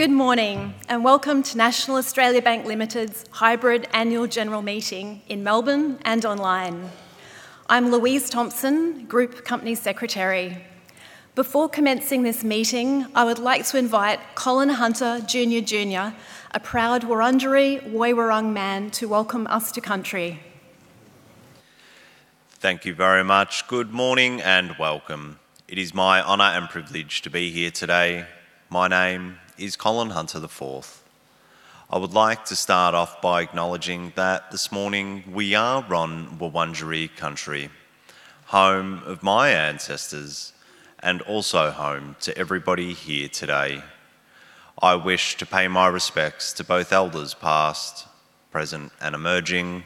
Good morning and welcome to National Australia Bank Limited's Hybrid Annual General Meeting in Melbourne and online. I'm Louise Thomson, Group Company Secretary. Before commencing this meeting, I would like to invite Colin Hunter Jr Jr, a proud Wurundjeri Woi Wurrung man, to welcome us to country. Thank you very much. Good morning and welcome. It is my honor and privilege to be here today. My name is Colin Hunter IV. I would like to start off by acknowledging that this morning we are on Wurundjeri country, home of my ancestors and also home to everybody here today. I wish to pay my respects to both elders past, present, and emerging,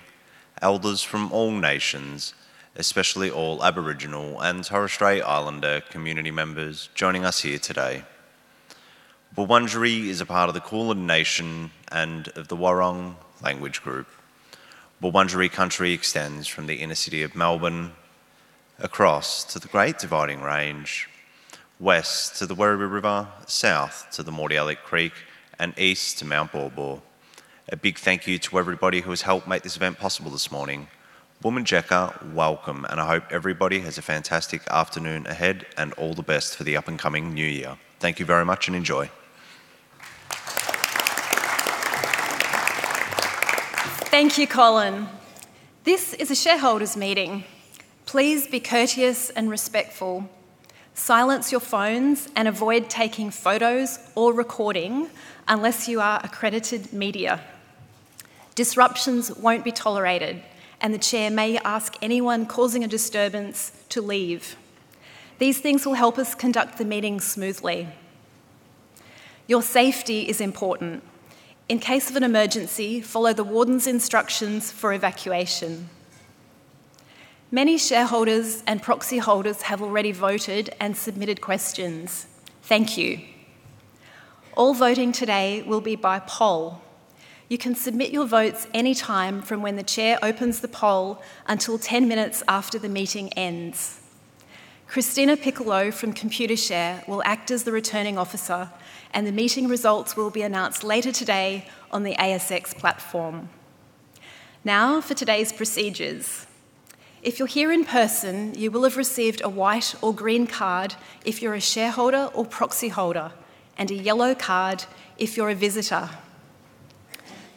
elders from all nations, especially all Aboriginal and Torres Strait Islander community members joining us here today. Wurundjeri is a part of the Kulin Nation and of the Woi Wurrung language group. Wurundjeri country extends from the inner city of Melbourne across to the Great Dividing Range, west to the Werribee River, south to the Merri Creek, and east to Mount Baw Baw. A big thank you to everybody who has helped make this event possible this morning. Wominjeka, welcome, and I hope everybody has a fantastic afternoon ahead and all the best for the up-and-coming new year. Thank you very much and enjoy. Thank you, Colin. This is a shareholders' meeting. Please be courteous and respectful. Silence your phones and avoid taking photos or recording unless you are accredited media. Disruptions won't be tolerated, and the chair may ask anyone causing a disturbance to leave. These things will help us conduct the meeting smoothly. Your safety is important. In case of an emergency, follow the warden's instructions for evacuation. Many shareholders and proxy holders have already voted and submitted questions. Thank you. All voting today will be by poll. You can submit your votes anytime from when the chair opens the poll until 10 minutes after the meeting ends. Christina Piccolo from Computershare will act as the returning officer, and the meeting results will be announced later today on the ASX platform. Now for today's procedures. If you're here in person, you will have received a white or green card if you're a shareholder or proxy holder and a yellow card if you're a visitor.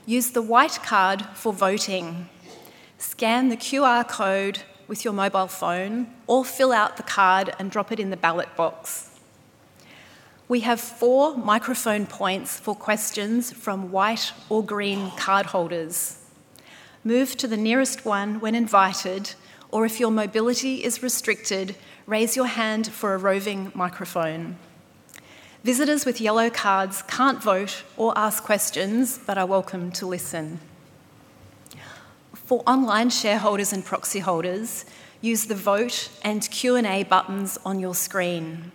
Use the white card for voting. Scan the QR code with your mobile phone or fill out the card and drop it in the ballot box. We have four microphone points for questions from white or green card holders. Move to the nearest one when invited, or if your mobility is restricted, raise your hand for a roving microphone. Visitors with yellow cards can't vote or ask questions, but are welcome to listen. For online shareholders and proxy holders, use the vote and Q&A buttons on your screen.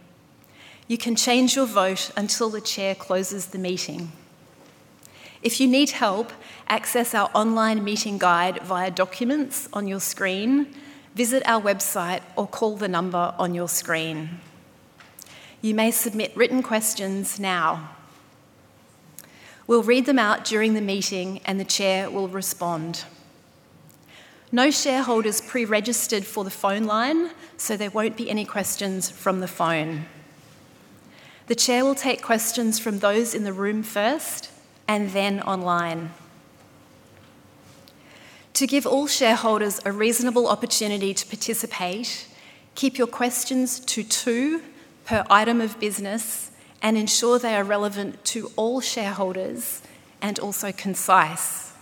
You can change your vote until the chair closes the meeting. If you need help, access our online meeting guide via documents on your screen, visit our website, or call the number on your screen. You may submit written questions now. We'll read them out during the meeting, and the chair will respond. No shareholders pre-registered for the phone line, so there won't be any questions from the phone. The chair will take questions from those in the room first and then online. To give all shareholders a reasonable opportunity to participate, keep your questions to two per item of business and ensure they are relevant to all shareholders and also concise.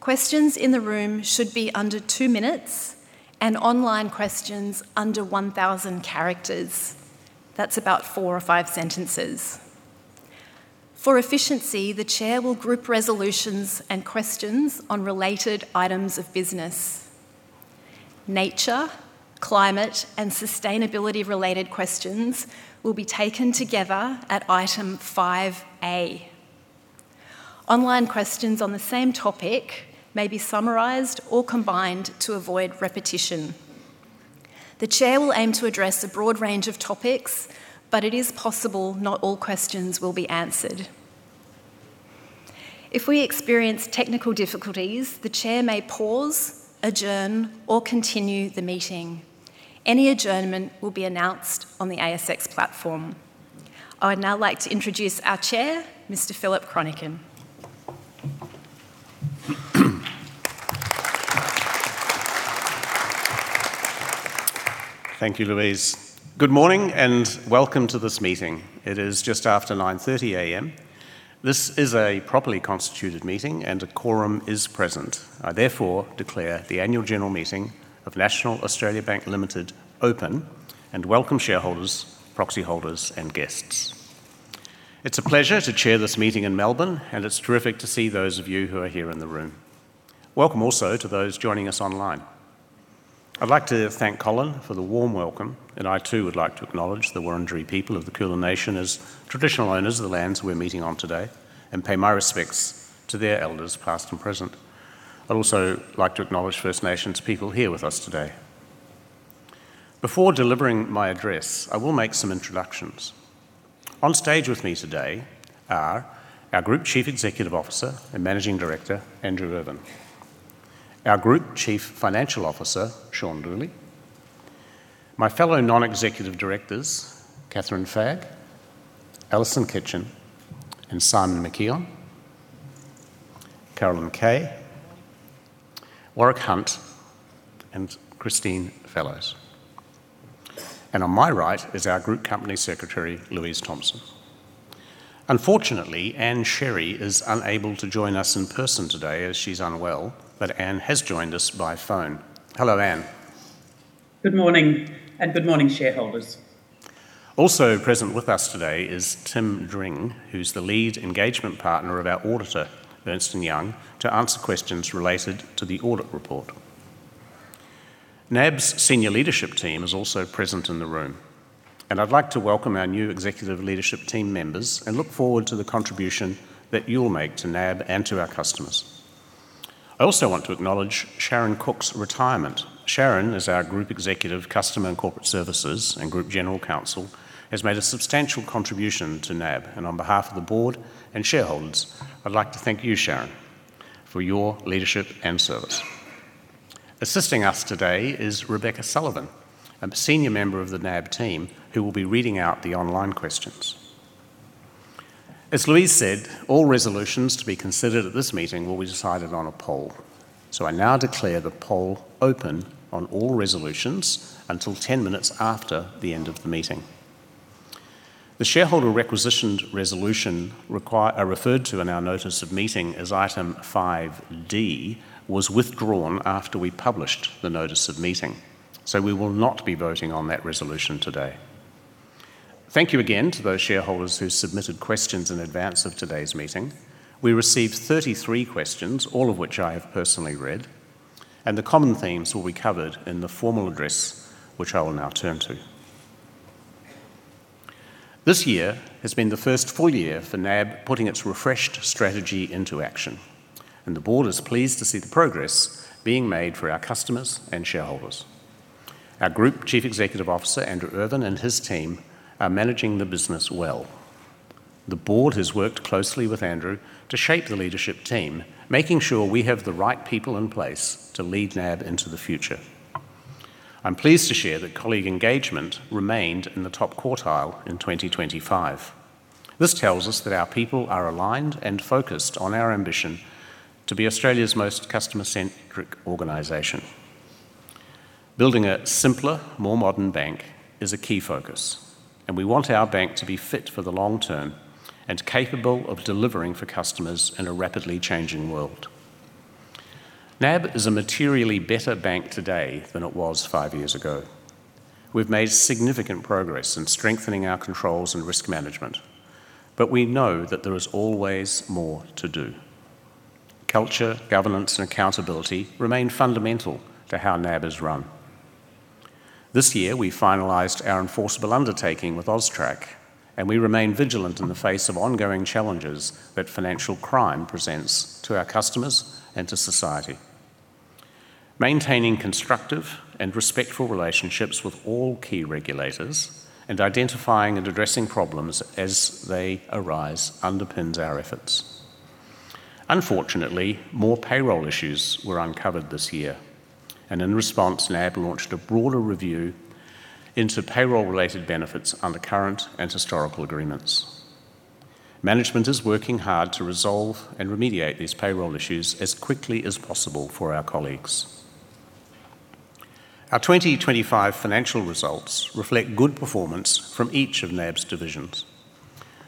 Questions in the room should be under two minutes and online questions under 1,000 characters. That's about four or five sentences. For efficiency, the chair will group resolutions and questions on related Items of business. Nature, climate, and sustainability-related questions will be taken together at Item 5A. Online questions on the same topic may be summarised or combined to avoid repetition. The chair will aim to address a broad range of topics, but it is possible not all questions will be answered. If we experience technical difficulties, the chair may pause, adjourn, or continue the meeting. Any adjournment will be announced on the ASX platform. I would now like to introduce our chair, Mr. Philip Chronican. Thank you, Louise. Good morning and welcome to this meeting. It is just after 9:30AM. This is a properly constituted meeting and a quorum is present. I therefore declare the Annual General Meeting of National Australia Bank Limited open and welcome shareholders, proxy holders, and guests. It's a pleasure to chair this meeting in Melbourne, and it's terrific to see those of you who are here in the room. Welcome also to those joining us online. I'd like to thank Colin for the warm welcome, and I too would like to acknowledge the Wurundjeri people of the Kulin Nation as traditional owners of the lands we're meeting on today and pay my respects to their elders past and present. I'd also like to acknowledge First Nations people here with us today. Before delivering my address, I will make some introductions. On stage with me today are our Group Chief Executive Officer and Managing Director, Andrew Irvine. Our Group Chief Financial Officer, Shaun Dooley. My fellow non-executive directors, Kathryn Fagg, Alison Kitchen, and Simon McKeon, Carolyn Kay, Warwick Hunt, and Christine Fellowes. And on my right is our Group Company Secretary, Louise Thomson. Unfortunately, Ann Sherry is unable to join us in person today as she's unwell, but Anne has joined us by phone. Hello, Anne. Good morning, shareholders. Also present with us today is Tim Dring, who's the lead engagement partner of our auditor, Ernst & Young, to answer questions related to the audit report. NAB's senior leadership team is also present in the room, and I'd like to welcome our new executive leadership team members and look forward to the contribution that you'll make to NAB and to our customers. I also want to acknowledge Sharon Cook's retirement. Sharon is our Group Executive, Customer and Corporate Services, and Group General Counsel, has made a substantial contribution to NAB, and on behalf of the board and shareholders, I'd like to thank you, Sharon, for your leadership and service. Assisting us today is Rebecca Sullivan, a senior member of the NAB team who will be reading out the online questions. As Louise said, all resolutions to be considered at this meeting will be decided on a poll, so I now declare the poll open on all resolutions until 10 minutes after the end of the meeting. The shareholder requisitioned resolution referred to in our notice of meeting as Item 5D was withdrawn after we published the notice of meeting, so we will not be voting on that resolution today. Thank you again to those shareholders who submitted questions in advance of today's meeting. We received 33 questions, all of which I have personally read, and the common themes will be covered in the formal address, which I will now turn to. This year has been the first full year for NAB putting its refreshed strategy into action, and the board is pleased to see the progress being made for our customers and shareholders. Our Group Chief Executive Officer, Andrew Irvine, and his team are managing the business well. The board has worked closely with Andrew to shape the leadership team, making sure we have the right people in place to lead NAB into the future. I'm pleased to share that colleague engagement remained in the top quartile in 2025. This tells us that our people are aligned and focused on our ambition to be Australia's most customer-centric organization. Building a simpler, more modern bank is a key focus, and we want our bank to be fit for the long term and capable of delivering for customers in a rapidly changing world. NAB is a materially better bank today than it was five years ago. We've made significant progress in strengthening our controls and risk management, but we know that there is always more to do. Culture, governance, and accountability remain fundamental to how NAB is run. This year, we finalised our enforceable undertaking with AUSTRAC, and we remain vigilant in the face of ongoing challenges that financial crime presents to our customers and to society. Maintaining constructive and respectful relationships with all key regulators and identifying and addressing problems as they arise underpins our efforts. Unfortunately, more payroll issues were uncovered this year, and in response, NAB launched a broader review into payroll-related benefits under current and historical agreements. Management is working hard to resolve and remediate these payroll issues as quickly as possible for our colleagues. Our 2025 financial results reflect good performance from each of NAB's divisions.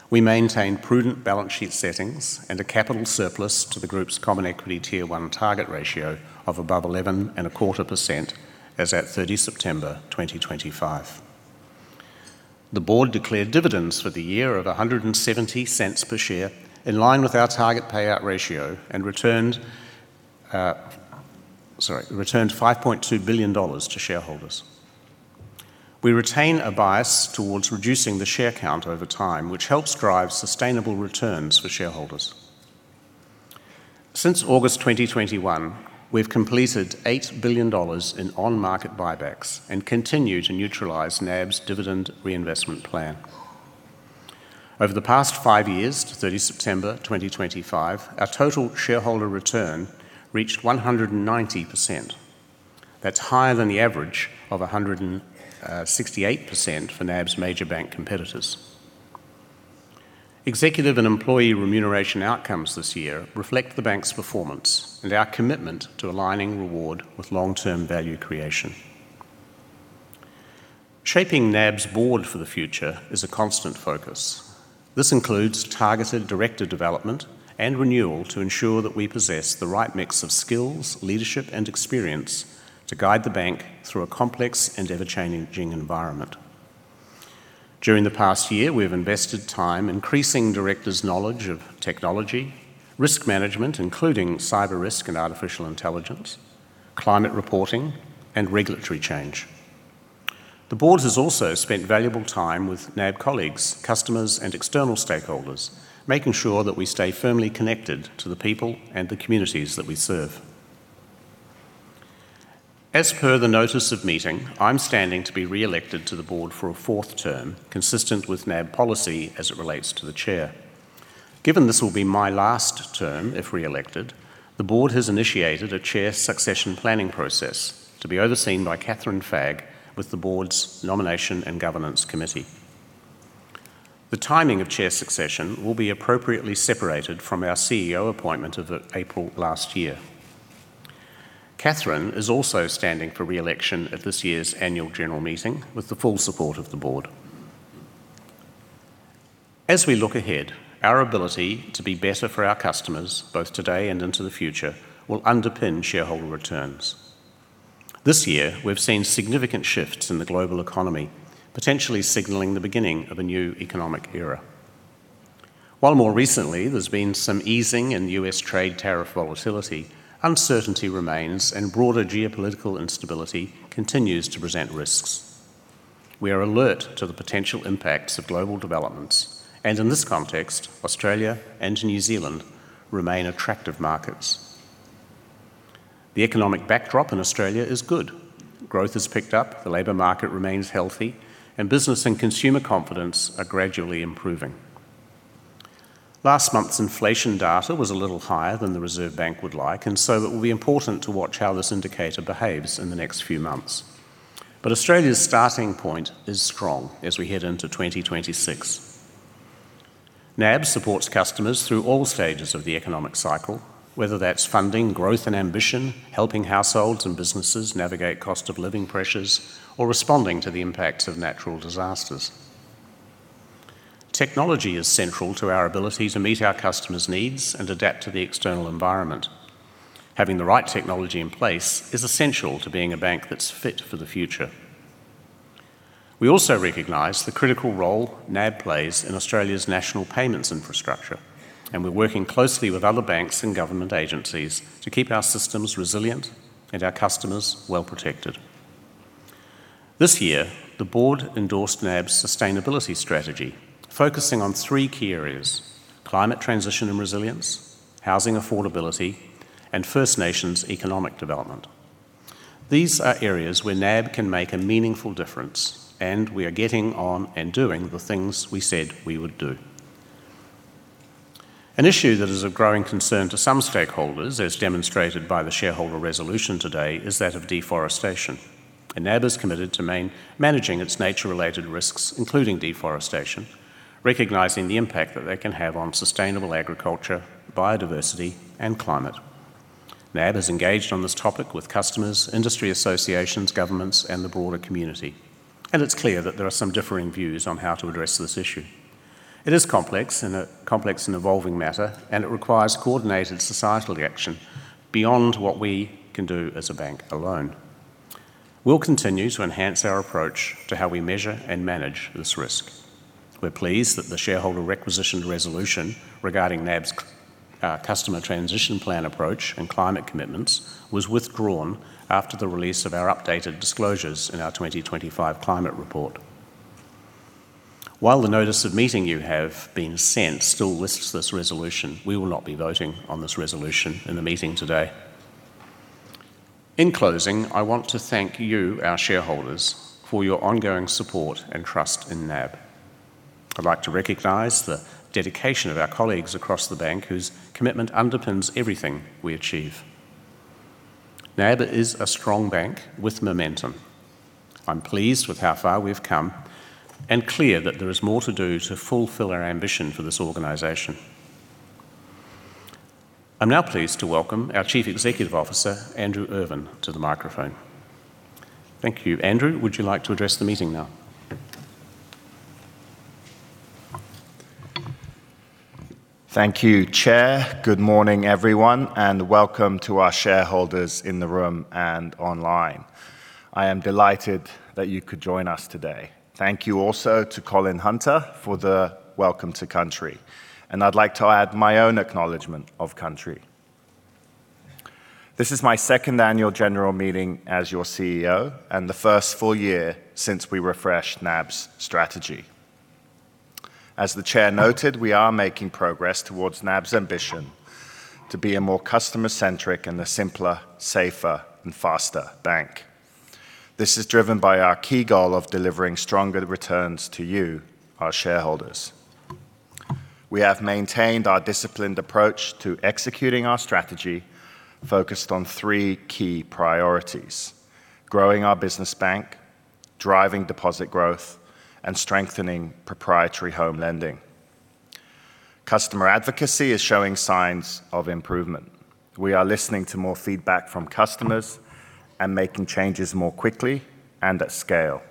We maintained prudent balance sheet settings and a capital surplus to the group's Common Equity Tier 1 target ratio of above 11.25% as at 30 September 2025. The board declared dividends for the year of 1.70 per share in line with our target payout ratio and returned $5.2 billion to shareholders. We retain a bias towards reducing the share count over time, which helps drive sustainable returns for shareholders. Since August 2021, we've completed $8 billion in on-market buybacks and continue to neutralise NAB's Dividend Reinvestment Plan. Over the past five years to 30 September 2025, our total shareholder return reached 190%. That's higher than the average of 168% for NAB's major bank competitors. Executive and employee remuneration outcomes this year reflect the bank's performance and our commitment to aligning reward with long-term value creation. Shaping NAB's board for the future is a constant focus. This includes targeted director development and renewal to ensure that we possess the right mix of skills, leadership, and experience to guide the bank through a complex and ever-changing environment. During the past year, we have invested time increasing directors' knowledge of technology, risk management, including cyber risk and artificial intelligence, climate reporting, and regulatory change. The board has also spent valuable time with NAB colleagues, customers, and external stakeholders, making sure that we stay firmly connected to the people and the communities that we serve. As per the notice of meeting, I'm standing to be re-elected to the board for a fourth term, consistent with NAB policy as it relates to the chair. Given this will be my last term if re-elected, the board has initiated a chair succession planning process to be overseen by Kathryn Fagg with the board's nomination and governance committee. The timing of chair succession will be appropriately separated from our CEO appointment of April last year. Kathryn is also standing for re-election at this year's Annual General Meeting with the full support of the board. As we look ahead, our ability to be better for our customers, both today and into the future, will underpin shareholder returns. This year, we've seen significant shifts in the global economy, potentially signaling the beginning of a new economic era. While more recently there's been some easing in US trade tariff volatility, uncertainty remains and broader geopolitical instability continues to present risks. We are alert to the potential impacts of global developments, and in this context, Australia and New Zealand remain attractive markets. The economic backdrop in Australia is good. Growth has picked up, the labor market remains healthy, and business and consumer confidence are gradually improving. Last month's inflation data was a little higher than the Reserve Bank would like, and so it will be important to watch how this indicator behaves in the next few months. But Australia's starting point is strong as we head into 2026. NAB supports customers through all stages of the economic cycle, whether that's funding, growth, and ambition, helping households and businesses navigate cost of living pressures, or responding to the impacts of natural disasters. Technology is central to our ability to meet our customers' needs and adapt to the external environment. Having the right technology in place is essential to being a bank that's fit for the future. We also recognize the critical role NAB plays in Australia's national payments infrastructure, and we're working closely with other banks and government agencies to keep our systems resilient and our customers well protected. This year, the board endorsed NAB's sustainability strategy, focusing on three key areas: climate transition and resilience, housing affordability, and First Nations economic development. These are areas where NAB can make a meaningful difference, and we are getting on and doing the things we said we would do. An issue that is a growing concern to some stakeholders, as demonstrated by the shareholder resolution today, is that of deforestation, and NAB is committed to managing its nature-related risks, including deforestation, recognizing the impact that they can have on sustainable agriculture, biodiversity, and climate. NAB has engaged on this topic with customers, industry associations, governments, and the broader community, and it's clear that there are some differing views on how to address this issue. It is complex and evolving matter, and it requires coordinated societal action beyond what we can do as a bank alone. We'll continue to enhance our approach to how we measure and manage this risk. We're pleased that the shareholder requisition resolution regarding NAB's customer transition plan approach and climate commitments was withdrawn after the release of our updated disclosures in our 2025 climate report. While the notice of meeting you have been sent still lists this resolution, we will not be voting on this resolution in the meeting today. In closing, I want to thank you, our shareholders, for your ongoing support and trust in NAB. I'd like to recognize the dedication of our colleagues across the bank, whose commitment underpins everything we achieve. NAB is a strong bank with momentum. I'm pleased with how far we've come and clear that there is more to do to fulfill our ambition for this organisation. I'm now pleased to welcome our Chief Executive Officer, Andrew Irvine, to the microphone. Thank you, Andrew. Would you like to address the meeting now? Thank you, Chair. Good morning, everyone, and welcome to our shareholders in the room and online. I am delighted that you could join us today. Thank you also to Colin Hunter for the welcome to country, and I'd like to add my own acknowledgement of country. This is my second Annual General Meeting as your CEO and the first full year since we refreshed NAB's strategy. As the Chair noted, we are making progress towards NAB's ambition to be a more customer-centric and a simpler, safer, and faster bank. This is driven by our key goal of delivering stronger returns to you, our shareholders. We have maintained our disciplined approach to executing our strategy, focused on three key priorities: growing our business bank, driving deposit growth, and strengthening proprietary home lending. Customer advocacy is showing signs of improvement. We are listening to more feedback from customers and making changes more quickly and at scale.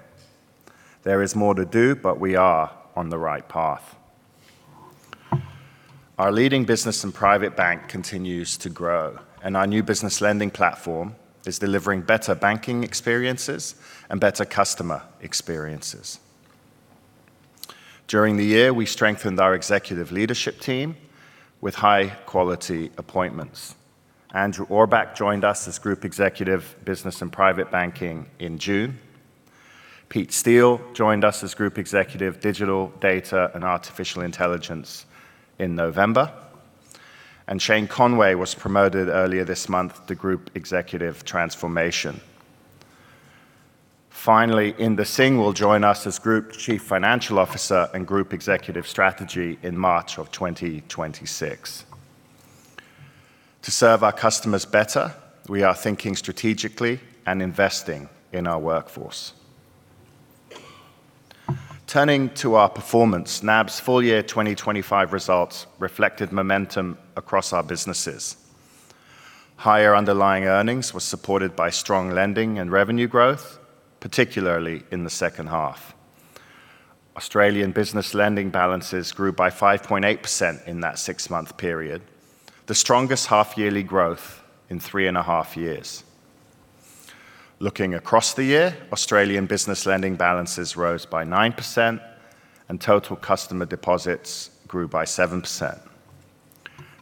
There is more to do, but we are on the right path. Our leading business and private bank continues to grow, and our new business lending platform is delivering better banking experiences and better customer experiences. During the year, we strengthened our executive leadership team with high-quality appointments. Andrew Auerbach joined us as Group Executive, Business and Private Banking in June. Pete Steel joined us as Group Executive, Digital, Data and Analytics in November, and Shane Conway was promoted earlier this month to Group Executive Transformation. Finally, Inder Singh will join us as Group Chief Financial Officer and Group Executive Strategy in March of 2026. To serve our customers better, we are thinking strategically and investing in our workforce. Turning to our performance, NAB's full year 2025 results reflected momentum across our businesses. Higher underlying earnings were supported by strong lending and revenue growth, particularly in the second half. Australian business lending balances grew by 5.8% in that six-month period, the strongest half-yearly growth in three and a half years. Looking across the year, Australian business lending balances rose by 9%, and total customer deposits grew by 7%.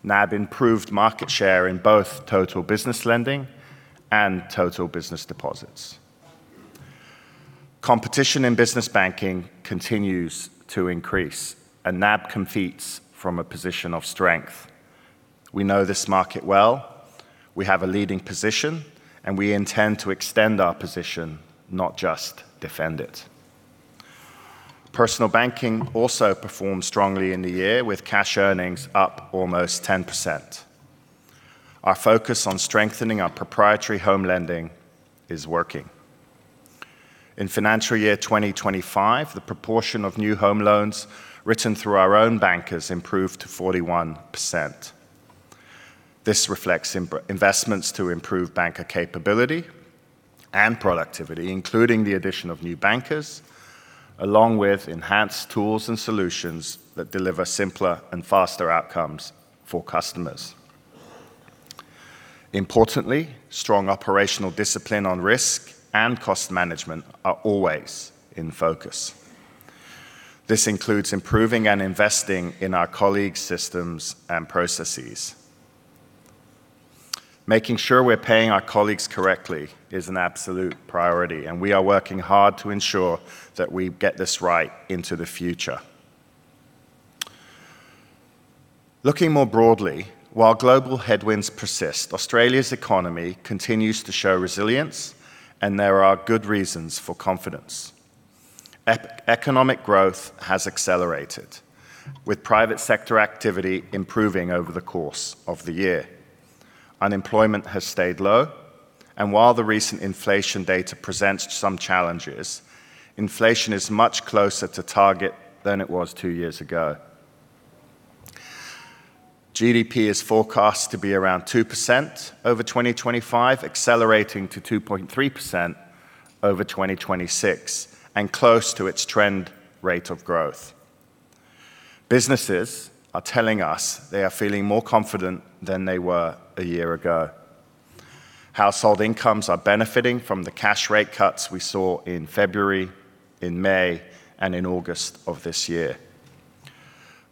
NAB improved market share in both total business lending and total business deposits. Competition in business banking continues to increase, and NAB competes from a position of strength. We know this market well. We have a leading position, and we intend to extend our position, not just defend it. Personal banking also performed strongly in the year, with cash earnings up almost 10%. Our focus on strengthening our proprietary home lending is working. In financial year 2025, the proportion of new home loans written through our own bankers improved to 41%. This reflects investments to improve banker capability and productivity, including the addition of new bankers, along with enhanced tools and solutions that deliver simpler and faster outcomes for customers. Importantly, strong operational discipline on risk and cost management are always in focus. This includes improving and investing in our colleagues' systems and processes. Making sure we're paying our colleagues correctly is an absolute priority, and we are working hard to ensure that we get this right into the future. Looking more broadly, while global headwinds persist, Australia's economy continues to show resilience, and there are good reasons for confidence. Economic growth has accelerated, with private sector activity improving over the course of the year. Unemployment has stayed low, and while the recent inflation data presents some challenges, inflation is much closer to target than it was two years ago. GDP is forecast to be around 2% over 2025, accelerating to 2.3% over 2026 and close to its trend rate of growth. Businesses are telling us they are feeling more confident than they were a year ago. Household incomes are benefiting from the cash rate cuts we saw in February, in May, and in August of this year.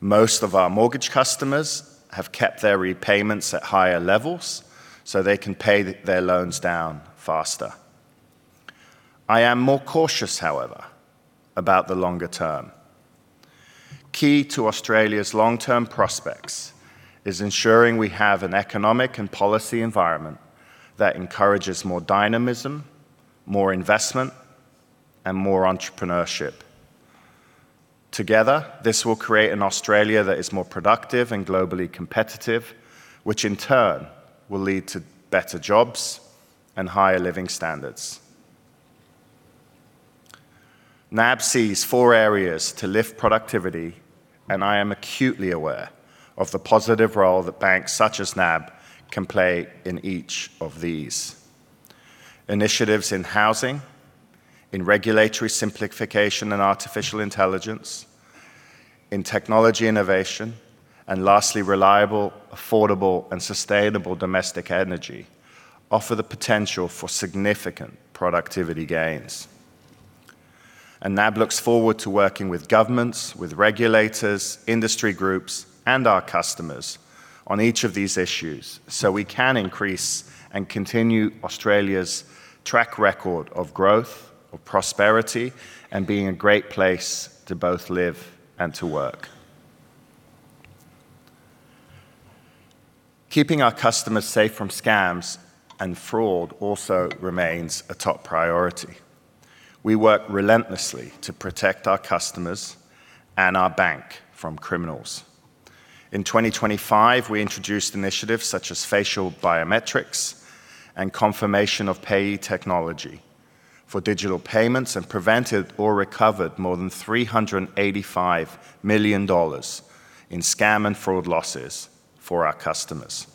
Most of our mortgage customers have kept their repayments at higher levels so they can pay their loans down faster. I am more cautious, however, about the longer term. Key to Australia's long-term prospects is ensuring we have an economic and policy environment that encourages more dynamism, more investment, and more entrepreneurship. Together, this will create an Australia that is more productive and globally competitive, which in turn will lead to better jobs and higher living standards. NAB sees four areas to lift productivity, and I am acutely aware of the positive role that banks such as NAB can play in each of these initiatives in housing, in regulatory simplification and artificial intelligence, in technology innovation, and lastly, reliable, affordable, and sustainable domestic energy offer the potential for significant productivity gains, and NAB looks forward to working with governments, with regulators, industry groups, and our customers on each of these issues so we can increase and continue Australia's track record of growth, of prosperity, and being a great place to both live and to work. Keeping our customers safe from scams and fraud also remains a top priority. We work relentlessly to protect our customers and our bank from criminals. In 2025, we introduced initiatives such as facial biometrics and Confirmation of Payee technology for digital payments and prevented or recovered more than 385 million dollars in scam and fraud losses for our customers.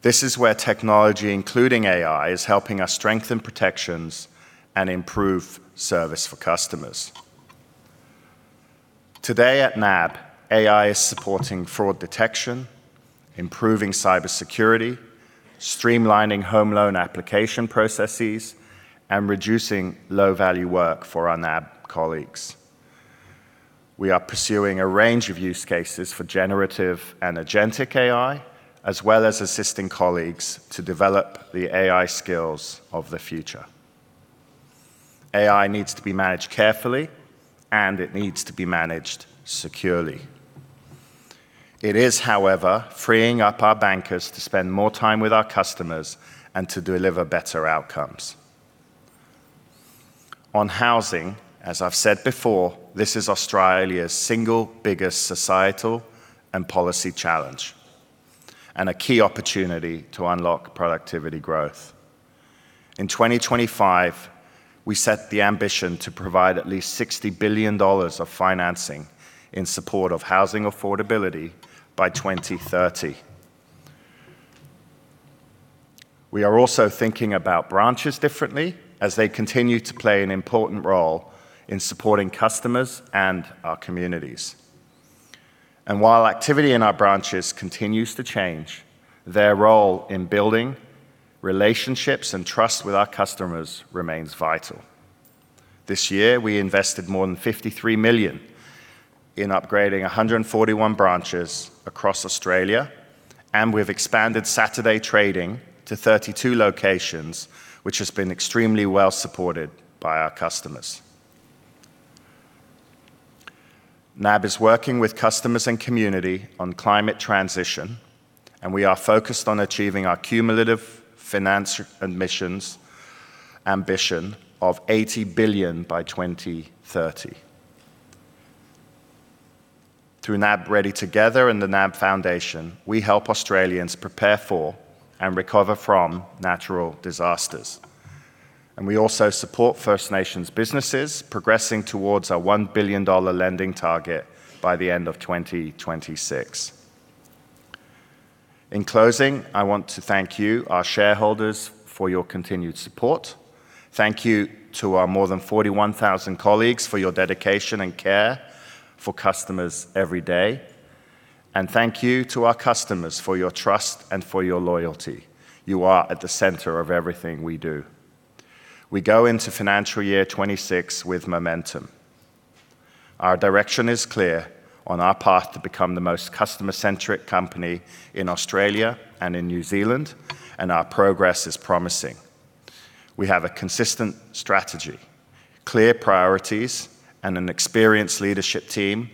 This is where technology, including AI, is helping us strengthen protections and improve service for customers. Today at NAB, AI is supporting fraud detection, improving cybersecurity, streamlining home loan application processes, and reducing low-value work for our NAB colleagues. We are pursuing a range of use cases for generative and agentic AI, as well as assisting colleagues to develop the AI skills of the future. AI needs to be managed carefully, and it needs to be managed securely. It is, however, freeing up our bankers to spend more time with our customers and to deliver better outcomes. On housing, as I've said before, this is Australia's single biggest societal and policy challenge and a key opportunity to unlock productivity growth. In 2025, we set the ambition to provide at least 60 billion dollars of financing in support of housing affordability by 2030. We are also thinking about branches differently as they continue to play an important role in supporting customers and our communities. And while activity in our branches continues to change, their role in building relationships and trust with our customers remains vital. This year, we invested more than 53 million in upgrading 141 branches across Australia, and we've expanded Saturday trading to 32 locations, which has been extremely well supported by our customers. NAB is working with customers and community on climate transition, and we are focused on achieving our cumulative finance ambition of 80 billion by 2030. Through NAB Ready Together and the NAB Foundation, we help Australians prepare for and recover from natural disasters, and we also support First Nations businesses progressing towards our 1 billion dollar lending target by the end of 2026. In closing, I want to thank you, our shareholders, for your continued support. Thank you to our more than 41,000 colleagues for your dedication and care for customers every day. And thank you to our customers for your trust and for your loyalty. You are at the center of everything we do. We go into financial year 26 with momentum. Our direction is clear on our path to become the most customer-centric company in Australia and in New Zealand, and our progress is promising. We have a consistent strategy, clear priorities, and an experienced leadership team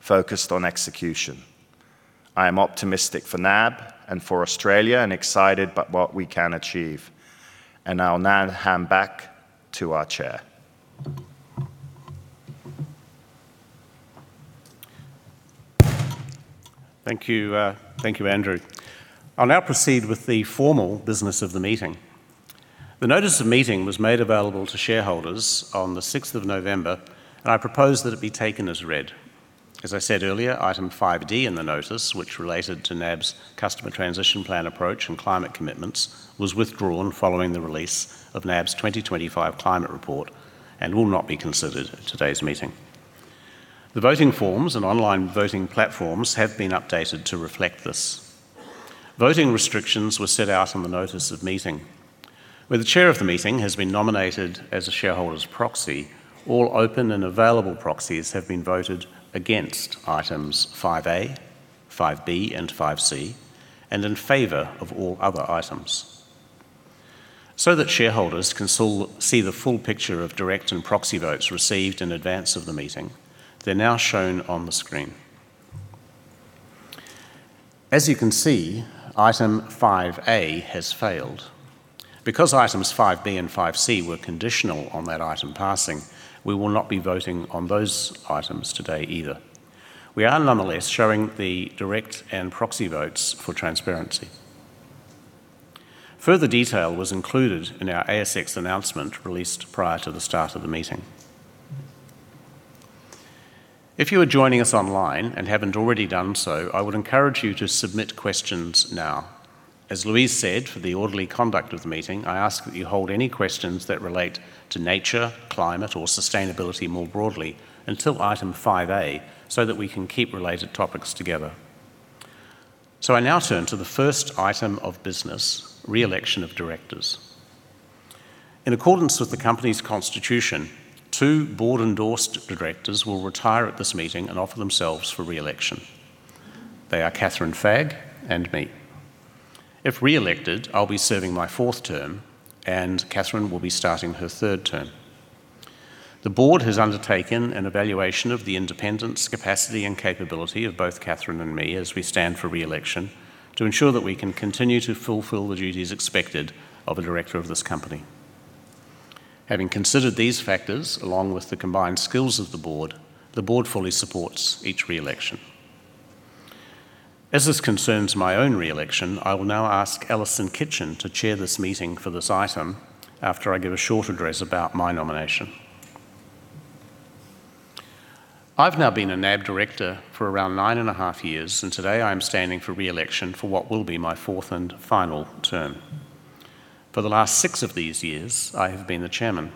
focused on execution. I am optimistic for NAB and for Australia and excited about what we can achieve, and I'll now hand back to our Chair. Thank you, Andrew. I'll now proceed with the formal business of the meeting. The notice of meeting was made available to shareholders on the 6th of November, and I propose that it be taken as read. As I said earlier, Item 5D in the notice, which related to NAB's customer transition plan approach and climate commitments, was withdrawn following the release of NAB's 2025 climate report and will not be considered at today's meeting. The voting forms and online voting platforms have been updated to reflect this. Voting restrictions were set out on the notice of meeting. Where the Chair of the meeting has been nominated as a shareholder's proxy, all open and available proxies have been voted against Items 5A, 5B, and 5C, and in favor of all other items. So that shareholders can see the full picture of direct and proxy votes received in advance of the meeting, they're now shown on the screen. As you can see, item 5A has failed. Because Items 5B and 5C were conditional on that item passing, we will not be voting on those items today either. We are nonetheless showing the direct and proxy votes for transparency. Further detail was included in our ASX announcement released prior to the start of the meeting. If you are joining us online and haven't already done so, I would encourage you to submit questions now. As Louise said, for the orderly conduct of the meeting, I ask that you hold any questions that relate to nature, climate, or sustainability more broadly until Item 5A so that we can keep related topics together. So I now turn to the first item of business, re-election of directors. In accordance with the company's constitution, two board-endorsed directors will retire at this meeting and offer themselves for re-election. They are Kathryn Fagg and me. If re-elected, I'll be serving my fourth term, and Kathryn will be starting her third term. The board has undertaken an evaluation of the independence, capacity, and capability of both Kathryn and me as we stand for re-election to ensure that we can continue to fulfill the duties expected of a director of this company. Having considered these factors, along with the combined skills of the board, the board fully supports each re-election. As this concerns my own re-election, I will now ask Alison Kitchen to chair this meeting for this item after I give a short address about my nomination. I've now been a NAB director for around nine and a half years, and today I am standing for re-election for what will be my fourth and final term. For the last six of these years, I have been the chairman.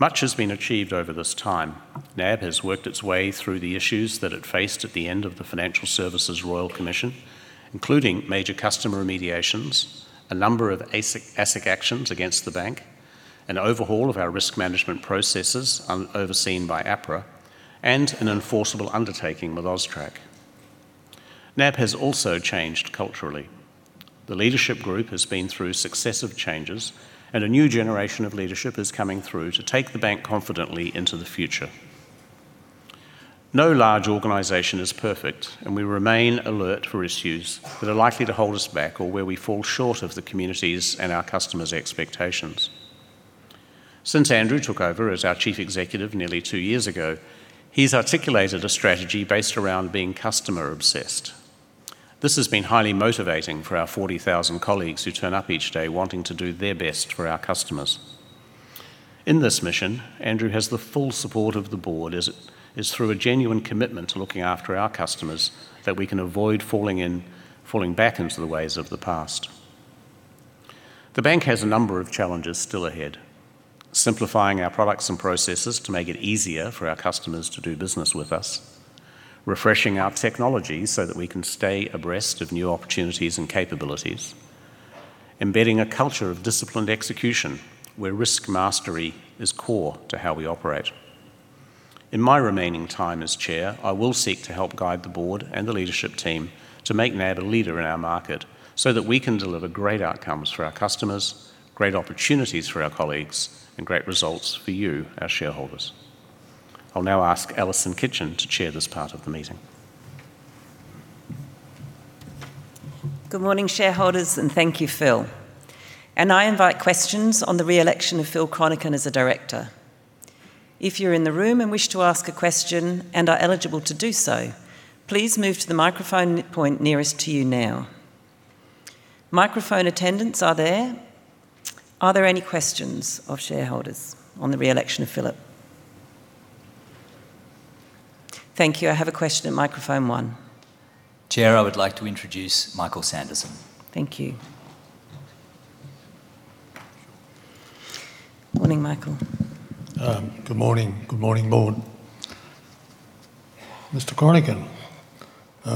Much has been achieved over this time. NAB has worked its way through the issues that it faced at the end of the Financial Services Royal Commission, including major customer remediations, a number of ASIC actions against the bank, an overhaul of our risk management processes overseen by APRA, and an enforceable undertaking with AUSTRAC. NAB has also changed culturally. The leadership group has been through successive changes, and a new generation of leadership is coming through to take the bank confidently into the future. No large organization is perfect, and we remain alert for issues that are likely to hold us back or where we fall short of the community's and our customers' expectations. Since Andrew took over as our Chief Executive nearly two years ago, he's articulated a strategy based around being customer-obsessed. This has been highly motivating for our 40,000 colleagues who turn up each day wanting to do their best for our customers. In this mission, Andrew has the full support of the board as it is through a genuine commitment to looking after our customers that we can avoid falling back into the ways of the past. The bank has a number of challenges still ahead: simplifying our products and processes to make it easier for our customers to do business with us, refreshing our technology so that we can stay abreast of new opportunities and capabilities, embedding a culture of disciplined execution where risk mastery is core to how we operate. In my remaining time as Chair, I will seek to help guide the board and the leadership team to make NAB a leader in our market so that we can deliver great outcomes for our customers, great opportunities for our colleagues, and great results for you, our shareholders. I'll now ask Alison Kitchen to chair this part of the meeting. Good morning, shareholders, and thank you, Phil, and I invite questions on the re-election of Philip Chronican as a director. If you're in the room and wish to ask a question and are eligible to do so, please move to the microphone point nearest to you now. Microphone attendants are there. Are there any questions of shareholders on the re-election of Philip? Thank you. I have a question at microphone one. Chair, I would like to introduce Michael Sanderson. Thank you. Morning, Michael. Good morning. Good morning, board. Mr. Chronican,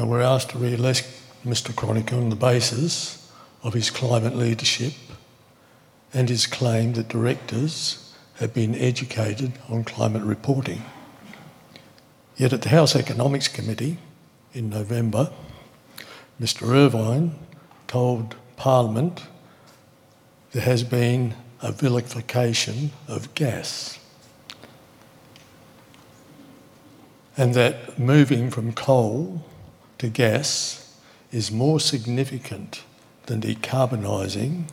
we're asked to re-elect Mr. Chronican on the basis of his climate leadership and his claim that directors have been educated on climate reporting. Yet at the House Economics Committee in November, Mr. Irvine told Parliament there has been a vilification of gas and that moving from coal to gas is more significant than decarbonizing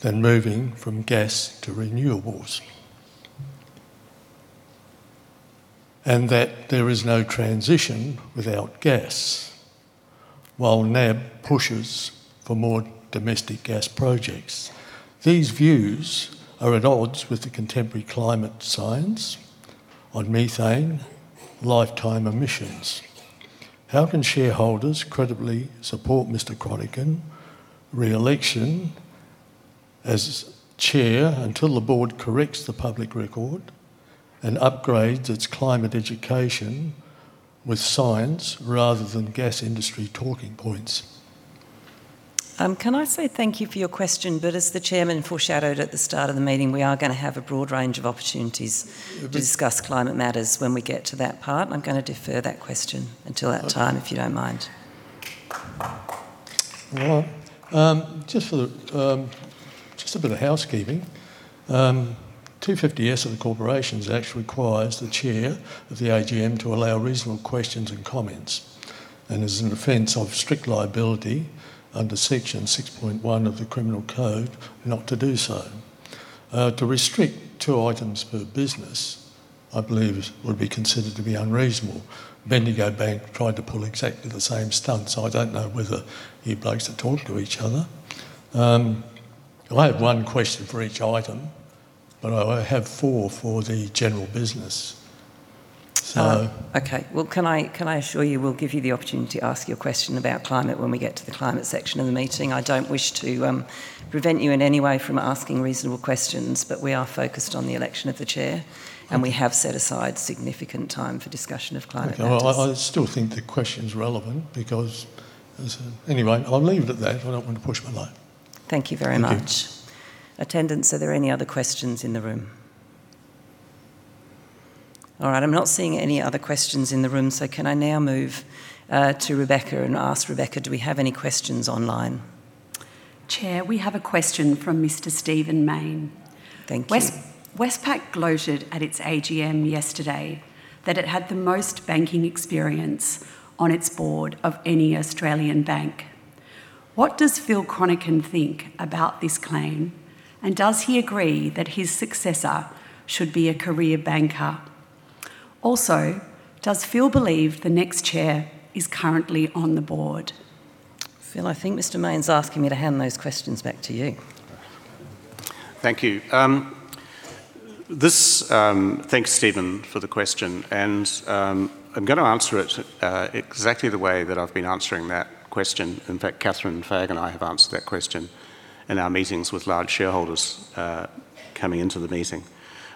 than moving from gas to renewables and that there is no transition without gas while NAB pushes for more domestic gas projects. These views are at odds with the contemporary climate science on methane lifetime emissions. How can shareholders credibly support Mr. Chronican's re-election as Chair until the board corrects the public record and upgrades its climate education with science rather than gas industry talking points? Can I say thank you for your question, but as the Chairman foreshadowed at the start of the meeting, we are going to have a broad range of opportunities to discuss climate matters when we get to that part. I'm going to defer that question until that time, if you don't mind? Just a bit of housekeeping. Section 250S of the Corporations Act requires the Chair of the AGM to allow reasonable questions and comments and is in defense of strict liability under Section 6.1 of the Criminal Code not to do so. To restrict two Items per business, I believe, would be considered to be unreasonable. Bendigo Bank tried to pull exactly the same stunts, so I don't know whether you both should talk to each other. I have one question for each Item, but I have four for the general business. Okay. Well, can I assure you we'll give you the opportunity to ask your question about climate when we get to the climate section of the meeting? I don't wish to prevent you in any way from asking reasonable questions, but we are focused on the election of the Chair, and we have set aside significant time for discussion of climate matters. I still think the question's relevant because anyway, I'll leave it at that. I don't want to push my luck. Thank you very much. Attendees, are there any other questions in the room? All right. I'm not seeing any other questions in the room, so can I now move to Rebecca and ask Rebecca, do we have any questions online? Chair, we have a question from Mr. Stephen Mayne. Thank you. Westpac gloated at its AGM yesterday that it had the most banking experience on its board of any Australian bank. What does Philip Chronican think about this claim, and does he agree that his successor should be a career banker? Also, does Phil believe the next Chair is currently on the board? Phil, I think Mr. Mayne's asking me to hand those questions back to you. Thank you. Thanks, Stephen, for the question, and I'm going to answer it exactly the way that I've been answering that question. In fact, Kathryn Fagg and I have answered that question in our meetings with large shareholders coming into the meeting.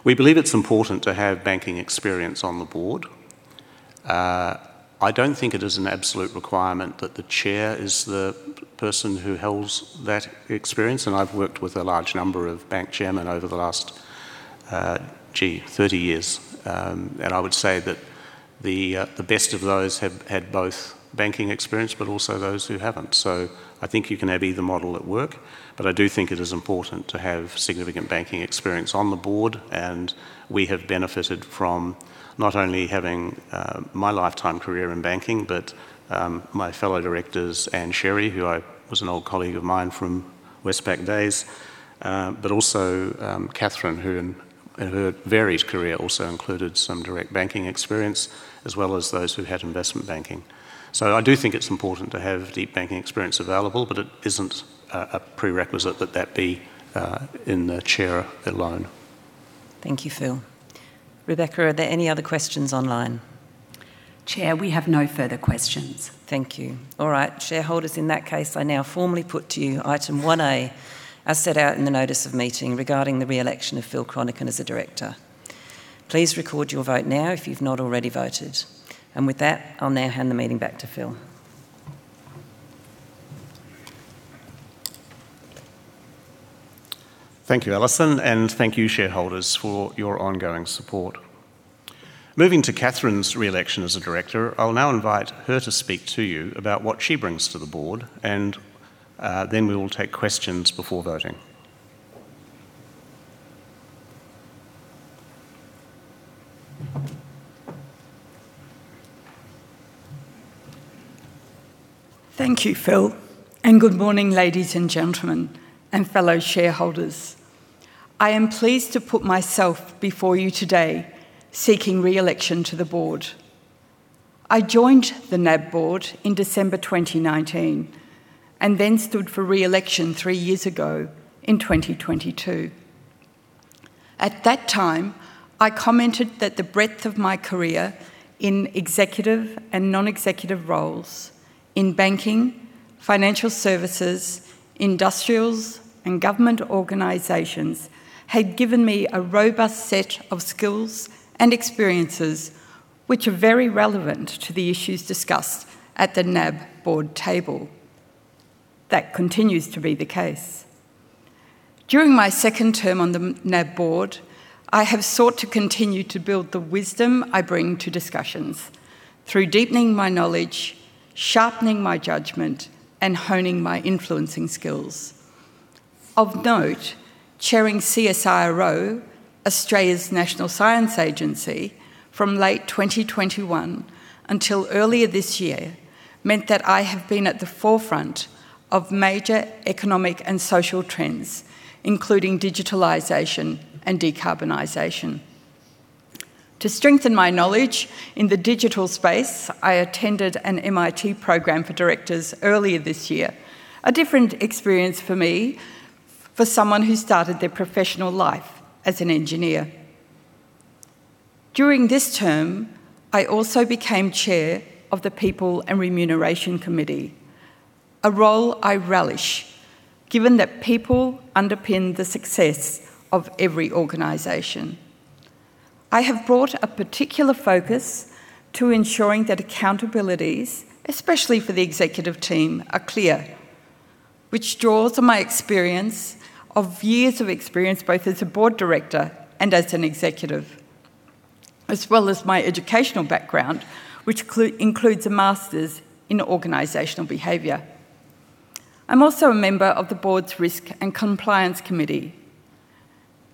We believe it's important to have banking experience on the board. I don't think it is an absolute requirement that the Chair is the person who holds that experience, and I've worked with a large number of bank chairmen over the last, gee, 30 years, and I would say that the best of those have had both banking experience but also those who haven't. So I think you can have either model at work, but I do think it is important to have significant banking experience on the board, and we have benefited from not only having my lifetime career in banking, but my fellow directors, Anne Sherry, who was an old colleague of mine from Westpac days, but also Kathryn, whose varied career also included some direct banking experience, as well as those who had investment banking. So I do think it's important to have deep banking experience available, but it isn't a prerequisite that that be in the Chair alone. Thank you, Phil. Rebecca, are there any other questions online? Chair, we have no further questions. Thank you. All right. Shareholders, in that case, I now formally put to you Item 1A as set out in the notice of meeting regarding the re-election of Philip Chronican as a director. Please record your vote now if you've not already voted. And with that, I'll now hand the meeting back to Phil. Thank you, Alison, and thank you, shareholders, for your ongoing support. Moving to Kathryn's re-election as a director, I'll now invite her to speak to you about what she brings to the board, and then we will take questions before voting. Thank you, Phil, and good morning, ladies and gentlemen, and fellow shareholders. I am pleased to put myself before you today seeking re-election to the board. I joined the NAB board in December 2019 and then stood for re-election three years ago in 2022. At that time, I commented that the breadth of my career in executive and non-executive roles in banking, financial services, industrials, and government organizations had given me a robust set of skills and experiences which are very relevant to the issues discussed at the NAB board table. That continues to be the case. During my second term on the NAB board, I have sought to continue to build the wisdom I bring to discussions through deepening my knowledge, sharpening my judgment, and honing my influencing skills. Of note, chairing CSIRO, Australia's national science agency, from late 2021 until earlier this year meant that I have been at the forefront of major economic and social trends, including digitalization and decarbonization. To strengthen my knowledge in the digital space, I attended an MIT program for directors earlier this year, a different experience for me for someone who started their professional life as an engineer. During this term, I also became Chair of the People and Remuneration Committee, a role I relish given that people underpin the success of every organization. I have brought a particular focus to ensuring that accountabilities, especially for the executive team, are clear, which draws on my years of experience both as a board director and as an executive, as well as my educational background, which includes a master's in organizational behavior. I'm also a member of the board's Risk and Compliance Committee.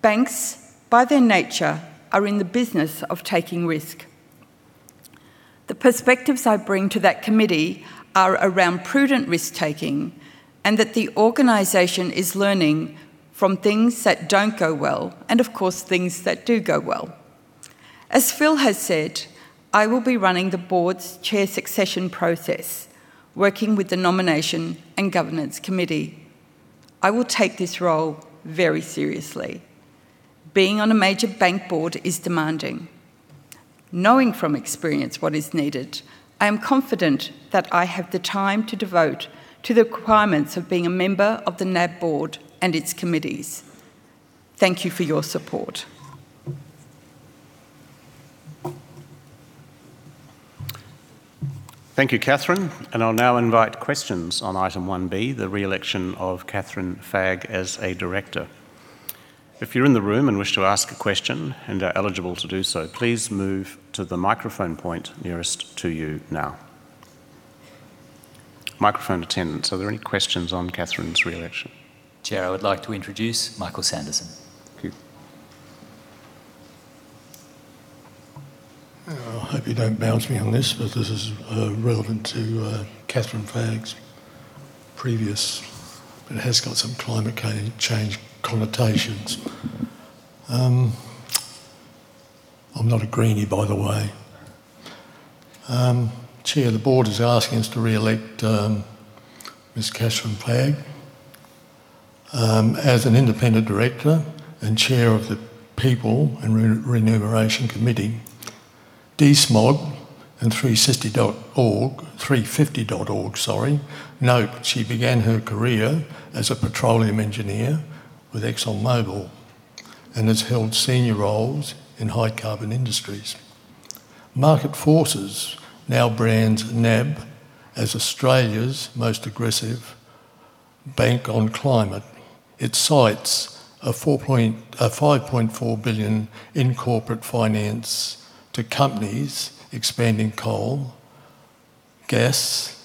Banks, by their nature, are in the business of taking risk. The perspectives I bring to that committee are around prudent risk-taking and that the organization is learning from things that don't go well and, of course, things that do go well. As Phil has said, I will be running the board's chair succession process, working with the nomination and governance committee. I will take this role very seriously. Being on a major bank board is demanding. Knowing from experience what is needed, I am confident that I have the time to devote to the requirements of being a member of the NAB board and its committees. Thank you for your support. Thank you, Kathryn, and I'll now invite questions on Item 1B, the re-election of Kathryn Fagg as a director. If you're in the room and wish to ask a question and are eligible to do so, please move to the microphone point nearest to you now. Microphone attendants, are there any questions on Kathryn's re-election? Chair, I would like to introduce Michael Sanderson. Thank you. I hope you don't bounce me on this, but this is relevant to Kathryn Fagg's previous, but it has got some climate change connotations. I'm not a greenie, by the way. Chair, the board is asking us to re-elect Ms. Kathryn Fagg as an independent director and chair of the People and Remuneration Committee. DeSmog and 350.org, sorry, note she began her career as a petroleum engineer with ExxonMobil and has held senior roles in high-carbon industries. Market forces now brands NAB as Australia's most aggressive bank on climate. It cites $5.4 billion in corporate finance to companies expanding coal, gas,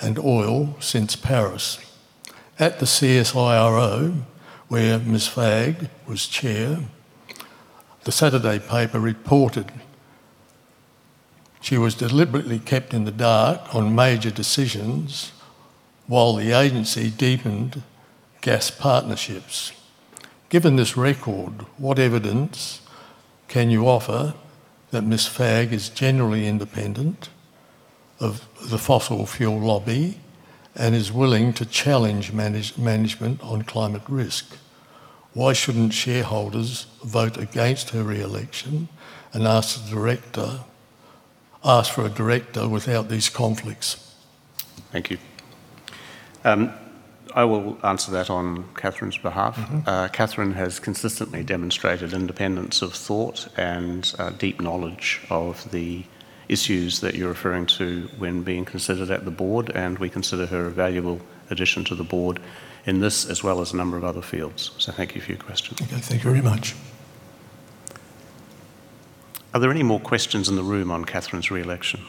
and oil since Paris. At the CSIRO, where Ms. Fagg was chair, The Saturday Paper reported she was deliberately kept in the dark on major decisions while the agency deepened gas partnerships. Given this record, what evidence can you offer that Ms. Fagg is generally independent of the fossil fuel lobby and is willing to challenge management on climate risk? Why shouldn't shareholders vote against her re-election and ask for a director without these conflicts? Thank you. I will answer that on Kathryn's behalf. Kathryn has consistently demonstrated independence of thought and deep knowledge of the issues that you're referring to when being considered at the board, and we consider her a valuable addition to the board in this, as well as a number of other fields. So thank you for your question. Thank you very much. Are there any more questions in the room on Kathryn's re-election?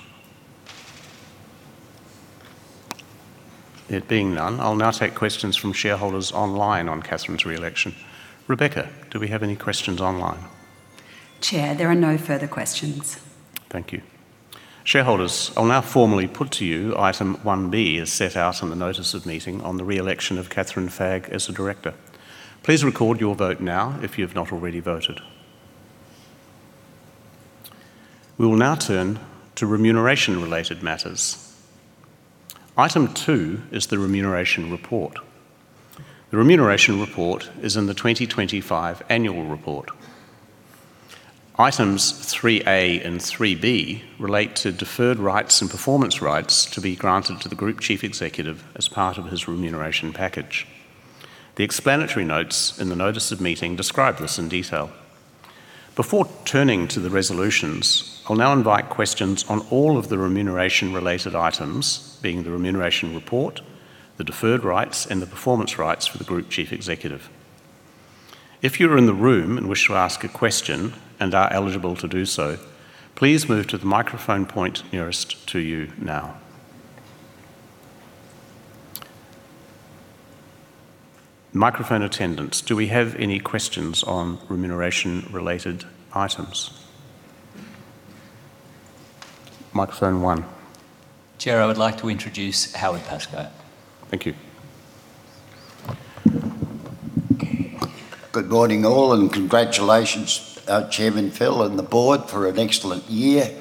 It being none, I'll now take questions from shareholders online on Kathryn's re-election. Rebecca, do we have any questions online? Chair, there are no further questions. Thank you. Shareholders, I'll now formally put to you Item 1B as set out in the notice of meeting on the re-election of Kathryn Fagg as a director. Please record your vote now if you have not already voted. We will now turn to remuneration-related matters. Item 2 is the remuneration report. The remuneration report is in the 2025 annual report. Items 3A and 3B relate to deferred rights and performance rights to be granted to the Group Chief Executive as part of his remuneration package. The explanatory notes in the notice of meeting describe this in detail. Before turning to the resolutions, I'll now invite questions on all of the remuneration-related items, being the remuneration report, the deferred rights, and the performance rights for the Group Chief Executive. If you are in the room and wish to ask a question and are eligible to do so, please move to the microphone point nearest to you now. Microphone attendants, do we have any questions on remuneration-related items? Microphone one. Chair, I would like to introduce Howard Pascoe. Thank you. Good morning all, and congratulations, Chairman Phil and the board, for an excellent year.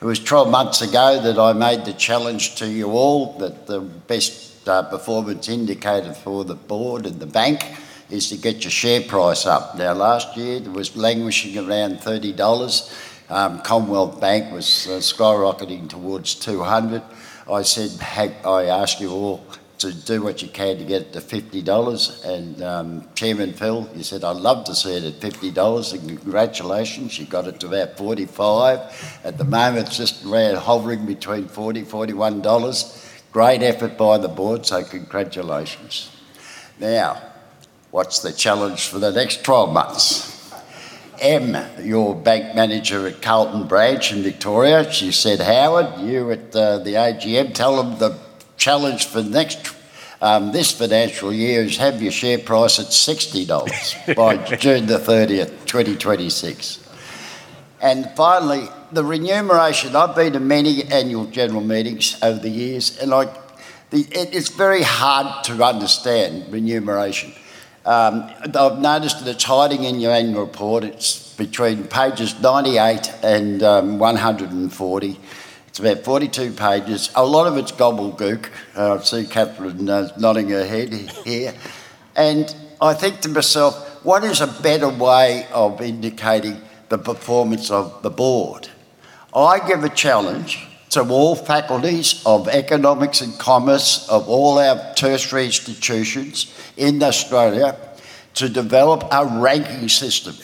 It was 12 months ago that I made the challenge to you all that the best performance indicator for the board and the bank is to get your share price up. Now, last year, it was languishing around 30 dollars. Commonwealth Bank was skyrocketing towards 200. I asked you all to do what you can to get it to 50 dollars, and Chairman Phil, he said, "I'd love to see it at 50 dollars," and congratulations, you got it to about 45. At the moment, it's just around hovering between 40 and 41 dollars. Great effort by the board, so congratulations. Now, what's the challenge for the next 12 months? You're a bank manager at Carlton Branch in Victoria. She said, "Howard, you at the AGM, tell them the challenge for this financial year is have your share price at 60 dollars by 30 June 2026." And finally, the remuneration. I've been to many Annual General Meetings over the years, and it's very hard to understand remuneration. I've noticed that it's hiding in your annual report. It's between pages 98 and 140. It's about 42 pages. A lot of it's gobbledygook. I see Kathryn nodding her head here. And I think to myself, what is a better way of indicating the performance of the board? I give a challenge to all faculties of economics and commerce of all our tertiary institutions in Australia to develop a ranking system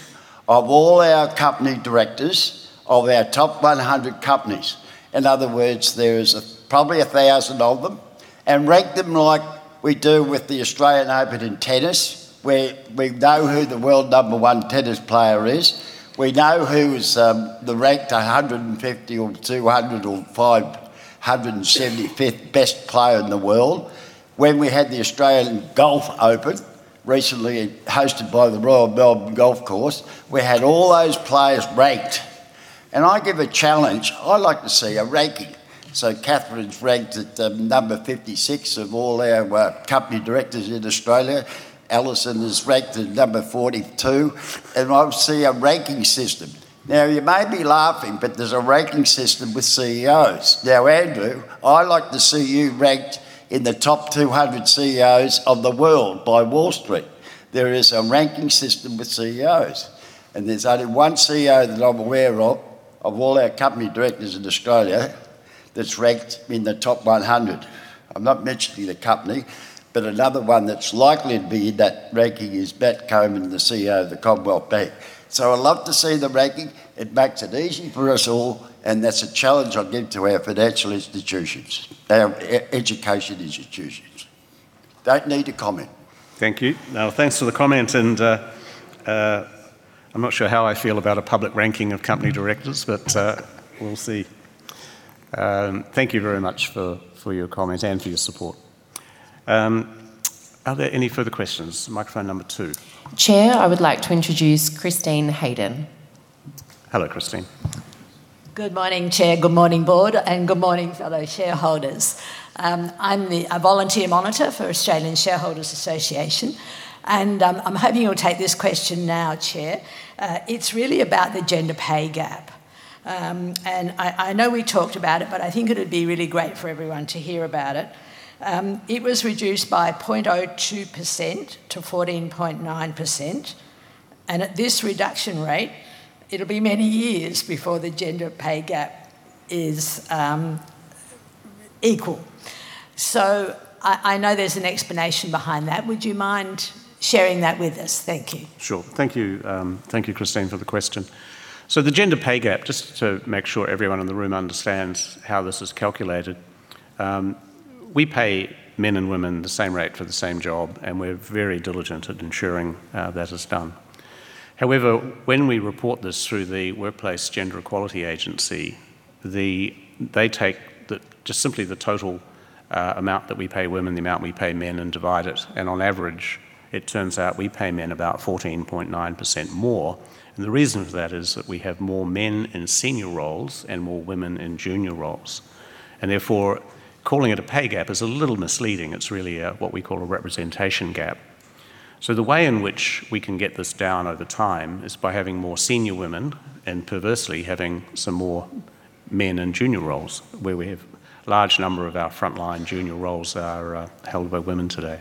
of all our company directors of our top 100 companies. In other words, there is probably 1,000 of them, and rank them like we do with the Australian Open in tennis, where we know who the world number one tennis player is. We know who is ranked 150th or 200th or 575th best player in the world. When we had the Australian Golf Open recently hosted by the Royal Melbourne Golf Course, we had all those players ranked. I give a challenge. I'd like to see a ranking. Kathryn's ranked at number 56 of all our company directors in Australia. Alison is ranked at number 42, and I'll see a ranking system. Now, you may be laughing, but there's a ranking system with CEOs. Andrew, I'd like to see you ranked in the top 200 CEOs of the world by Wall Street. There is a ranking system with CEOs, and there's only one CEO that I'm aware of, of all our company directors in Australia, that's ranked in the top 100. I'm not mentioning the company, but another one that's likely to be in that ranking is Matt Comyn, the CEO of the Commonwealth Bank. So I'd love to see the ranking. It makes it easy for us all, and that's a challenge I give to our financial institutions, our education institutions. Don't need a comment. Thank you. Now, thanks for the comment, and I'm not sure how I feel about a public ranking of company directors, but we'll see. Thank you very much for your comment and for your support. Are there any further questions? Microphone number two. Chair, I would like to introduce Christine Hayden. Hello, Christine. Good morning, Chair. Good morning, board, and good morning, fellow shareholders. I'm a volunteer monitor for the Australian Shareholders' Association, and I'm hoping you'll take this question now, Chair. It's really about the gender pay gap, and I know we talked about it, but I think it would be really great for everyone to hear about it. It was reduced by 0.02% to 14.9%, and at this reduction rate, it'll be many years before the gender pay gap is equal, so I know there's an explanation behind that. Would you mind sharing that with us? Thank you. Sure. Thank you, Christine, for the question. So the gender pay gap, just to make sure everyone in the room understands how this is calculated, we pay men and women the same rate for the same job, and we're very diligent at ensuring that is done. However, when we report this through the Workplace Gender Equality Agency, they take just simply the total amount that we pay women, the amount we pay men, and divide it. And on average, it turns out we pay men about 14.9% more. And the reason for that is that we have more men in senior roles and more women in junior roles. And therefore, calling it a pay gap is a little misleading. It's really what we call a representation gap. So the way in which we can get this down over time is by having more senior women and, perversely, having some more men in junior roles, where we have a large number of our frontline junior roles that are held by women today.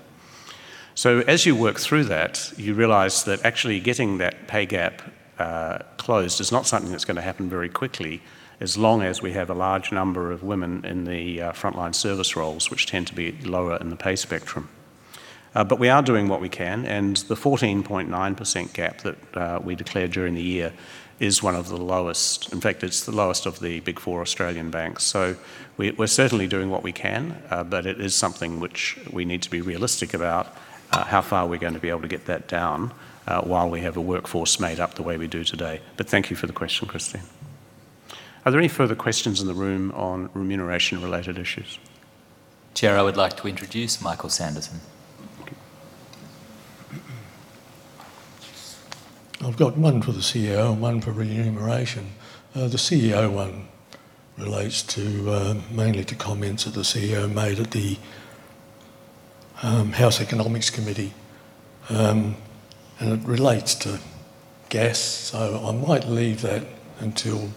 So as you work through that, you realize that actually getting that pay gap closed is not something that's going to happen very quickly, as long as we have a large number of women in the frontline service roles, which tend to be lower in the pay spectrum. But we are doing what we can, and the 14.9% gap that we declared during the year is one of the lowest. In fact, it's the lowest of the big four Australian banks. So we're certainly doing what we can, but it is something which we need to be realistic about how far we're going to be able to get that down while we have a workforce made up the way we do today. But thank you for the question, Christine. Are there any further questions in the room on remuneration-related issues? Chair, I would like to introduce Michael Sanderson. I've got one for the CEO and one for remuneration. The CEO one relates mainly to comments that the CEO made at the House Economics Committee, and it relates to gas, so I might leave that until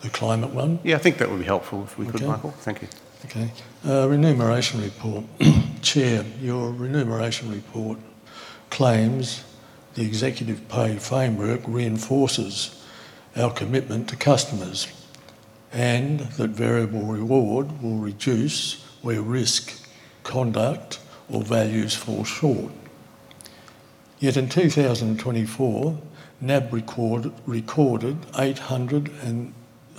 the climate one. Yeah, I think that would be helpful if we could, Michael. Thank you. Okay. Remuneration report. Chair, your remuneration report claims the executive pay framework reinforces our commitment to customers and that variable reward will reduce where risk conduct or values fall short. Yet in 2024, NAB recorded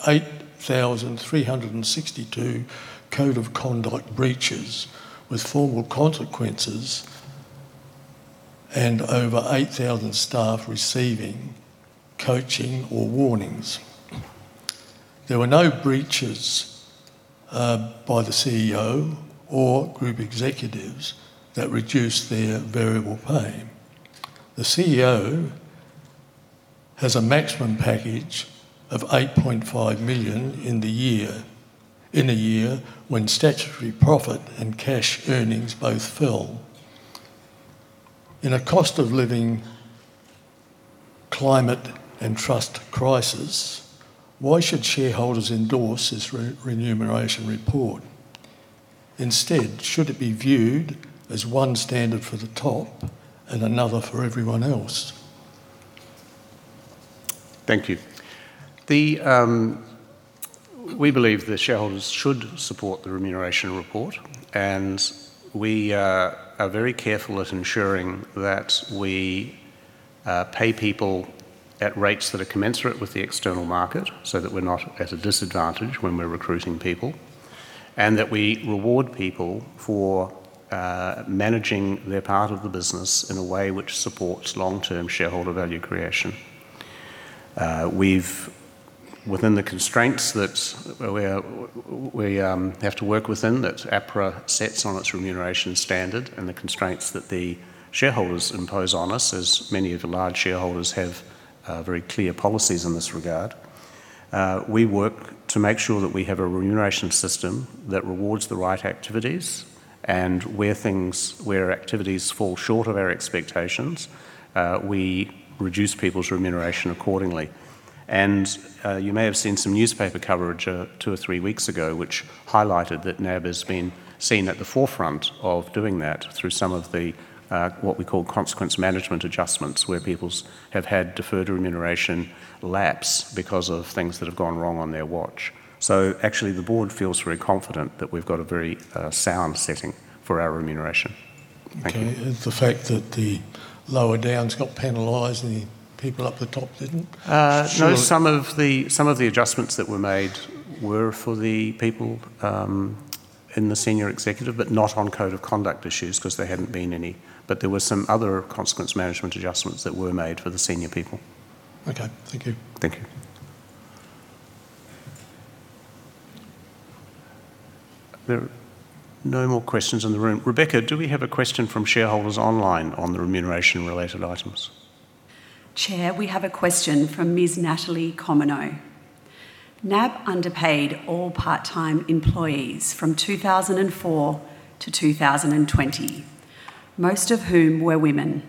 8,362 code of conduct breaches with formal consequences and over 8,000 staff receiving coaching or warnings. There were no breaches by the CEO or group executives that reduced their variable pay. The CEO has a maximum package of 8.5 million in a year when statutory profit and cash earnings both fell. In a cost-of-living climate and trust crisis, why should shareholders endorse this remuneration report? Instead, should it be viewed as one standard for the top and another for everyone else? Thank you. We believe the shareholders should support the remuneration report, and we are very careful at ensuring that we pay people at rates that are commensurate with the external market so that we're not at a disadvantage when we're recruiting people, and that we reward people for managing their part of the business in a way which supports long-term shareholder value creation. Within the constraints that we have to work within, that APRA sets on its remuneration standard and the constraints that the shareholders impose on us, as many of the large shareholders have very clear policies in this regard, we work to make sure that we have a remuneration system that rewards the right activities, and where activities fall short of our expectations, we reduce people's remuneration accordingly. And you may have seen some newspaper coverage two or three weeks ago which highlighted that NAB has been seen at the forefront of doing that through some of the what we call consequence management adjustments, where people have had deferred remuneration lapse because of things that have gone wrong on their watch. So actually, the board feels very confident that we've got a very sound setting for our remuneration. Thank you. Okay. The fact that the lower downs got penalized and the people up the top didn't? No. Some of the adjustments that were made were for the people in the senior executive, but not on code of conduct issues because there hadn't been any. But there were some other consequence management adjustments that were made for the senior people. Okay. Thank you. Thank you. There are no more questions in the room. Rebecca, do we have a question from shareholders online on the remuneration-related items? Chair, we have a question from Ms. Natalie Comino. NAB underpaid all part-time employees from 2004 to 2020, most of whom were women.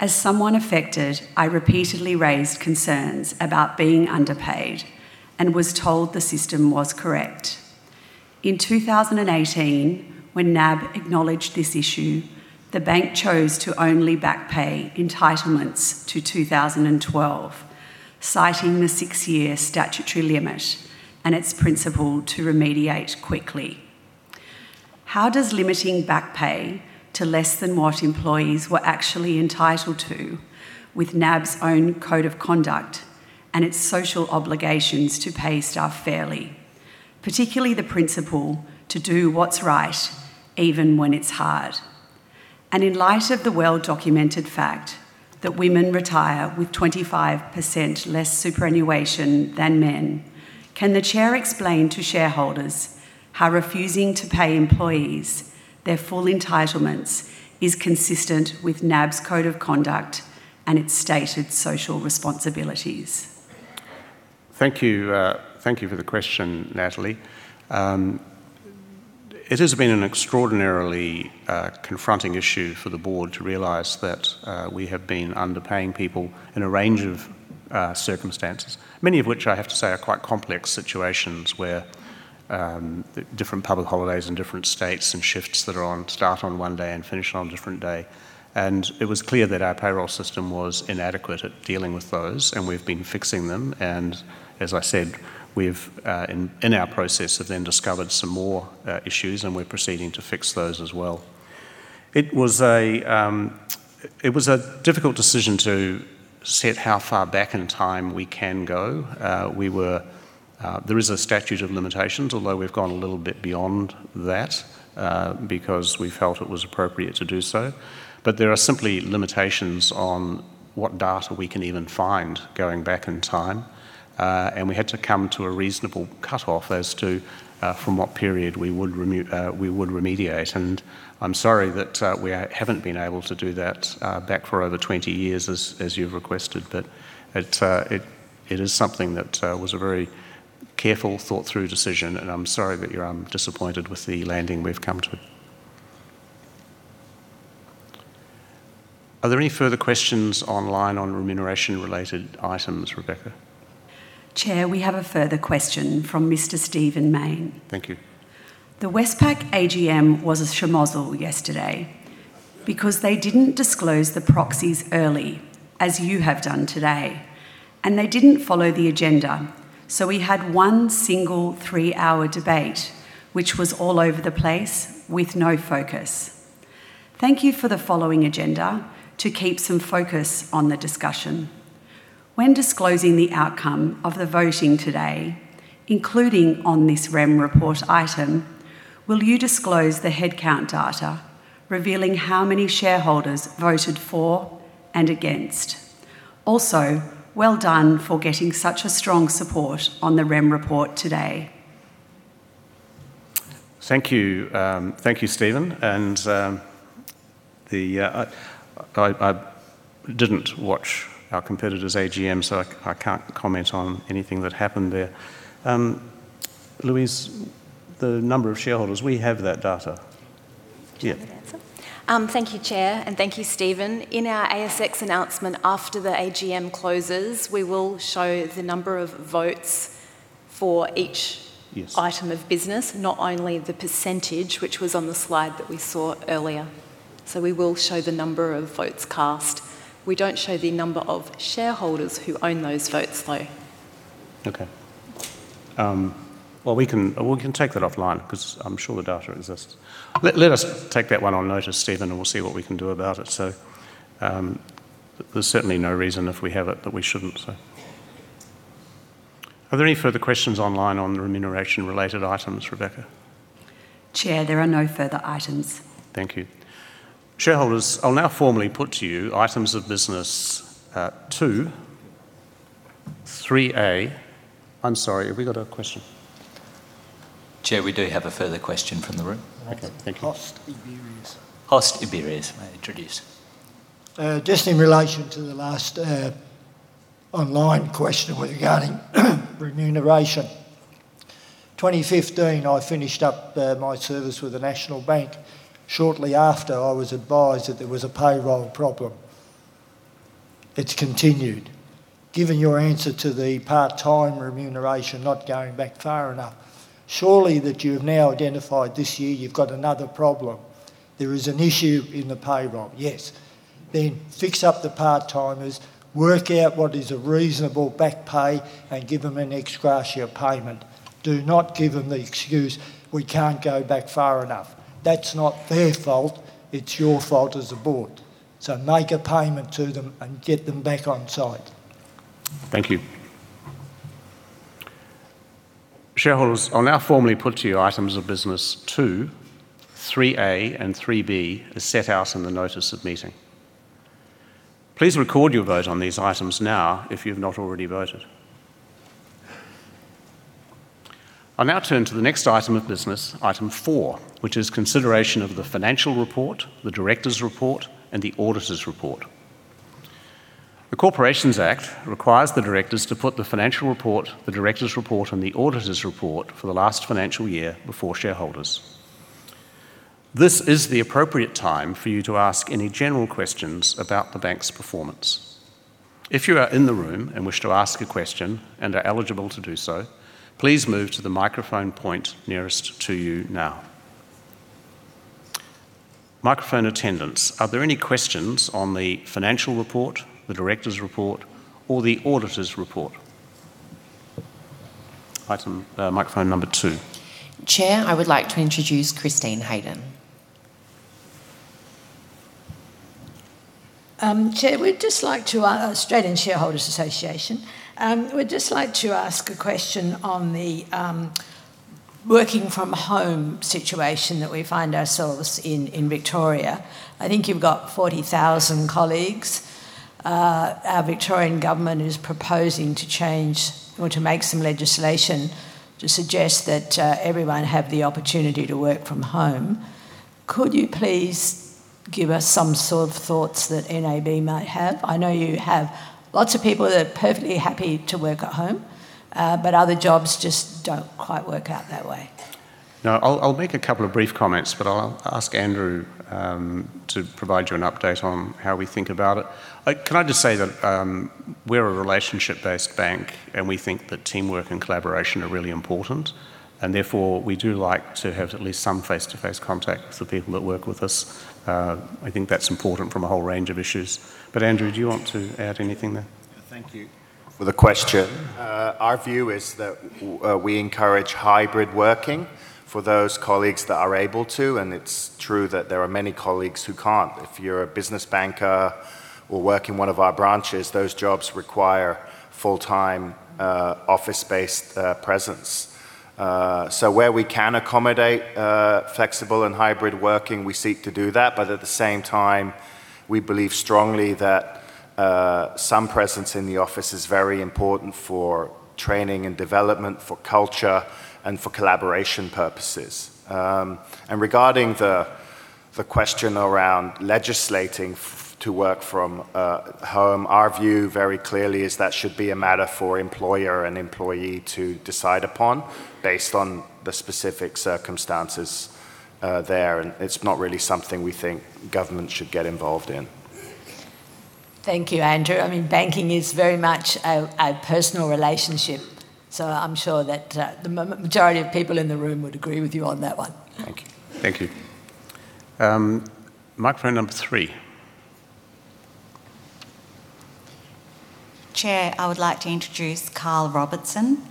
As someone affected, I repeatedly raised concerns about being underpaid and was told the system was correct. In 2018, when NAB acknowledged this issue, the bank chose to only backpay entitlements to 2012, citing the six-year statutory limit and its principle to remediate quickly. How does limiting backpay to less than what employees we're actually entitled to with NAB's own code of conduct and its social obligations to pay staff fairly, particularly the principle to do what's right even when it's hard? And in light of the well-documented fact that women retire with 25% less superannuation than men, can the Chair explain to shareholders how refusing to pay employees their full entitlements is consistent with NAB's code of conduct and its stated social responsibilities? Thank you for the question, Natalie. It has been an extraordinarily confronting issue for the board to realize that we have been underpaying people in a range of circumstances, many of which, I have to say, are quite complex situations where different public holidays in different states and shifts that start on one day and finish on a different day. And it was clear that our payroll system was inadequate at dealing with those, and we've been fixing them. And as I said, we've, in our process, then discovered some more issues, and we're proceeding to fix those as well. It was a difficult decision to set how far back in time we can go. There is a statute of limitations, although we've gone a little bit beyond that because we felt it was appropriate to do so. But there are simply limitations on what data we can even find going back in time, and we had to come to a reasonable cutoff as to from what period we would remediate. And I'm sorry that we haven't been able to do that back for over 20 years, as you've requested, but it is something that was a very careful, thought-through decision, and I'm sorry that you're disappointed with the landing we've come to. Are there any further questions online on remuneration-related items, Rebecca? Chair, we have a further question from Mr. Stephen Mayne. Thank you. The Westpac AGM was a shemozzle yesterday because they didn't disclose the proxies early, as you have done today, and they didn't follow the agenda. So we had one single three-hour debate, which was all over the place with no focus. Thank you for the following agenda to keep some focus on the discussion. When disclosing the outcome of the voting today, including on this Rem report item, will you disclose the headcount data, revealing how many shareholders voted for and against? Also, well done for getting such a strong support on the Rem report today. Thank you. Thank you, Stephen. And I didn't watch our competitor's AGM, so I can't comment on anything that happened there. Louise, the number of shareholders, we have that data. Thank you, Chair, and thank you, Stephen. In our ASX announcement after the AGM closes, we will show the number of votes for each item of business, not only the percentage, which was on the slide that we saw earlier. So we will show the number of votes cast. We don't show the number of shareholders who own those votes, though. Okay. Well, we can take that offline because I'm sure the data exists. Let us take that one on notice, Stephen, and we'll see what we can do about it. So there's certainly no reason, if we have it, that we shouldn't. Are there any further questions online on remuneration-related items, Rebecca? Chair, there are no further items. Thank you. Shareholders, I'll now formally put to you items of business two, 3A. I'm sorry. Have we got a question? Chair, we do have a further question from the room. Okay. Thank you. Jose Abieras. Jose Abieras, may I introduce? Just in relation to the last online question regarding remuneration. In 2015, I finished up my service with the National Bank. Shortly after, I was advised that there was a payroll problem. It's continued. Given your answer to the part-time remuneration not going back far enough, surely that you have now identified this year you've got another problem. There is an issue in the payroll. Yes. Then fix up the part-timers, work out what is a reasonable backpay, and give them an ex gratia payment. Do not give them the excuse, "We can't go back far enough." That's not their fault. It's your fault as a board. So make a payment to them and get them back onsite. Thank you. Shareholders, I'll now formally put to you items of business two, 3A, and 3B as set out in the notice of meeting. Please record your vote on these items now if you have not already voted. I'll now turn to the next item of business, Item Four, which is consideration of the financial report, the directors' report, and the auditor's report. The Corporations Act requires the directors to put the financial report, the directors' report, and the auditor's report for the last financial year before shareholders. This is the appropriate time for you to ask any general questions about the bank's performance. If you are in the room and wish to ask a question and are eligible to do so, please move to the microphone point nearest to you now. Microphone attendants, are there any questions on the financial report, the directors' report, or the auditor's report? Microphone number two. Chair, I would like to introduce Christine Hayden. Chair, Australian Shareholders' Association, we'd just like to ask a question on the working-from-home situation that we find ourselves in in Victoria. I think you've got 40,000 colleagues. Our Victorian government is proposing to change or to make some legislation to suggest that everyone have the opportunity to work from home. Could you please give us some sort of thoughts that NAB might have? I know you have lots of people that are perfectly happy to work at home, but other jobs just don't quite work out that way. No, I'll make a couple of brief comments, but I'll ask Andrew to provide you an update on how we think about it. Can I just say that we're a relationship-based bank, and we think that teamwork and collaboration are really important, and therefore we do like to have at least some face-to-face contact with the people that work with us. I think that's important from a whole range of issues. But Andrew, do you want to add anything there? Thank you for the question. Our view is that we encourage hybrid working for those colleagues that are able to, and it's true that there are many colleagues who can't. If you're a business banker or work in one of our branches, those jobs require full-time office-based presence. So where we can accommodate flexible and hybrid working, we seek to do that, but at the same time, we believe strongly that some presence in the office is very important for training and development, for culture, and for collaboration purposes. And regarding the question around legislating to work from home, our view very clearly is that should be a matter for employer and employee to decide upon based on the specific circumstances there, and it's not really something we think government should get involved in. Thank you, Andrew. I mean, banking is very much a personal relationship, so I'm sure that the majority of people in the room would agree with you on that one. Thank you. Thank you. Microphone number three. Chair, I would like to introduce Carl Robertson.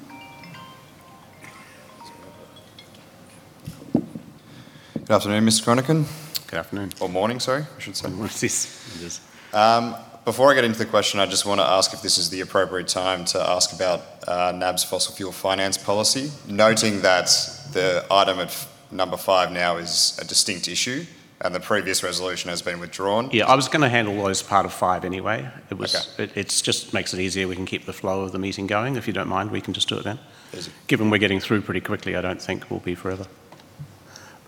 Good afternoon, Mr. Chronican. Good afternoon. Or morning, sorry, I should say. Mornings. Before I get into the question, I just want to ask if this is the appropriate time to ask about NAB's fossil fuel finance policy, noting that the item of number five now is a distinct issue and the previous resolution has been withdrawn. Yeah, I was going to handle those part of five anyway. It just makes it easier. We can keep the flow of the meeting going. If you don't mind, we can just do it then. Given we're getting through pretty quickly, I don't think we'll be forever.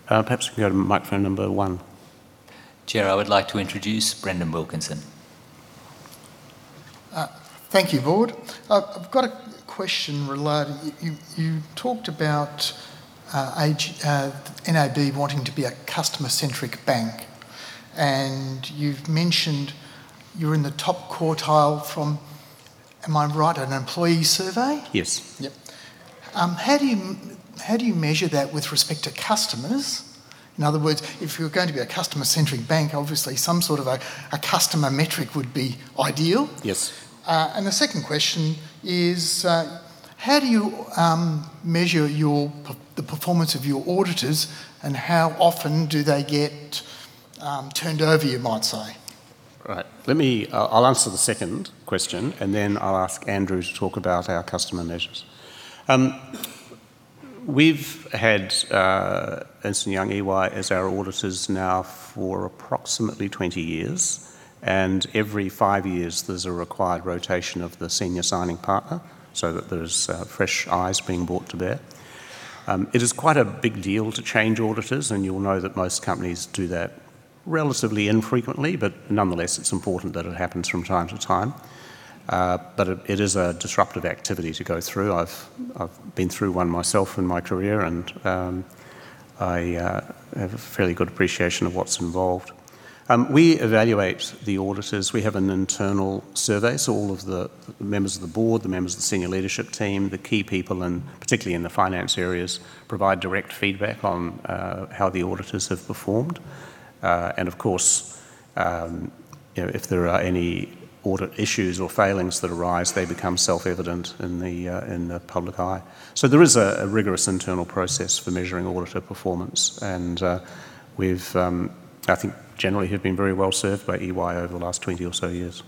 Perhaps we can go to microphone number one. Chair, I would like to introduce Brendan Wilkinson. Thank you, Board. I've got a question related. You talked about NAB wanting to be a customer-centric bank, and you've mentioned you're in the top quartile from, am I right, an employee survey? Yes. Yep. How do you measure that with respect to customers? In other words, if you're going to be a customer-centric bank, obviously some sort of a customer metric would be ideal. Yes. The second question is, how do you measure the performance of your auditors, and how often do they get turned over, you might say? Right. I'll answer the second question, and then I'll ask Andrew to talk about our customer measures. We've had Ernst & Young EY as our auditors now for approximately 20 years, and every five years, there's a required rotation of the senior signing partner so that there's fresh eyes being brought to bear. It is quite a big deal to change auditors, and you'll know that most companies do that relatively infrequently, but nonetheless, it's important that it happens from time to time. But it is a disruptive activity to go through. I've been through one myself in my career, and I have a fairly good appreciation of what's involved. We evaluate the auditors. We have an internal survey, so all of the members of the board, the members of the senior leadership team, the key people, and particularly in the finance areas, provide direct feedback on how the auditors have performed, and of course, if there are any audit issues or failings that arise, they become self-evident in the public eye, so there is a rigorous internal process for measuring auditor performance, and we've, I think generally, have been very well served by EY over the last 20 or so years.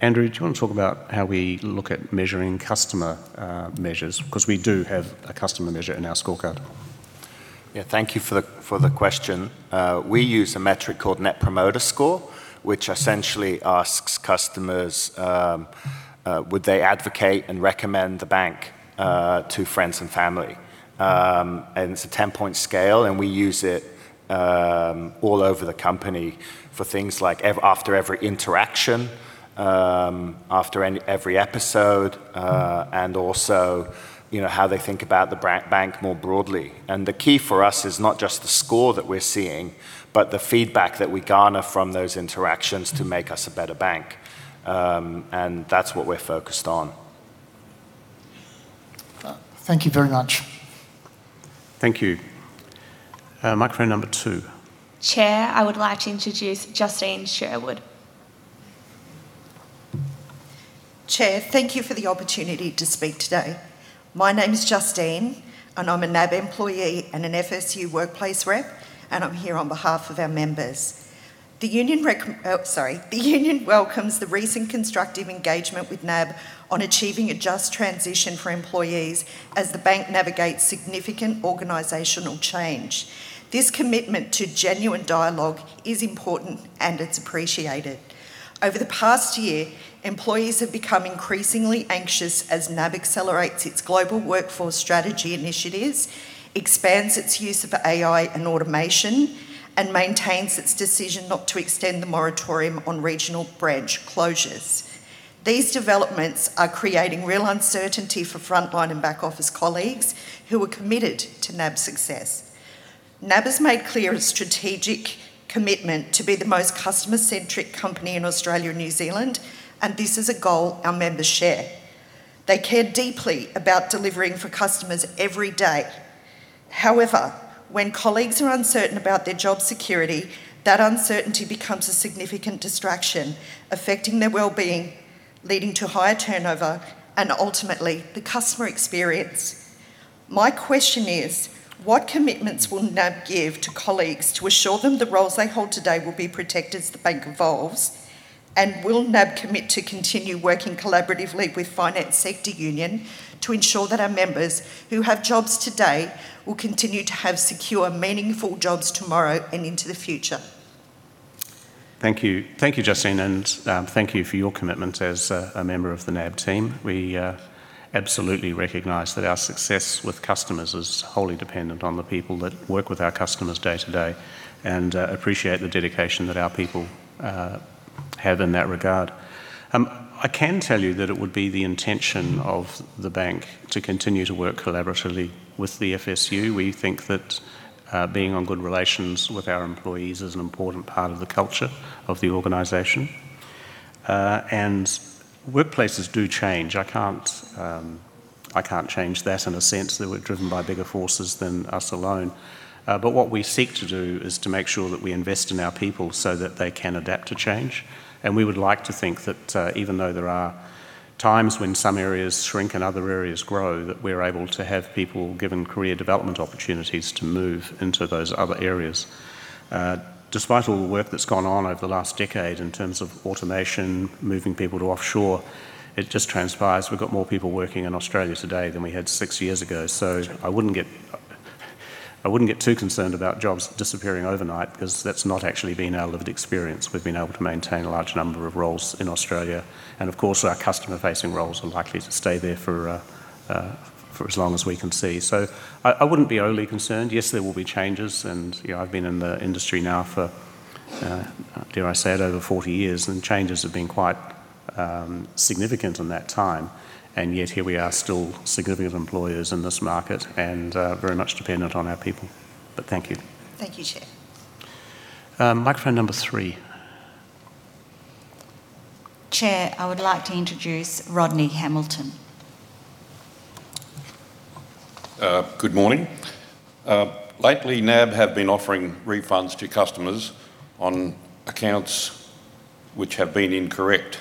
Andrew, do you want to talk about how we look at measuring customer measures? Because we do have a customer measure in our scorecard. Yeah, thank you for the question. We use a metric called Net Promoter Score, which essentially asks customers would they advocate and recommend the bank to friends and family. And it's a 10-point scale, and we use it all over the company for things like after every interaction, after every episode, and also how they think about the bank more broadly. And the key for us is not just the score that we're seeing, but the feedback that we garner from those interactions to make us a better bank. And that's what we're focused on. Thank you very much. Thank you. Microphone number two. Chair, I would like to introduce Justine Sherwood. Chair, thank you for the opportunity to speak today. My name is Justine, and I'm a NAB employee and an FSU workplace rep, and I'm here on behalf of our members. The union welcomes the recent constructive engagement with NAB on achieving a just transition for employees as the bank navigates significant organizational change. This commitment to genuine dialogue is important, and it's appreciated. Over the past year, employees have become increasingly anxious as NAB accelerates its global workforce strategy initiatives, expands its use of AI and automation, and maintains its decision not to extend the moratorium on regional branch closures. These developments are creating real uncertainty for frontline and back office colleagues who are committed to NAB's success. NAB has made clear a strategic commitment to be the most customer-centric company in Australia and New Zealand, and this is a goal our members share. They care deeply about delivering for customers every day. However, when colleagues are uncertain about their job security, that uncertainty becomes a significant distraction, affecting their well-being, leading to higher turnover, and ultimately, the customer experience. My question is, what commitments will NAB give to colleagues to assure them the roles they hold today will be protected as the bank evolves? And will NAB commit to continue working collaboratively with Finance Sector Union to ensure that our members who have jobs today will continue to have secure, meaningful jobs tomorrow and into the future? Thank you. Thank you, Justine, and thank you for your commitment as a member of the NAB team. We absolutely recognize that our success with customers is wholly dependent on the people that work with our customers day to day, and appreciate the dedication that our people have in that regard. I can tell you that it would be the intention of the bank to continue to work collaboratively with the FSU. We think that being on good relations with our employees is an important part of the culture of the organization. And workplaces do change. I can't change that in a sense that we're driven by bigger forces than us alone. But what we seek to do is to make sure that we invest in our people so that they can adapt to change. And we would like to think that even though there are times when some areas shrink and other areas grow, that we're able to have people given career development opportunities to move into those other areas. Despite all the work that's gone on over the last decade in terms of automation, moving people to offshore, it just transpires we've got more people working in Australia today than we had six years ago. So I wouldn't get too concerned about jobs disappearing overnight because that's not actually been our lived experience. We've been able to maintain a large number of roles in Australia. And of course, our customer-facing roles are likely to stay there for as long as we can see. So I wouldn't be overly concerned. Yes, there will be changes, and I've been in the industry now for, dare I say it, over 40 years, and changes have been quite significant in that time. And yet here we are still significant employers in this market and very much dependent on our people. But thank you. Thank you, Chair. Microphone number three. Chair, I would like to introduce Rodney Hamilton. Good morning. Lately, NAB have been offering refunds to customers on accounts which have been incorrect.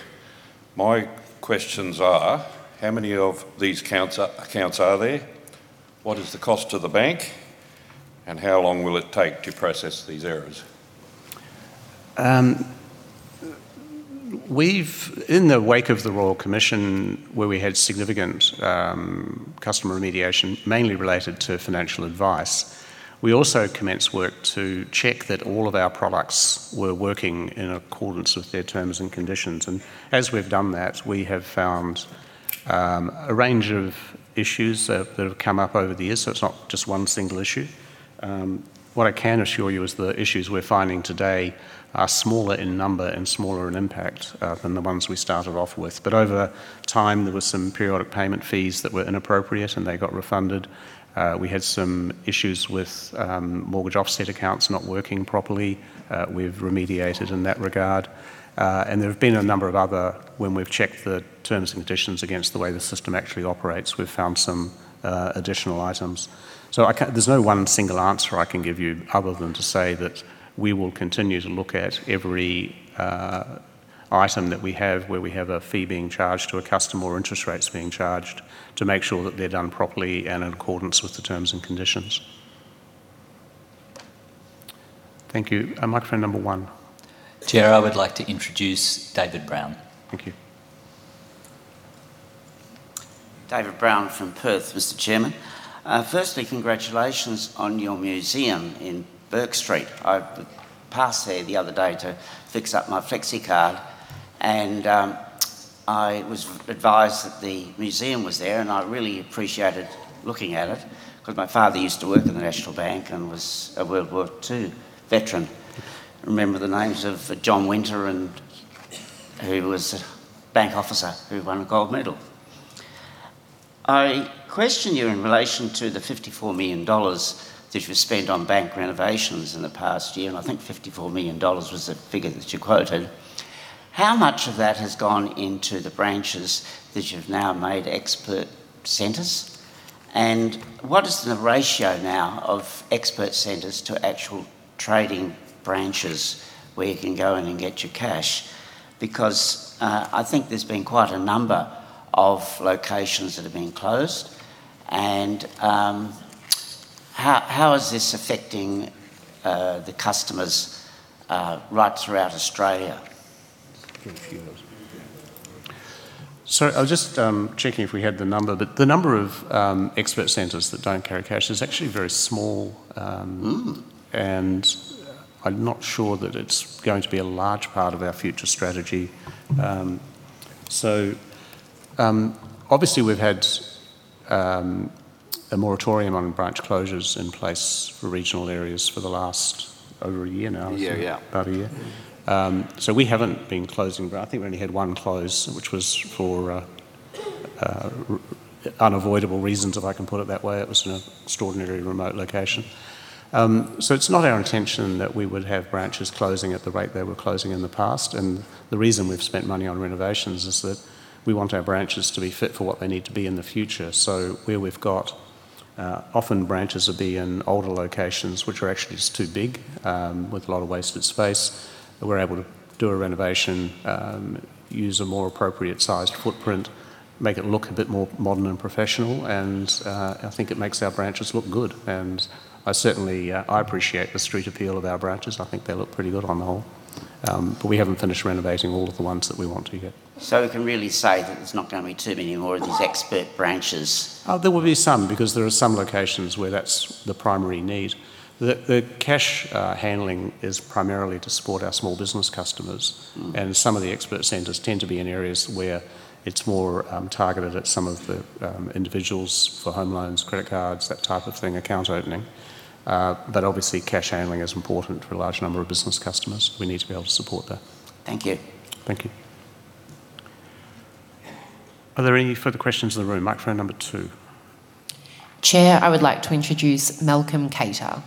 My questions are: how many of these accounts are there? What is the cost to the bank? And how long will it take to process these errors? In the wake of the Royal Commission, where we had significant customer remediation, mainly related to financial advice, we also commenced work to check that all of our products were working in accordance with their terms and conditions. And as we've done that, we have found a range of issues that have come up over the years, so it's not just one single issue. What I can assure you is the issues we're finding today are smaller in number and smaller in impact than the ones we started off with. But over time, there were some periodic payment fees that were inappropriate, and they got refunded. We had some issues with mortgage offset accounts not working properly. We've remediated in that regard. And there have been a number of other when we've checked the terms and conditions against the way the system actually operates, we've found some additional items. So there's no one single answer I can give you other than to say that we will continue to look at every item that we have where we have a fee being charged to a customer or interest rates being charged to make sure that they're done properly and in accordance with the terms and conditions. Thank you. Microphone number one. Chair, I would like to introduce David Brown. Thank you. David Brown from Perth, Mr. Chairman. Firstly, congratulations on your museum in Bourke Street. I passed there the other day to fix up my FlexiCard, and I was advised that the museum was there, and I really appreciated looking at it because my father used to work at the National Bank and was a World War II veteran. Remember the names of John Winter, who was a bank officer who won a gold medal. I question you in relation to the 54 million dollars that you've spent on bank renovations in the past year, and I think 54 million dollars was the figure that you quoted. How much of that has gone into the branches that you've now made Expert Centres? And what is the ratio now of Expert Centres to actual trading branches where you can go in and get your cash? Because I think there's been quite a number of locations that have been closed, and how is this affecting the customers right throughout Australia? Sorry, I was just checking if we had the number, but the number of expert centers that don't carry cash is actually very small, and I'm not sure that it's going to be a large part of our future strategy. So obviously, we've had a moratorium on branch closures in place for regional areas for the last over a year now. Yeah, yeah. About a year. So we haven't been closing, but I think we only had one close, which was for unavoidable reasons, if I can put it that way. It was an extraordinary remote location. So it's not our intention that we would have branches closing at the rate they were closing in the past. And the reason we've spent money on renovations is that we want our branches to be fit for what they need to be in the future. So where we've got often branches that be in older locations, which are actually just too big with a lot of wasted space, we're able to do a renovation, use a more appropriate sized footprint, make it look a bit more modern and professional, and I think it makes our branches look good. And I certainly appreciate the street appeal of our branches. I think they look pretty good on the whole, but we haven't finished renovating all of the ones that we want to yet. So we can really say that there's not going to be too many more of these Expert Centres? There will be some because there are some locations where that's the primary need. The cash handling is primarily to support our small business customers, and some of the Expert Centres tend to be in areas where it's more targeted at some of the individuals for home loans, credit cards, that type of thing, account opening. But obviously, cash handling is important for a large number of business customers. We need to be able to support that. Thank you. Thank you. Are there any further questions in the room? Microphone number two. Chair, I would like to introduce Malcolm Cater.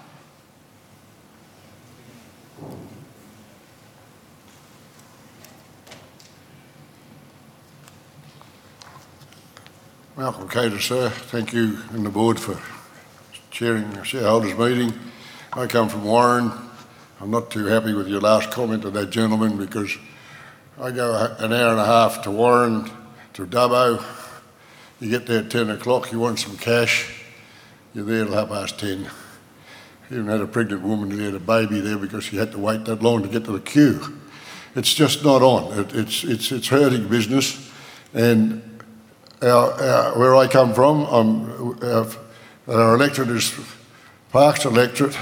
Malcolm Cater, sir. Thank you and the board for chairing the shareholders' meeting. I come from Warren. I'm not too happy with your last comment on that gentleman because I go an hour and a half to Warren to Dubbo. You get there at 10:00AM, you want some cash, you're there till 10:30AM. You don't have a pregnant woman to get a baby there because she had to wait that long to get to the queue. It's just not on. It's hurting business. Where I come from, our electorate is Parkes electorate,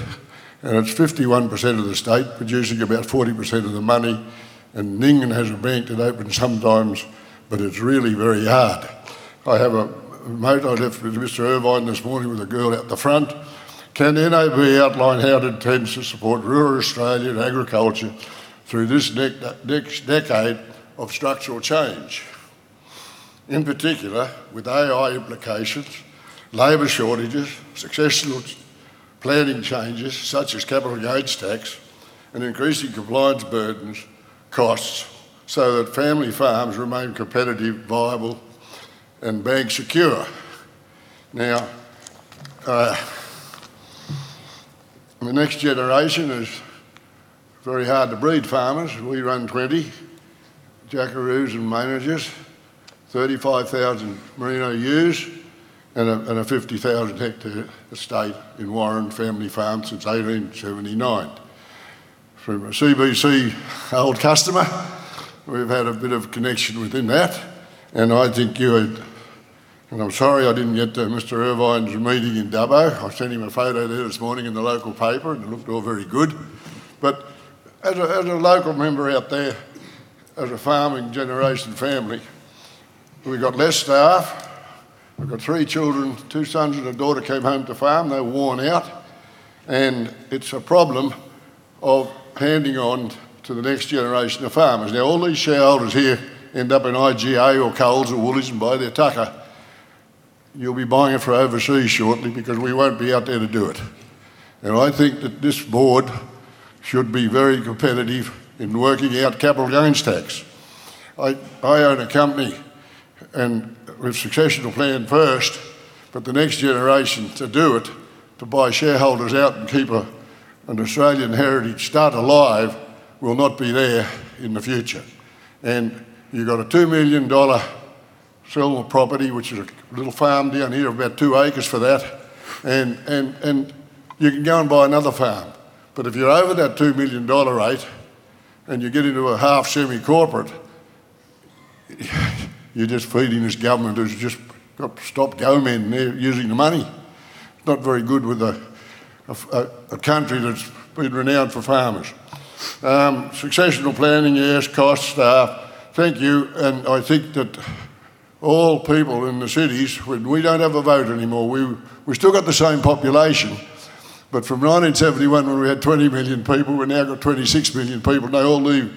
and it's 51% of the state producing about 40% of the money. Nyngan has a bank that opens sometimes, but it's really very hard. I have a note I left with Mr. Irvine this morning with a girl at the front. Can the NAB outline how it intends to support rural Australia and agriculture through this decade of structural change? In particular, with AI implications, labor shortages, succession planning changes such as capital gains tax, and increasing compliance burdens, costs so that family farms remain competitive, viable, and bank secure. Now, the next generation is very hard to breed farmers. We run 20 jackaroos and managers, 35,000 Merino ewes, and a 50,000-hectare estate in Warren family farm since 1879. From a CBA old customer, we've had a bit of connection within that. And I think you had, and I'm sorry I didn't get to Mr. Irvine's meeting in Dubbo. I sent him a photo there this morning in the local paper, and it looked all very good. But as a local member out there, as a farming generation family, we've got less staff. We've got three children. Two sons and a daughter came home to farm. They're worn out, and it's a problem of handing on to the next generation of farmers. Now, all these shareholders here end up in IGA or Coles or Woolies and buy their tucker. You'll be buying it for overseas shortly because we won't be out there to do it. I think that this board should be very competitive in working out capital gains tax. I own a company, and we've successfully planned first, but the next generation to do it, to buy shareholders out and keep an Australian heritage start alive, will not be there in the future. You've got a 2 million dollar silver property, which is a little farm down here, about two acres for that. You can go and buy another farm. But if you're over that 2 million dollar rate and you get into a half-semi-corporate, you're just feeding this government who's just got to stop going in there using the money. Not very good with a country that's been renowned for farmers. Succession planning, yes, costs, staff. Thank you. And I think that all people in the cities, we don't have a vote anymore. We've still got the same population. But from 1971, when we had 20 million people, we've now got 26 million people. They all live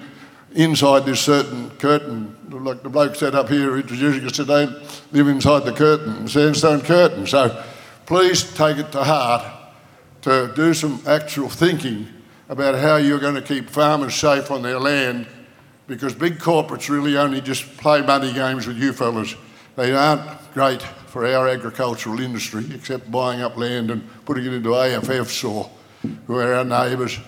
inside this certain curtain. Like the bloke sat up here introducing us today, live inside the curtain, the sandstone curtain. So please take it to heart to do some actual thinking about how you're going to keep farmers safe on their land because big corporates really only just play money games with you fellows. They aren't great for our agricultural industry except buying up land and putting it into AFFs or where our neighbors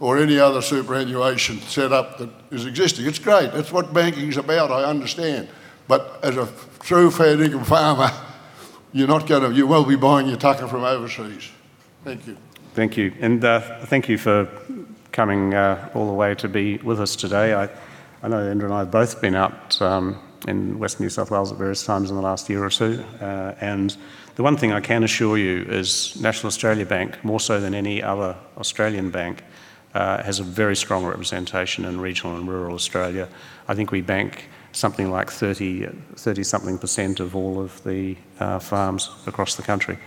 or any other superannuation setup that is existing. It's great. That's what banking's about, I understand. But as a true fan of a farmer, you won't be buying your tucker from overseas. Thank you. Thank you. And thank you for coming all the way to be with us today. I know Andrew and I have both been out in Western New South Wales at various times in the last year or two. And the one thing I can assure you is National Australia Bank, more so than any other Australian bank, has a very strong representation in regional and rural Australia. I think we bank something like 30-something% of all of the farms across the country.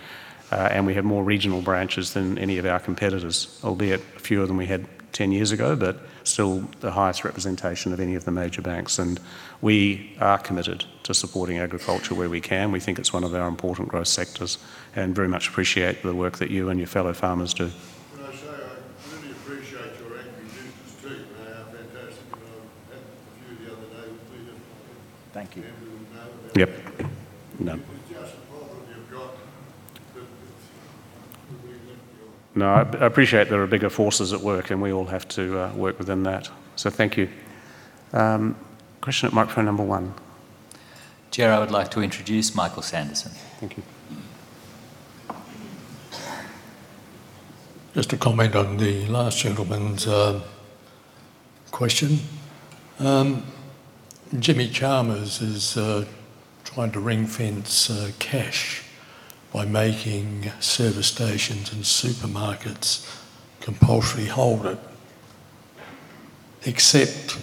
And we have more regional branches than any of our competitors, albeit fewer than we had 10 years ago, but still the highest representation of any of the major banks. And we are committed to supporting agriculture where we can. We think it's one of our important growth sectors and very much appreciate the work that you and your fellow farmers do. Can I say I really appreciate your accomplishments too. They are fantastic, and I had a few the other day with Peter and Andrew and David. Yep. No. Just wonder if you've got a bit of. No, I appreciate there are bigger forces at work and we all have to work within that. So thank you. Question at microphone number one. Chair, I would like to introduce Michael Sanderson. Thank you. Just a comment on the last gentleman's question. Jimmy Chalmers is trying to ring-fence cash by making service stations and supermarkets compulsory hold it, except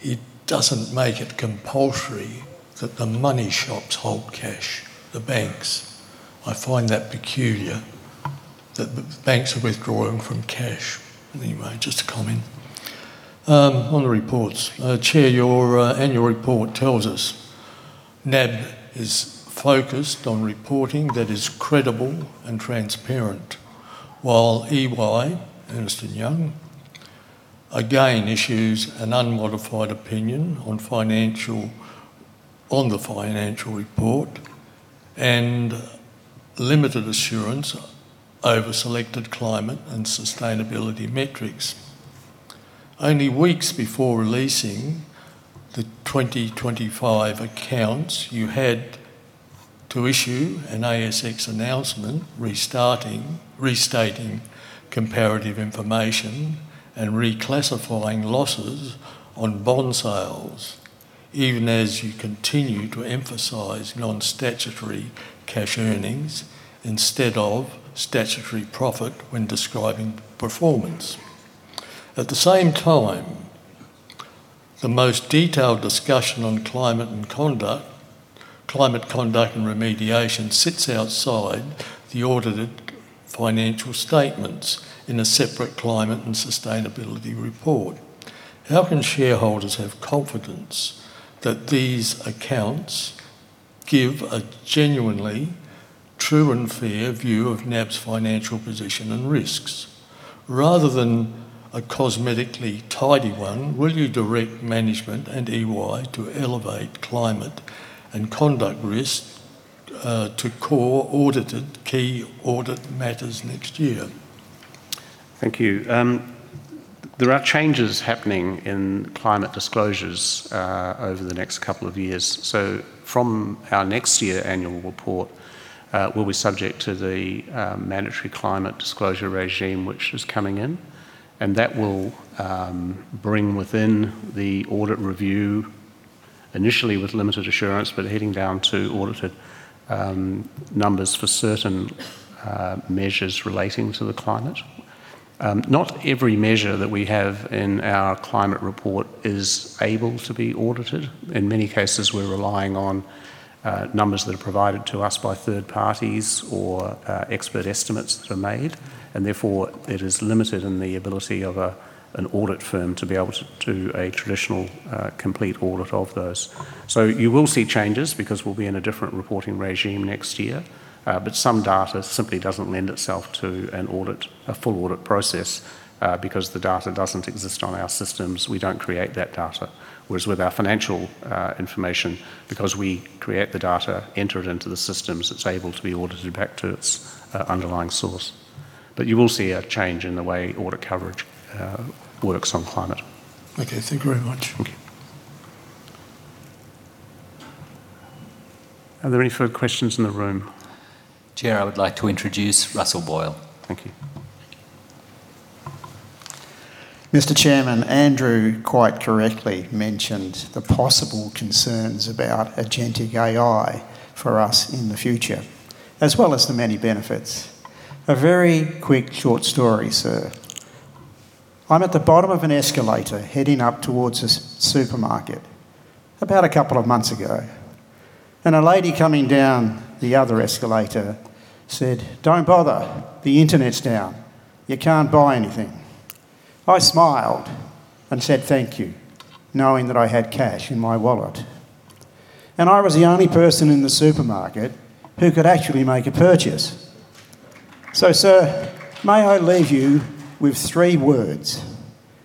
it doesn't make it compulsory that the money shops hold cash, the banks. I find that peculiar that the banks are withdrawing from cash. Anyway, just a comment on the reports. Chair, your annual report tells us NAB is focused on reporting that is credible and transparent, while EY, Ernst & Young, again issues an unmodified opinion on the financial report and limited assurance over selected climate and sustainability metrics. Only weeks before releasing the 2025 accounts, you had to issue an ASX announcement restating comparative information and reclassifying losses on bond sales, even as you continue to emphasize non-statutory cash earnings instead of statutory profit when describing performance. At the same time, the most detailed discussion on climate and conduct, climate conduct and remediation sits outside the audited financial statements in a separate climate and sustainability report. How can shareholders have confidence that these accounts give a genuinely true and fair view of NAB's financial position and risks? Rather than a cosmetically tidy one, will you direct management and EY to elevate climate and conduct risk to core audited key audit matters next year? Thank you. There are changes happening in climate disclosures over the next couple of years. So from our next year annual report, we'll be subject to the mandatory climate disclosure regime, which is coming in. And that will bring within the audit review, initially with limited assurance, but heading down to audited numbers for certain measures relating to the climate. Not every measure that we have in our climate report is able to be audited. In many cases, we're relying on numbers that are provided to us by third parties or expert estimates that are made. And therefore, it is limited in the ability of an audit firm to be able to do a traditional complete audit of those. So you will see changes because we'll be in a different reporting regime next year. But some data simply doesn't lend itself to an audit, a full audit process, because the data doesn't exist on our systems. We don't create that data. Whereas with our financial information, because we create the data, enter it into the systems, it's able to be audited back to its underlying source. But you will see a change in the way audit coverage works on climate. Okay. Thank you very much. Thank you. Are there any further questions in the room? Chair, I would like to introduce Russell Boyle. Thank you. Mr. Chairman, Andrew quite correctly mentioned the possible concerns about agentic AI for us in the future, as well as the many benefits. A very quick short story, sir. I'm at the bottom of an escalator heading up towards a supermarket about a couple of months ago. A lady coming down the other escalator said, "Don't bother. The internet's down. You can't buy anything." I smiled and said thank you, knowing that I had cash in my wallet. I was the only person in the supermarket who could actually make a purchase. Sir, may I leave you with three words?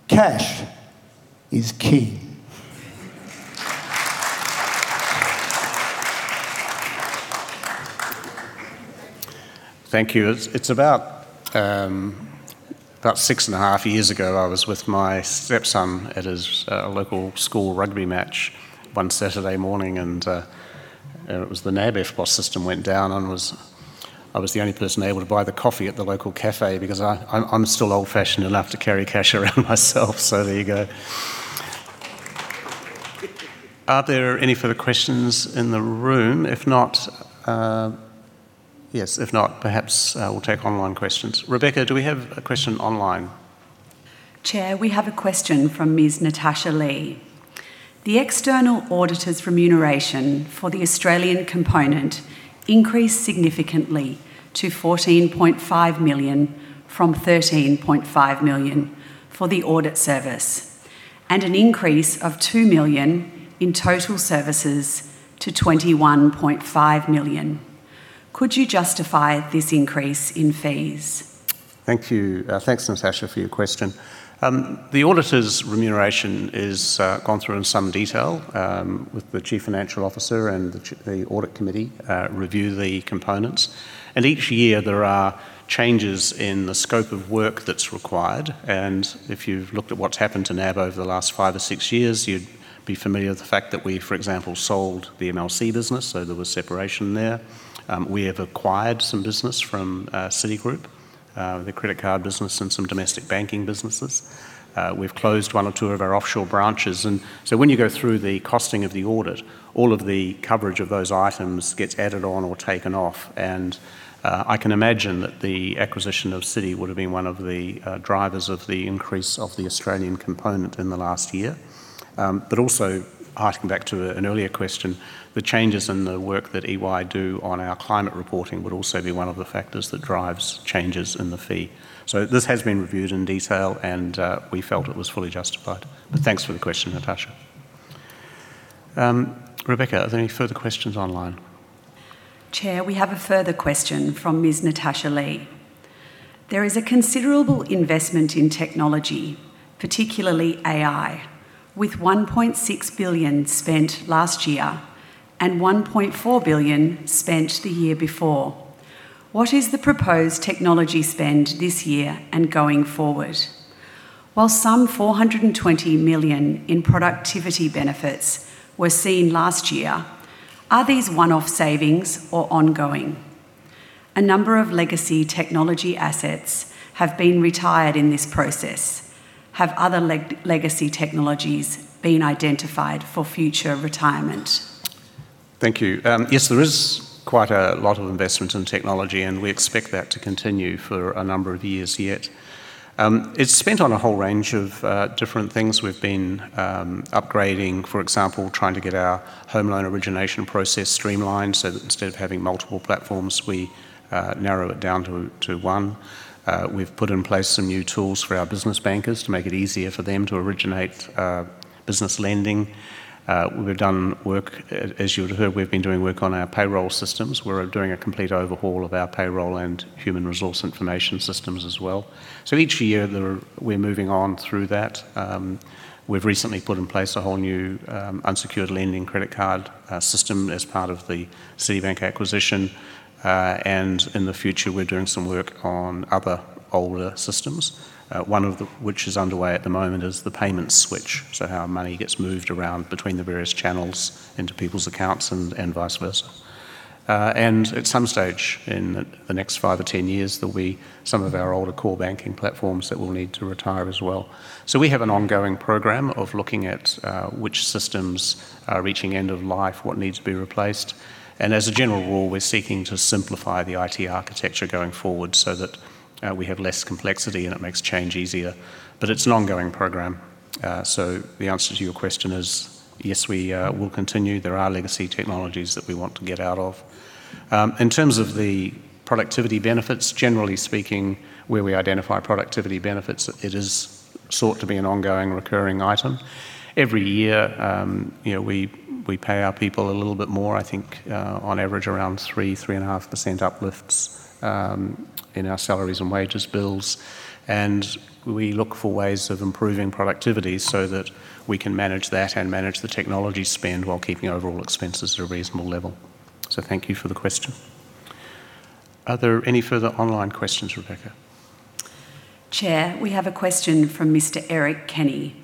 Cash is king. Thank you. It's about six and a half years ago, I was with my stepson at his local school rugby match one Saturday morning, and it was the NAB POS system went down, and I was the only person able to buy the coffee at the local cafe because I'm still old-fashioned enough to carry cash around myself. So there you go. Are there any further questions in the room? If not, yes. If not, perhaps we'll take online questions. Rebecca, do we have a question online? Chair, we have a question from Ms. Natasha Lee. The external auditor's remuneration for the Australian component increased significantly to 14.5 million from 13.5 million for the audit service, and an increase of 2 million in total services to 21.5 million. Could you justify this increase in fees? Thank you. Thanks, Natasha, for your question. The auditor's remuneration is gone through in some detail with the Chief Financial Officer and the audit committee review the components. And each year, there are changes in the scope of work that's required. And if you've looked at what's happened to NAB over the last five or six years, you'd be familiar with the fact that we, for example, sold the MLC business, so there was separation there. We have acquired some business from Citigroup, the credit card business, and some domestic banking businesses. We've closed one or two of our offshore branches. And so when you go through the costing of the audit, all of the coverage of those items gets added on or taken off. And I can imagine that the acquisition of Citigroup would have been one of the drivers of the increase of the Australian component in the last year. But also, harkening back to an earlier question, the changes in the work that EY do on our climate reporting would also be one of the factors that drives changes in the fee. So this has been reviewed in detail, and we felt it was fully justified. But thanks for the question, Natasha. Rebecca, are there any further questions online? Chair, we have a further question from Ms. Natasha Lee. There is a considerable investment in technology, particularly AI, with $1.6 billion spent last year and $1.4 billion spent the year before. What is the proposed technology spend this year and going forward? While some $420 million in productivity benefits were seen last year, are these one-off savings or ongoing? A number of legacy technology assets have been retired in this process. Have other legacy technologies been identified for future retirement? Thank you. Yes, there is quite a lot of investment in technology, and we expect that to continue for a number of years yet. It's spent on a whole range of different things. We've been upgrading, for example, trying to get our home loan origination process streamlined so that instead of having multiple platforms, we narrow it down to one. We've put in place some new tools for our business bankers to make it easier for them to originate business lending. We've done work, as you've heard, we've been doing work on our payroll systems. We're doing a complete overhaul of our payroll and human resource information systems as well. So each year, we're moving on through that. We've recently put in place a whole new unsecured lending credit card system as part of the Citibank acquisition. And in the future, we're doing some work on other older systems, one of which is underway at the moment is the payment switch, so how money gets moved around between the various channels into people's accounts and vice versa. And at some stage in the next five or 10 years, some of our older core banking platforms that we'll need to retire as well. So we have an ongoing program of looking at which systems are reaching end of life, what needs to be replaced. And as a general rule, we're seeking to simplify the IT architecture going forward so that we have less complexity and it makes change easier. But it's an ongoing program. So the answer to your question is yes, we will continue. There are legacy technologies that we want to get out of. In terms of the productivity benefits, generally speaking, where we identify productivity benefits, it is sought to be an ongoing, recurring item. Every year, we pay our people a little bit more. I think on average, around 3-3.5% uplifts in our salaries and wages bills. And we look for ways of improving productivity so that we can manage that and manage the technology spend while keeping overall expenses at a reasonable level. So thank you for the question. Are there any further online questions, Rebecca? Chair, we have a question from Mr. Eric Kenny.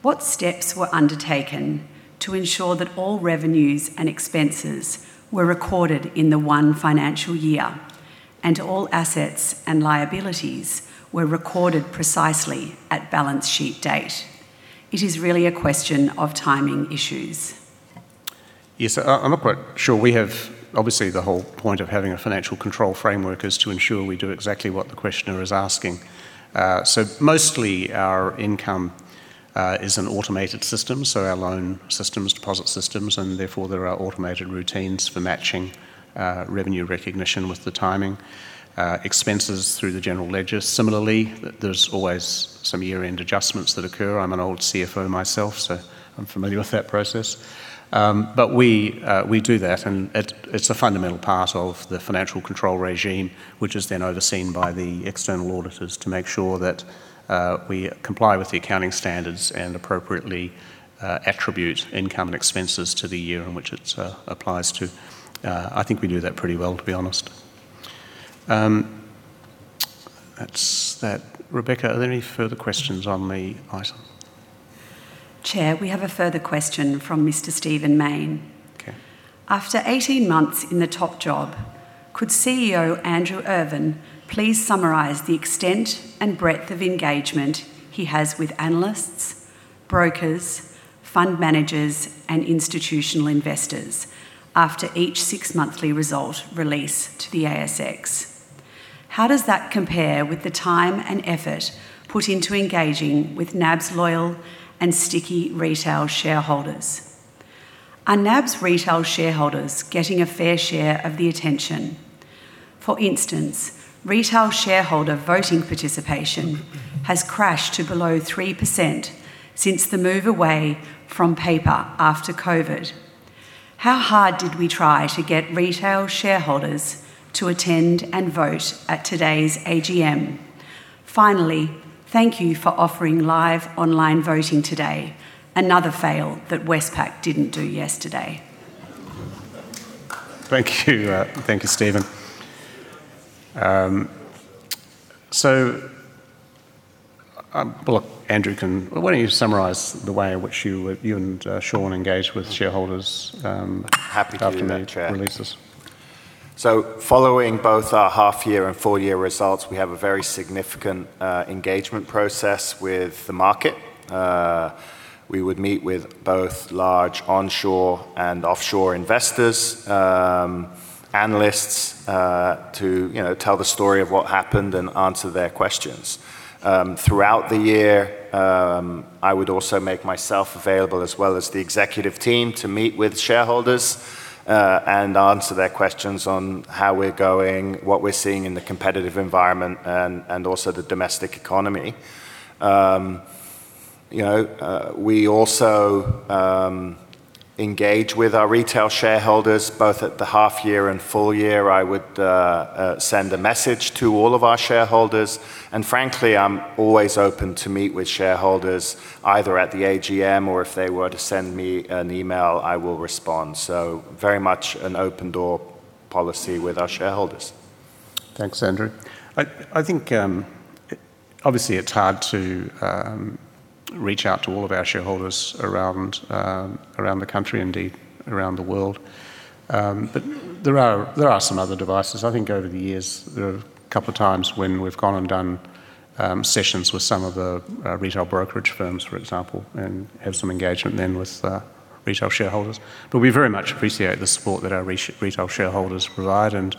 What steps were undertaken to ensure that all revenues and expenses were recorded in the one financial year and all assets and liabilities were recorded precisely at balance sheet date? It is really a question of timing issues. Yes, I'm not quite sure. We have, obviously, the whole point of having a financial control framework is to ensure we do exactly what the questioner is asking. So mostly, our income is an automated system. So our loan systems, deposit systems, and therefore, there are automated routines for matching revenue recognition with the timing. Expenses through the general ledger. Similarly, there's always some year-end adjustments that occur. I'm an old CFO myself, so I'm familiar with that process. But we do that, and it's a fundamental part of the financial control regime, which is then overseen by the external auditors to make sure that we comply with the accounting standards and appropriately attribute income and expenses to the year in which it applies to. I think we do that pretty well, to be honest. That's that. Rebecca, are there any further questions on the item? Chair, we have a further question from Mr. Stephen Mayne. Okay. After 18 months in the top job, could CEO Andrew Irvine please summarise the extent and breadth of engagement he has with analysts, brokers, fund managers, and institutional investors after each six-monthly result release to the ASX? How does that compare with the time and effort put into engaging with NAB's loyal and sticky retail shareholders? Are NAB's retail shareholders getting a fair share of the attention? For instance, retail shareholder voting participation has crashed to below 3% since the move away from paper after COVID. How hard did we try to get retail shareholders to attend and vote at today's AGM? Finally, thank you for offering live online voting today, another fail that Westpac didn't do yesterday. Thank you. Thank you, Stephen. So Andrew, why don't you summarize the way in which you and Shaun engage with shareholders after NAB releases? Following both our half-year and full-year results, we have a very significant engagement process with the market. We would meet with both large onshore and offshore investors, analysts, to tell the story of what happened and answer their questions. Throughout the year, I would also make myself available, as well as the executive team, to meet with shareholders and answer their questions on how we're going, what we're seeing in the competitive environment, and also the domestic economy. We also engage with our retail shareholders both at the half-year and full-year. I would send a message to all of our shareholders. And frankly, I'm always open to meet with shareholders, either at the AGM or if they were to send me an email, I will respond. Very much an open-door policy with our shareholders. Thanks, Andrew. I think, obviously, it's hard to reach out to all of our shareholders around the country, indeed, around the world. But there are some other devices. I think over the years, there are a couple of times when we've gone and done sessions with some of the retail brokerage firms, for example, and had some engagement then with retail shareholders. But we very much appreciate the support that our retail shareholders provide. And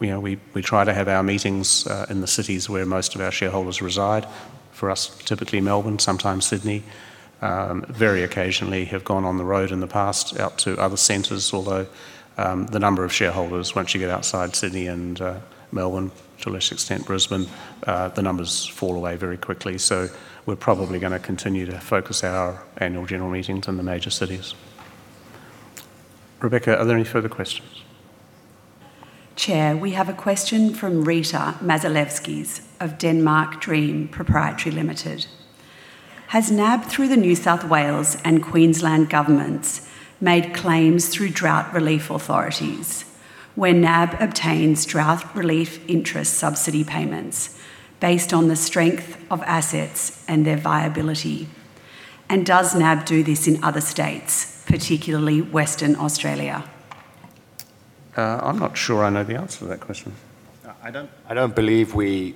we try to have our meetings in the cities where most of our shareholders reside. For us, typically Melbourne, sometimes Sydney. Very occasionally, we have gone on the road in the past out to other centres. Although the number of shareholders, once you get outside Sydney and Melbourne, to a lesser extent Brisbane, the numbers fall away very quickly. So we're probably going to continue to focus our Annual General Meetings in the major cities. Rebecca, are there any further questions? Chair, we have a question from Rita Mazalevskis of Denmark Dream Proprietary Limited. Has NAB through the New South Wales and Queensland governments made claims through drought relief authorities when NAB obtains drought relief interest subsidy payments based on the strength of assets and their viability? And does NAB do this in other states, particularly Western Australia? I'm not sure I know the answer to that question. I don't believe we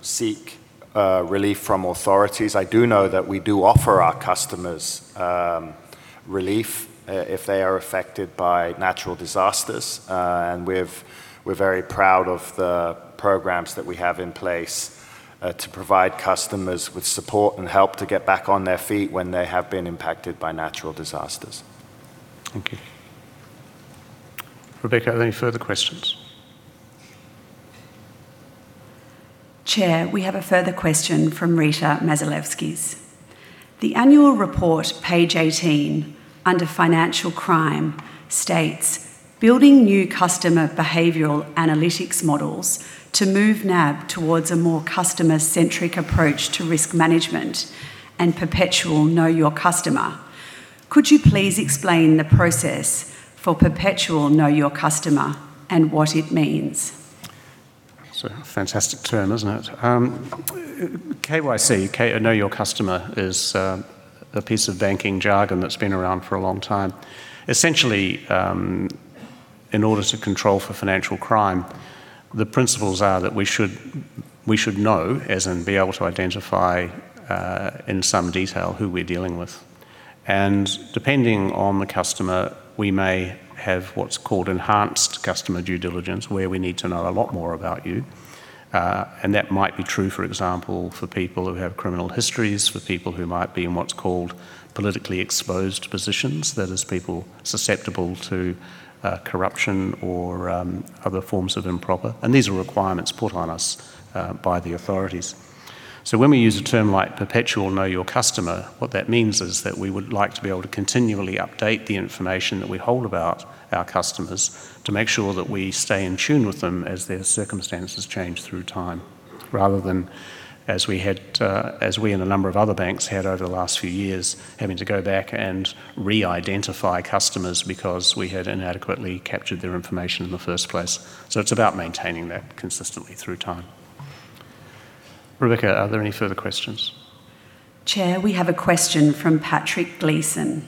seek relief from authorities. I do know that we do offer our customers relief if they are affected by natural disasters. And we're very proud of the programs that we have in place to provide customers with support and help to get back on their feet when they have been impacted by natural disasters. Thank you. Rebecca, are there any further questions? Chair, we have a further question from Rita Mazalevskis. The annual report, page 18, under financial crime, states, "Building new customer behavioral analytics models to move NAB towards a more customer-centric approach to risk management and Perpetual Know Your Customer." Could you please explain the process for Perpetual Know Your Customer and what it means? That's a fantastic term, isn't it? KYC, Know Your Customer, is a piece of banking jargon that's been around for a long time. Essentially, in order to control for financial crime, the principles are that we should know, as in be able to identify in some detail who we're dealing with. And depending on the customer, we may have what's called enhanced customer due diligence, where we need to know a lot more about you. And that might be true, for example, for people who have criminal histories, for people who might be in what's called Politically Exposed Positions, that is, people susceptible to corruption or other forms of improper. And these are requirements put on us by the authorities. So when we use a term like Perpetual Know Your Customer, what that means is that we would like to be able to continually update the information that we hold about our customers to make sure that we stay in tune with them as their circumstances change through time, rather than as we had, as we and a number of other banks had over the last few years, having to go back and re-identify customers because we had inadequately captured their information in the first place. So it's about maintaining that consistently through time. Rebecca, are there any further questions? Chair, we have a question from Patrick Gleeson.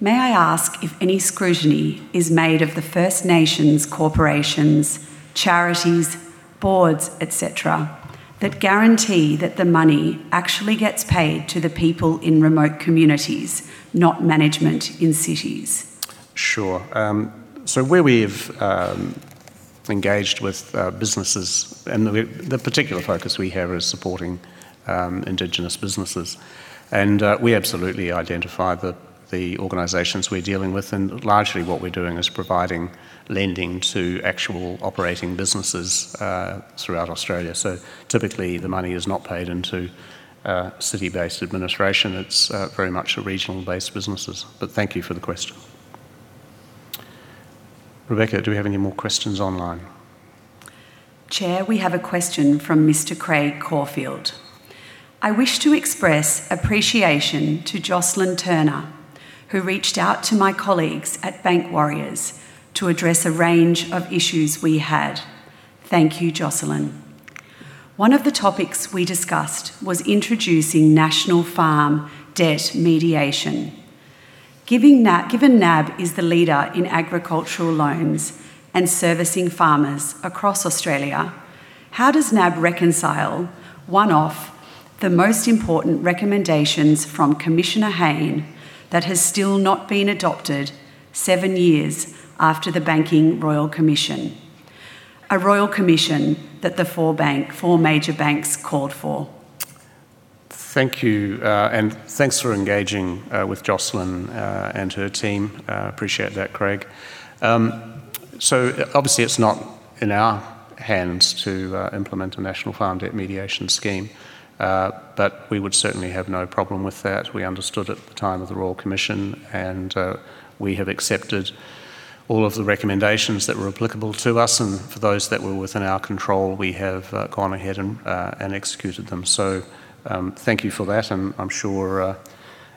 "May I ask if any scrutiny is made of the First Nations corporations, charities, boards, etc., that guarantee that the money actually gets paid to the people in remote communities, not management in cities? Sure. So where we've engaged with businesses, and the particular focus we have is supporting Indigenous businesses. And we absolutely identify the organizations we're dealing with. And largely, what we're doing is providing lending to actual operating businesses throughout Australia. So typically, the money is not paid into city-based administration. It's very much regional-based businesses. But thank you for the question. Rebecca, do we have any more questions online? Chair, we have a question from Mr. Craig Caulfield. "I wish to express appreciation to Jocelyn Turner, who reached out to my colleagues at Bank Warriors to address a range of issues we had. Thank you, Jocelyn. One of the topics we discussed was introducing national farm debt mediation. Given NAB is the leader in agricultural loans and servicing farmers across Australia, how does NAB reconcile one of the most important recommendations from Commissioner Hayne that has still not been adopted seven years after the Banking Royal Commission, a Royal Commission that the four major banks called for? Thank you, and thanks for engaging with Jocelyn and her team. Appreciate that, Craig, so obviously, it's not in our hands to implement a national farm debt mediation scheme, but we would certainly have no problem with that. We understood at the time of the Royal Commission, and we have accepted all of the recommendations that were applicable to us, and for those that were within our control, we have gone ahead and executed them. So thank you for that, and I'm sure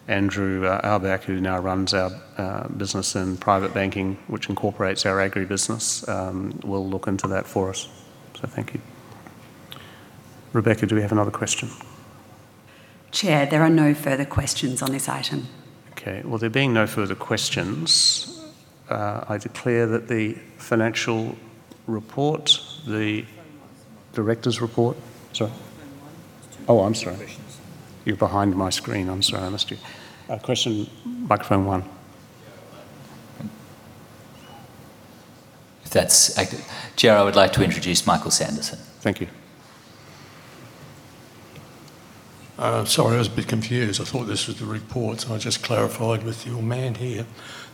Ana Marinkovic, who now runs our business in private banking, which incorporates our agribusiness, will look into that for us, so thank you. Rebecca, do we have another question? Chair, there are no further questions on this item. Okay. Well, there being no further questions, I declare that the financial report, the director's report, sorry. Oh, I'm sorry. You're behind my screen. I'm sorry. I missed you. Question, microphone one. Chair, I would like to introduce Michael Sanderson. Thank you. Sorry, I was a bit confused. I thought this was the report, so I just clarified with your man here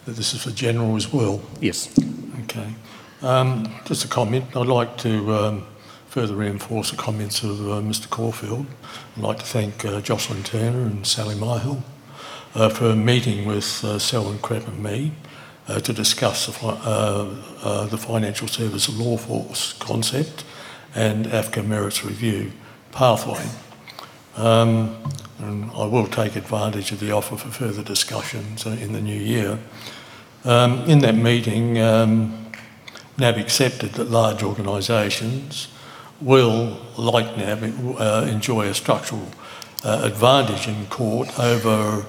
that this is for General as well. Yes. Okay. Just a comment. I'd like to further reinforce the comments of Mr. Caulfield. I'd like to thank Jocelyn Turner and Sally Mihell for meeting with Selwyn Krepp and me to discuss the financial services law force and AFCA merits review pathway. And I will take advantage of the offer for further discussions in the new year. In that meeting, NAB accepted that large organisations will, like NAB, enjoy a structural advantage in court over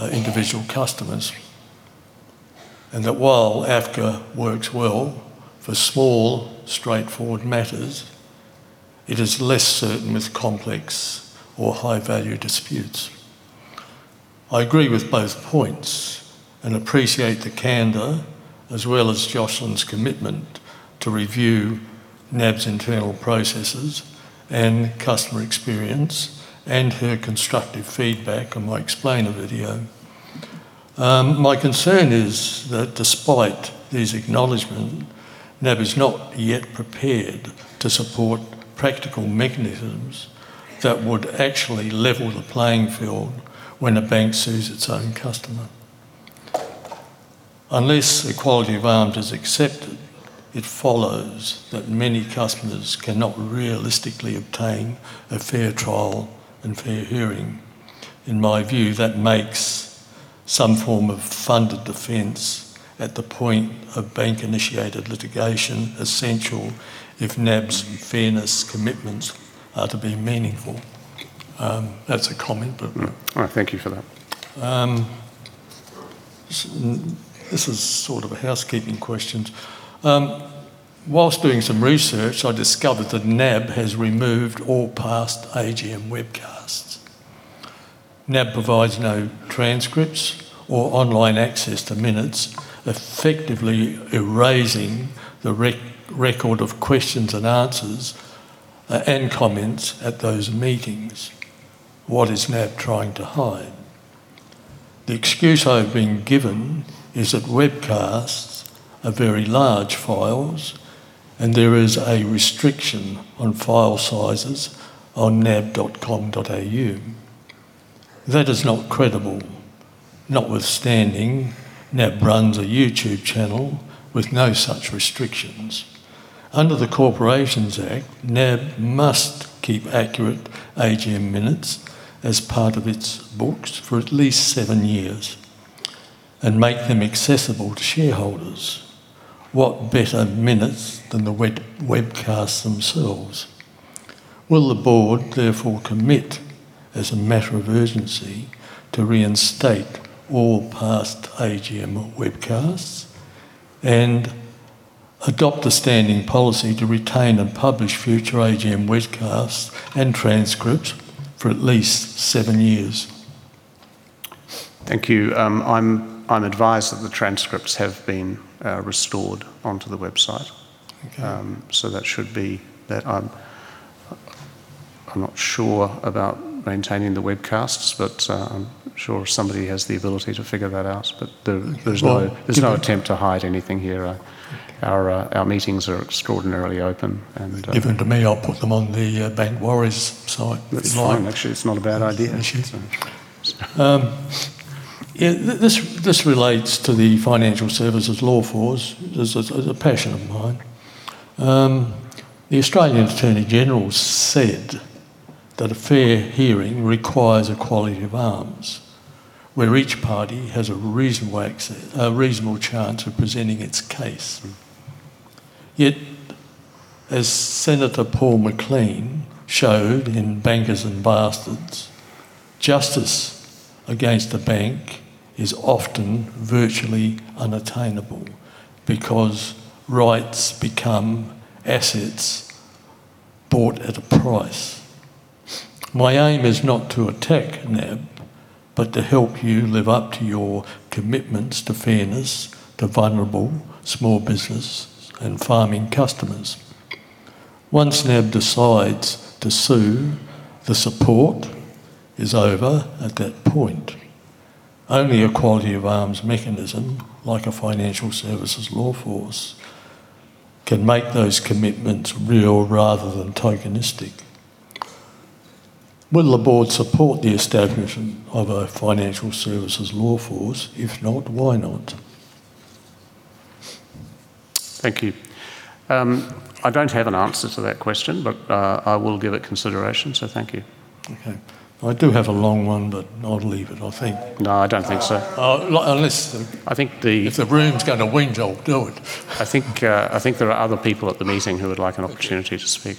individual customers. And that while AFCA works well for small, straightforward matters, it is less certain with complex or high-value disputes. I agree with both points and appreciate the candor, as well as Jocelyn's commitment to review NAB's internal processes and customer experience and her constructive feedback on my explainer video. My concern is that despite these acknowledgments, NAB is not yet prepared to support practical mechanisms that would actually level the playing field when a bank sues its own customer. Unless the equality of arms is accepted, it follows that many customers cannot realistically obtain a fair trial and fair hearing. In my view, that makes some form of funded defence at the point of bank-initiated litigation essential if NAB's fairness commitments are to be meaningful. That's a comment, but. All right. Thank you for that. This is sort of a housekeeping question. While doing some research, I discovered that NAB has removed all past AGM webcasts. NAB provides no transcripts or online access to minutes, effectively erasing the record of questions and answers and comments at those meetings. What is NAB trying to hide? The excuse I've been given is that webcasts are very large files, and there is a restriction on file sizes on nab.com.au. That is not credible. Notwithstanding, NAB runs a YouTube channel with no such restrictions. Under the Corporations Act, NAB must keep accurate AGM minutes as part of its books for at least seven years and make them accessible to shareholders. What better minutes than the webcasts themselves? Will the board therefore commit, as a matter of urgency, to reinstate all past AGM webcasts and adopt a standing policy to retain and publish future AGM webcasts and transcripts for at least seven years? Thank you. I'm advised that the transcripts have been restored onto the website. So that should be that. I'm not sure about maintaining the webcasts, but I'm sure somebody has the ability to figure that out. But there's no attempt to hide anything here. Our meetings are extraordinarily open. Given to me, I'll put them on the Bank Warriors site. That's fine, actually. It's not a bad idea. This relates to the financial services law force. This is a passion of mine. The Australian Attorney General said that a fair hearing requires an equality of arms where each party has a reasonable chance of presenting its case. Yet, as Senator Paul McLean showed in Bankers and Bastards, justice against a bank is often virtually unattainable because rights become assets bought at a price. My aim is not to attack NAB, but to help you live up to your commitments to fairness to vulnerable small business and farming customers. Once NAB decides to sue, the support is over at that point. Only an equality of arms mechanism, like a financial services law force, can make those commitments real rather than tokenistic. Will the board support the establishment of a financial services law force? If not, why not? Thank you. I don't have an answer to that question, but I will give it consideration. So thank you. Okay. I do have a long one, but I'll leave it, I think. No, I don't think so. Unless I think the room's going to win, I'll do it. I think there are other people at the meeting who would like an opportunity to speak.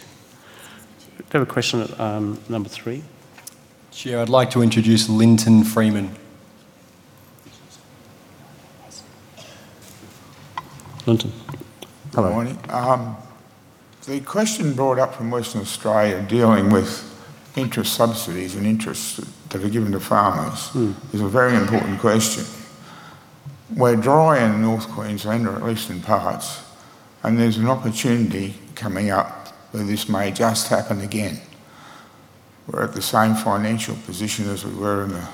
Do you have a question at number three? Chair, I'd like to introduce Linton Freeman. Linton. Hello. Good morning. The question brought up from Western Australia dealing with interest subsidies and interest that are given to farmers is a very important question. We're dry in North Queensland, or at least in parts, and there's an opportunity coming up where this may just happen again. We're at the same financial position as we were in the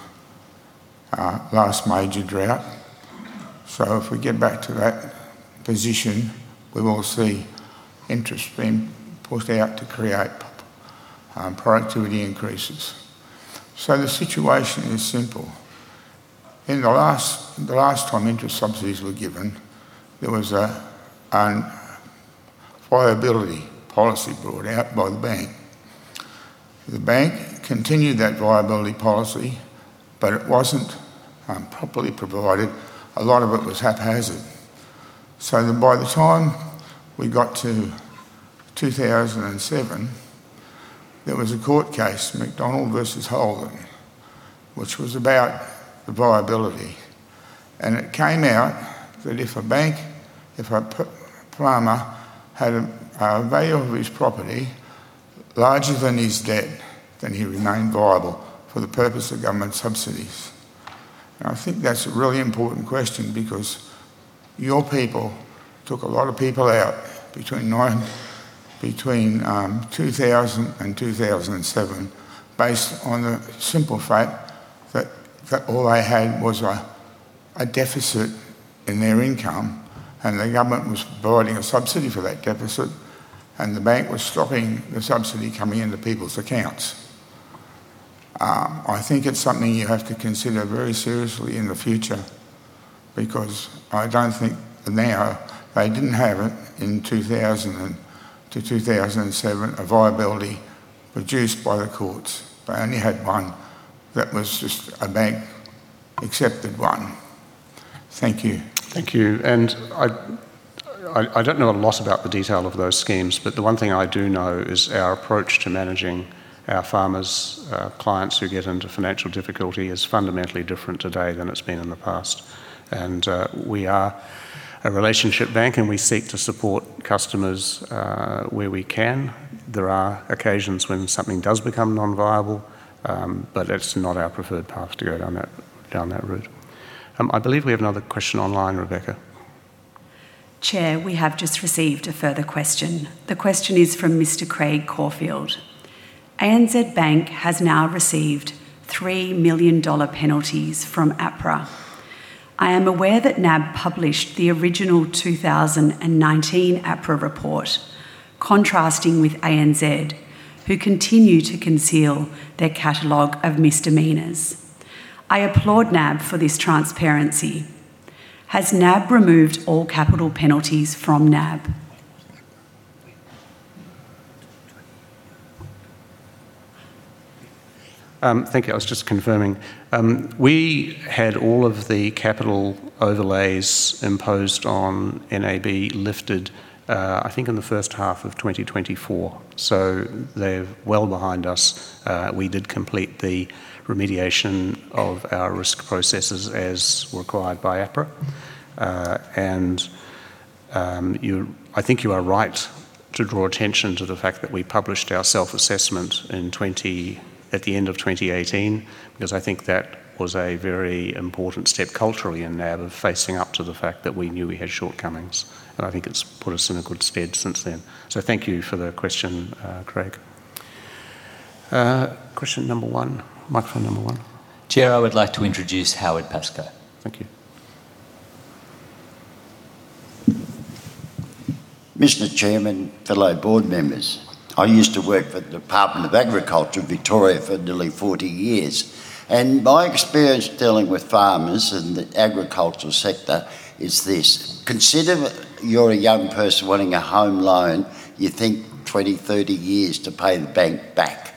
last major drought. So if we get back to that position, we will see interest being put out to create productivity increases. So the situation is simple. In the last time interest subsidies were given, there was a viability policy brought out by the bank. The bank continued that viability policy, but it wasn't properly provided. A lot of it was haphazard. So by the time we got to 2007, there was a court case, McDonald versus Holden, which was about the viability. It came out that if a farmer had a value of his property larger than his debt, then he remained viable for the purpose of government subsidies. I think that's a really important question because your people took a lot of people out between 2000 and 2007 based on the simple fact that all they had was a deficit in their income, and the government was providing a subsidy for that deficit, and the bank was stopping the subsidy coming into people's accounts. I think it's something you have to consider very seriously in the future because I don't think now they didn't have it in 2000 to 2007, a viability produced by the courts. They only had one that was just a bank accepted one. Thank you. Thank you. And I don't know a lot about the detail of those schemes, but the one thing I do know is our approach to managing our farmers' clients who get into financial difficulty is fundamentally different today than it's been in the past. And we are a relationship bank, and we seek to support customers where we can. There are occasions when something does become non-viable, but it's not our preferred path to go down that route. I believe we have another question online, Rebecca. Chair, we have just received a further question. The question is from Mr. Craig Caulfield. ANZ Bank has now received 3 million dollar penalties from APRA. I am aware that NAB published the original 2019 APRA report contrasting with ANZ, who continue to conceal their catalog of misdemeanors. I applaud NAB for this transparency. Has NAB removed all capital penalties from NAB? Thank you. I was just confirming. We had all of the capital overlays imposed on NAB lifted, I think, in the first half of 2024. So they're well behind us. We did complete the remediation of our risk processes as required by APRA. And I think you are right to draw attention to the fact that we published our self-assessment at the end of 2018 because I think that was a very important step culturally in NAB of facing up to the fact that we knew we had shortcomings. And I think it's put us in a good stead since then. So thank you for the question, Craig. Question number one, microphone number one. Chair, I would like to introduce Howard Pascoe. Thank you. Mr. Chairman, fellow board members. I used to work for the Department of Agriculture, Victoria, for nearly 40 years, and my experience dealing with farmers in the agricultural sector is this: consider you're a young person wanting a home loan. You think 20, 30 years to pay the bank back.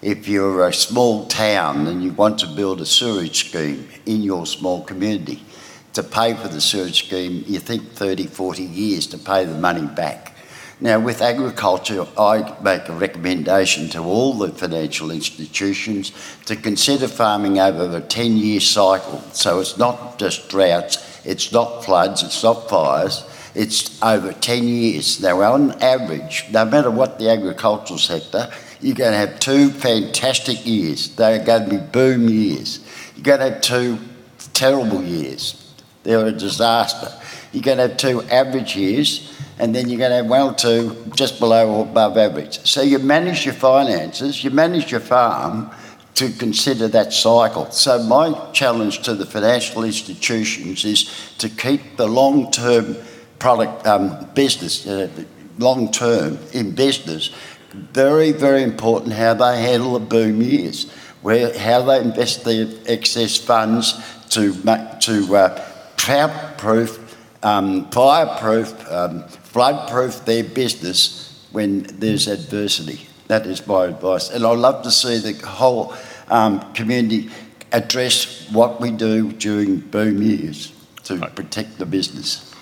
If you're a small town and you want to build a sewage scheme in your small community to pay for the sewage scheme, you think 30, 40 years to pay the money back. Now, with agriculture, I make a recommendation to all the financial institutions to consider farming over a 10-year cycle, so it's not just droughts, it's not floods, it's not fires. It's over 10 years. Now, on average, no matter what the agricultural sector, you're going to have two fantastic years. They're going to be boom years. You're going to have two terrible years. They're a disaster. You're going to have two average years, and then you're going to have one or two just below or above average. So you manage your finances, you manage your farm to consider that cycle. So my challenge to the financial institutions is to keep the long-term business, long-term investors very, very important how they handle the boom years, how they invest the excess funds to fireproof, floodproof their business when there's adversity. That is my advice. And I'd love to see the whole community address what we do during boom years to protect the business.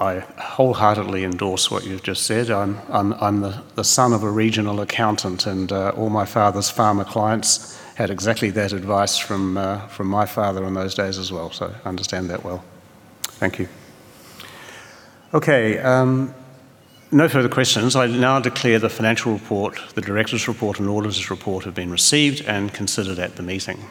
I wholeheartedly endorse what you've just said. I'm the son of a regional accountant, and all my father's farmer clients had exactly that advice from my father in those days as well. So I understand that well. Thank you. Okay. No further questions. I now declare the financial report, the director's report, and auditor's report have been received and considered at the meeting.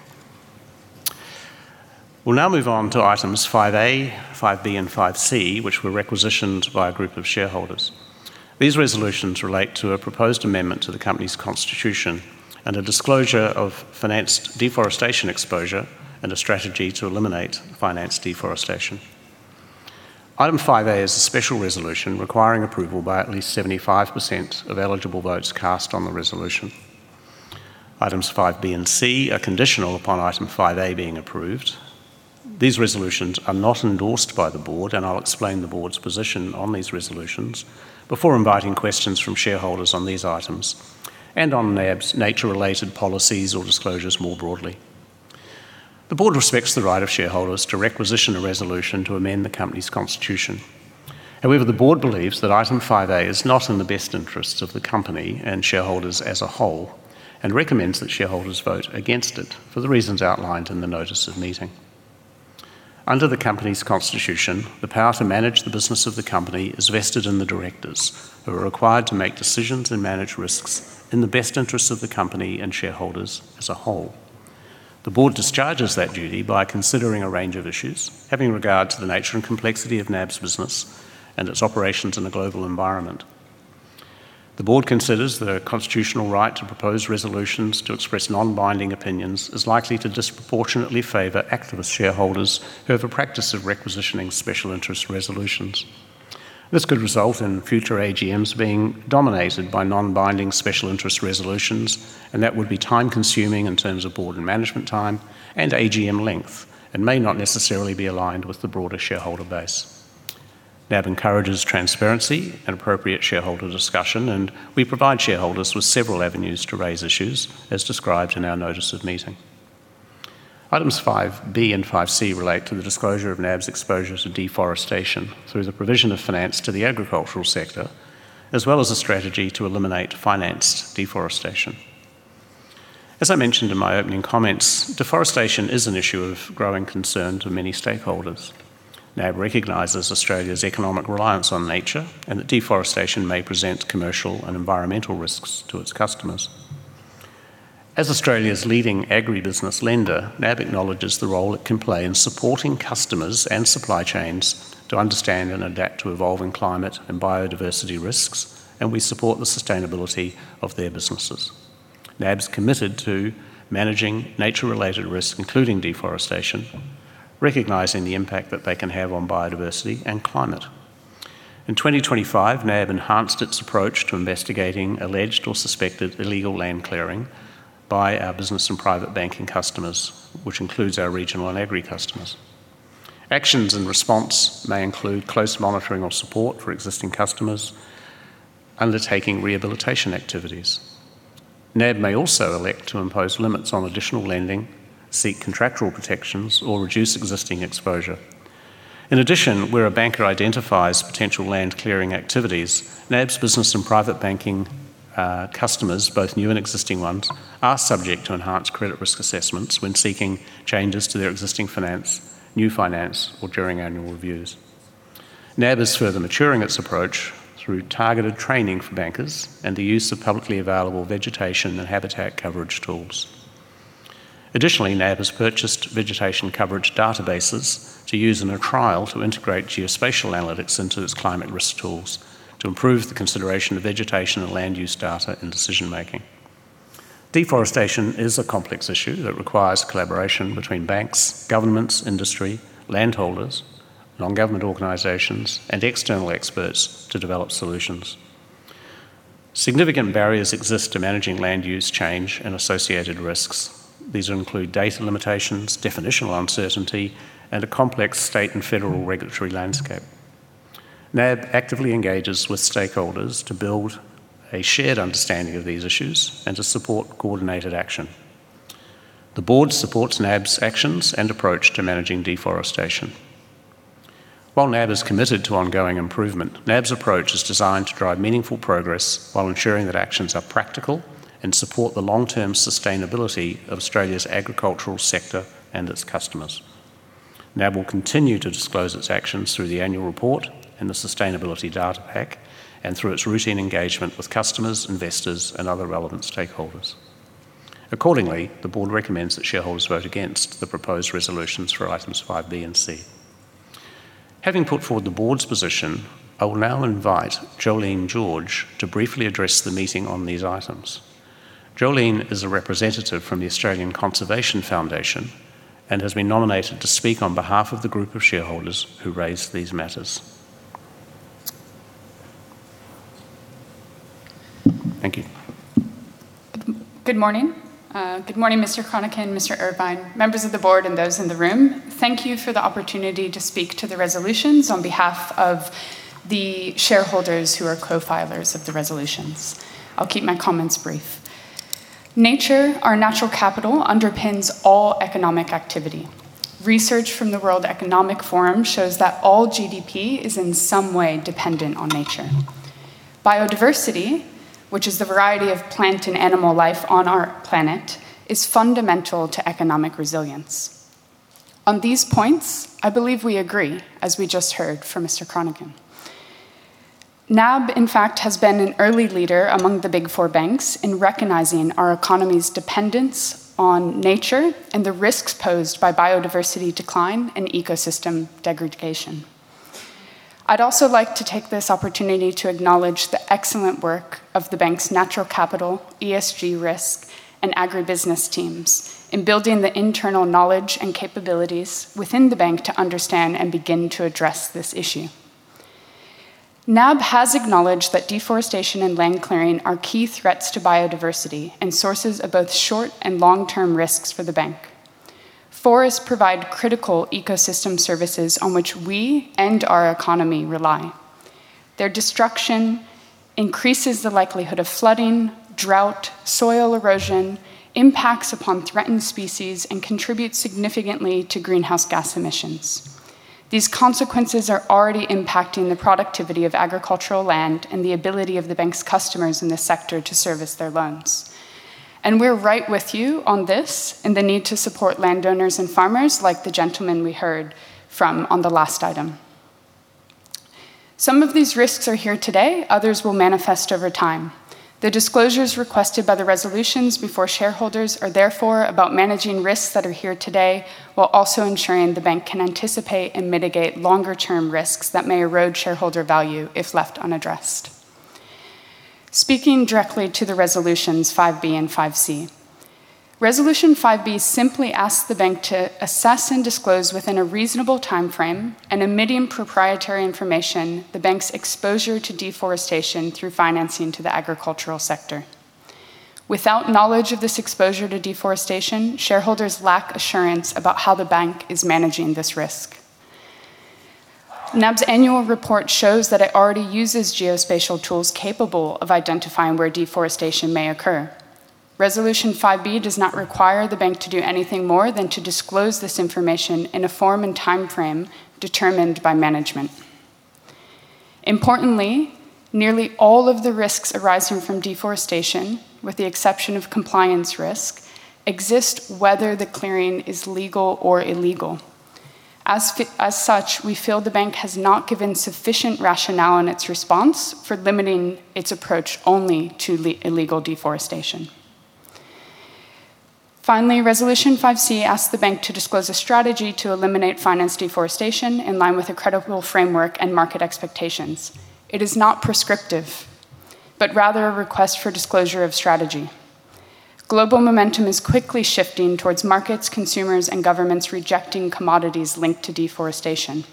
We'll now move on to Items 5A, 5B, and 5C, which were requisitioned by a group of shareholders. These resolutions relate to a proposed amendment to the company's constitution and a disclosure of financed deforestation exposure and a strategy to eliminate financed deforestation. Item 5A is a special resolution requiring approval by at least 75% of eligible votes cast on the resolution. Items 5B and C are conditional upon Item 5A being approved. These resolutions are not endorsed by the board, and I'll explain the board's position on these resolutions before inviting questions from shareholders on these items and on NAB's nature-related policies or disclosures more broadly. The board respects the right of shareholders to requisition a resolution to amend the company's constitution. However, the board believes that Item 5A is not in the best interest of the company and shareholders as a whole and recommends that shareholders vote against it for the reasons outlined in the notice of meeting. Under the company's constitution, the power to manage the business of the company is vested in the directors, who are required to make decisions and manage risks in the best interests of the company and shareholders as a whole. The board discharges that duty by considering a range of issues, having regard to the nature and complexity of NAB's business and its operations in a global environment. The board considers the constitutional right to propose resolutions to express non-binding opinions is likely to disproportionately favor activist shareholders who have a practice of requisitioning special interest resolutions. This could result in future AGMs being dominated by non-binding special interest resolutions, and that would be time-consuming in terms of board and management time and AGM length and may not necessarily be aligned with the broader shareholder base. NAB encourages transparency and appropriate shareholder discussion, and we provide shareholders with several avenues to raise issues, as described in our notice of meeting. Items 5B and 5C relate to the disclosure of NAB's exposure to deforestation through the provision of finance to the agricultural sector, as well as a strategy to eliminate financed deforestation. As I mentioned in my opening comments, deforestation is an issue of growing concern to many stakeholders. NAB recognizes Australia's economic reliance on nature and that deforestation may present commercial and environmental risks to its customers. As Australia's leading agribusiness lender, NAB acknowledges the role it can play in supporting customers and supply chains to understand and adapt to evolving climate and biodiversity risks, and we support the sustainability of their businesses. NAB is committed to managing nature-related risk, including deforestation, recognizing the impact that they can have on biodiversity and climate. In 2025, NAB enhanced its approach to investigating alleged or suspected illegal land clearing by our business and private banking customers, which includes our regional and agri customers. Actions and response may include close monitoring or support for existing customers, undertaking rehabilitation activities. NAB may also elect to impose limits on additional lending, seek contractual protections, or reduce existing exposure. In addition, where a banker identifies potential land clearing activities, NAB's business and private banking customers, both new and existing ones, are subject to enhanced credit risk assessments when seeking changes to their existing finance, new finance, or during annual reviews. NAB is further maturing its approach through targeted training for bankers and the use of publicly available vegetation and habitat coverage tools. Additionally, NAB has purchased vegetation coverage databases to use in a trial to integrate geospatial analytics into its climate risk tools to improve the consideration of vegetation and land use data in decision-making. Deforestation is a complex issue that requires collaboration between banks, governments, industry, landholders, non-government organizations, and external experts to develop solutions. Significant barriers exist to managing land use change and associated risks. These include data limitations, definitional uncertainty, and a complex state and federal regulatory landscape. NAB actively engages with stakeholders to build a shared understanding of these issues and to support coordinated action. The board supports NAB's actions and approach to managing deforestation. While NAB is committed to ongoing improvement, NAB's approach is designed to drive meaningful progress while ensuring that actions are practical and support the long-term sustainability of Australia's agricultural sector and its customers. NAB will continue to disclose its actions through the annual report and the sustainability data pack, and through its routine engagement with customers, investors, and other relevant stakeholders. Accordingly, the board recommends that shareholders vote against the proposed resolutions for Items 5B and C. Having put forward the board's position, I will now invite Jolene George to briefly address the meeting on these items. Jolene is a representative from the Australian Conservation Foundation and has been nominated to speak on behalf of the group of shareholders who raised these matters. Thank you. Good morning. Good morning, Mr. Chronican, Mr. Irvine, members of the board, and those in the room. Thank you for the opportunity to speak to the resolutions on behalf of the shareholders who are co-filers of the resolutions. I'll keep my comments brief. Nature, our natural capital, underpins all economic activity. Research from the World Economic Forum shows that all GDP is in some way dependent on nature. Biodiversity, which is the variety of plant and animal life on our planet, is fundamental to economic resilience. On these points, I believe we agree, as we just heard from Mr. Chronican. NAB, in fact, has been an early leader among the Big Four banks in recognizing our economy's dependence on nature and the risks posed by biodiversity decline and ecosystem degradation. I'd also like to take this opportunity to acknowledge the excellent work of the bank's natural capital, ESG risk, and agribusiness teams in building the internal knowledge and capabilities within the bank to understand and begin to address this issue. NAB has acknowledged that deforestation and land clearing are key threats to biodiversity and sources of both short and long-term risks for the bank. Forests provide critical ecosystem services on which we and our economy rely. Their destruction increases the likelihood of flooding, drought, soil erosion, impacts upon threatened species, and contributes significantly to greenhouse gas emissions. These consequences are already impacting the productivity of agricultural land and the ability of the bank's customers in the sector to service their loans, and we're right with you on this and the need to support landowners and farmers like the gentleman we heard from on the last item. Some of these risks are here today. Others will manifest over time. The disclosures requested by the resolutions before shareholders are therefore about managing risks that are here today while also ensuring the bank can anticipate and mitigate longer-term risks that may erode shareholder value if left unaddressed. Speaking directly to the Resolutions 5B and 5C, Resolution 5B simply asks the bank to assess and disclose within a reasonable timeframe and without compromising proprietary information the bank's exposure to deforestation through financing to the agricultural sector. Without knowledge of this exposure to deforestation, shareholders lack assurance about how the bank is managing this risk. NAB's annual report shows that it already uses geospatial tools capable of identifying where deforestation may occur. Resolution 5B does not require the bank to do anything more than to disclose this information in a form and timeframe determined by management. Importantly, nearly all of the risks arising from deforestation, with the exception of compliance risk, exist whether the clearing is legal or illegal. As such, we feel the bank has not given sufficient rationale in its response for limiting its approach only to illegal deforestation. Finally, Resolution 5C asks the bank to disclose a strategy to eliminate financed deforestation in line with a credible framework and market expectations. It is not prescriptive, but rather a request for disclosure of strategy. Global momentum is quickly shifting towards markets, consumers, and governments rejecting commodities linked to deforestation.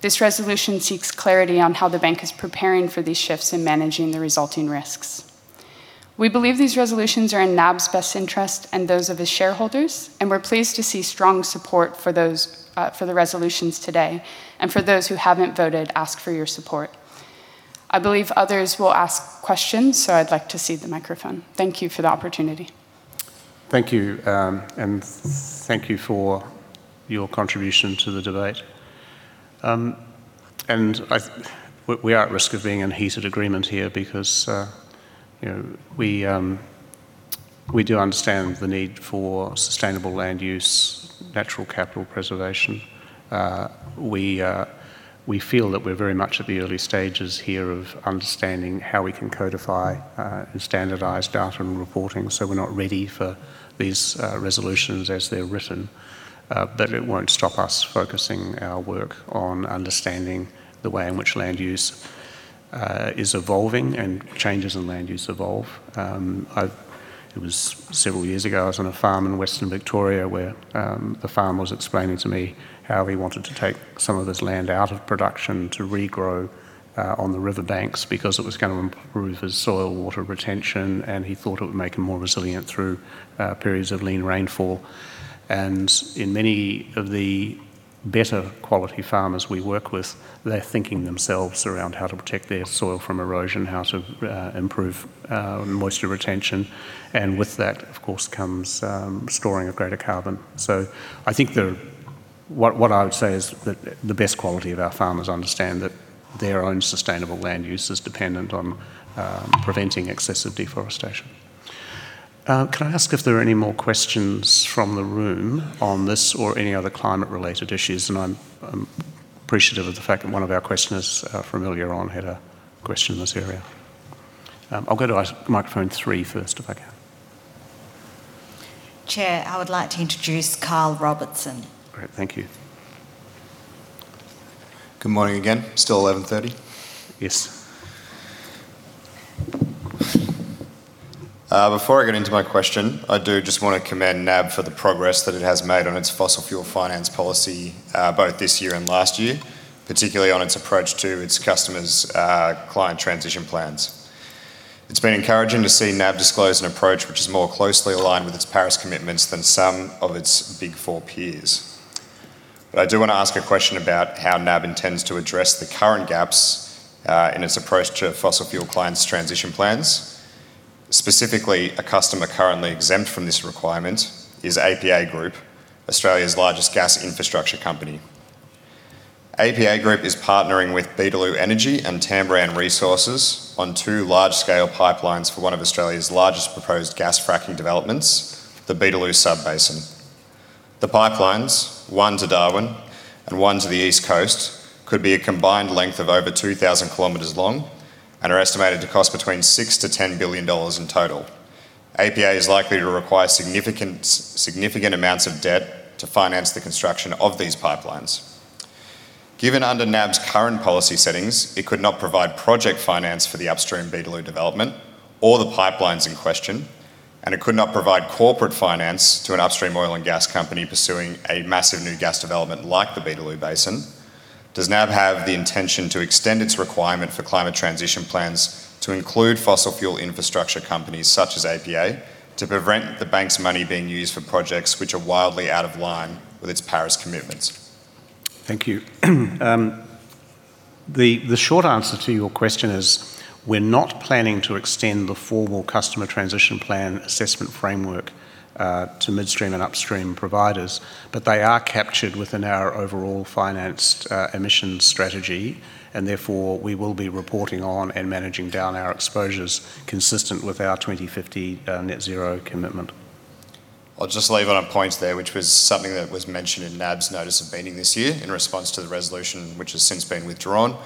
This resolution seeks clarity on how the bank is preparing for these shifts and managing the resulting risks. We believe these resolutions are in NAB's best interest and those of its shareholders, and we're pleased to see strong support for the resolutions today, and for those who haven't voted, ask for your support. I believe others will ask questions, so I'd like to see the microphone. Thank you for the opportunity. Thank you. And thank you for your contribution to the debate. And we are at risk of being in heated agreement here because we do understand the need for sustainable land use, natural capital preservation. We feel that we're very much at the early stages here of understanding how we can codify and standardize data and reporting, so we're not ready for these resolutions as they're written. But it won't stop us focusing our work on understanding the way in which land use is evolving and changes in land use evolve. It was several years ago I was on a farm in Western Victoria where the farmer was explaining to me how he wanted to take some of his land out of production to regrow on the riverbanks because it was going to improve his soil water retention, and he thought it would make him more resilient through periods of lean rainfall. And in many of the better quality farmers we work with, they're thinking themselves around how to protect their soil from erosion, how to improve moisture retention. And with that, of course, comes storing a greater carbon. So I think what I would say is that the best quality of our farmers understand that their own sustainable land use is dependent on preventing excessive deforestation. Can I ask if there are any more questions from the room on this or any other climate-related issues? I'm appreciative of the fact that one of our questioners earlier on had a question in this area. I'll go to microphone three first, if I can. Chair, I would like to introduce Carl Robertson. Great. Thank you. Good morning again. Still 11:30AM.? Yes. Before I get into my question, I do just want to commend NAB for the progress that it has made on its fossil fuel finance policy, both this year and last year, particularly on its approach to its customers' client transition plans. It's been encouraging to see NAB disclose an approach which is more closely aligned with its Paris commitments than some of its Big Four peers. But I do want to ask a question about how NAB intends to address the current gaps in its approach to fossil fuel clients' transition plans. Specifically, a customer currently exempt from this requirement is APA Group, Australia's largest gas infrastructure company. APA Group is partnering with Empire Energy and Tamboran Resources on two large-scale pipelines for one of Australia's largest proposed gas fracking developments, the Beetaloo Sub-basin. The pipelines, one to Darwin and one to the East Coast, could be a combined length of over 2,000 kilometers long and are estimated to cost between 6 billion to 10 billion dollars in total. APA is likely to require significant amounts of debt to finance the construction of these pipelines. Given under NAB's current policy settings, it could not provide project finance for the upstream Beetaloo development or the pipelines in question, and it could not provide corporate finance to an upstream oil and gas company pursuing a massive new gas development like the Beetaloo Basin. Does NAB have the intention to extend its requirement for climate transition plans to include fossil fuel infrastructure companies such as APA to prevent the bank's money being used for projects which are wildly out of line with its Paris commitments? Thank you. The short answer to your question is we're not planning to extend the formal customer transition plan assessment framework to midstream and upstream providers, but they are captured within our overall financed emissions strategy, and therefore we will be reporting on and managing down our exposures consistent with our 2050 net zero commitment. I'll just leave on a point there, which was something that was mentioned in NAB's notice of meeting this year in response to the resolution, which has since been withdrawn,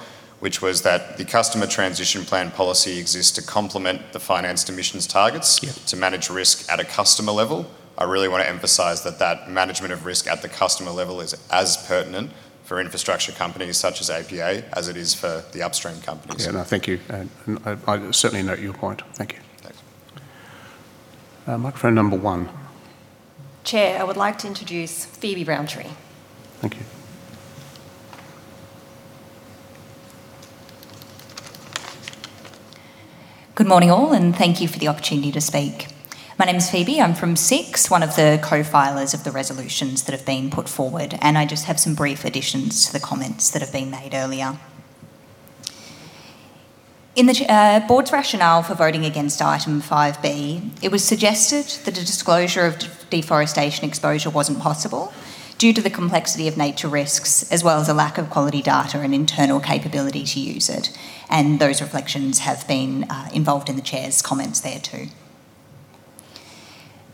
which was that the customer transition plan policy exists to complement the financed emissions targets to manage risk at a customer level. I really want to emphasize that that management of risk at the customer level is as pertinent for infrastructure companies such as APA as it is for the upstream companies. Yeah, no, thank you. And I certainly note your point. Thank you. Thanks. Microphone number one. Chair, I would like to introduce Phoebe Rountree. Thank you. Good morning, all, and thank you for the opportunity to speak. My name is Phoebe. I'm from SIX, one of the co-filers of the resolutions that have been put forward, and I just have some brief additions to the comments that have been made earlier. In the board's rationale for voting against Item 5B, it was suggested that a disclosure of deforestation exposure wasn't possible due to the complexity of nature risks, as well as a lack of quality data and internal capability to use it, and those reflections have been involved in the chair's comments there too.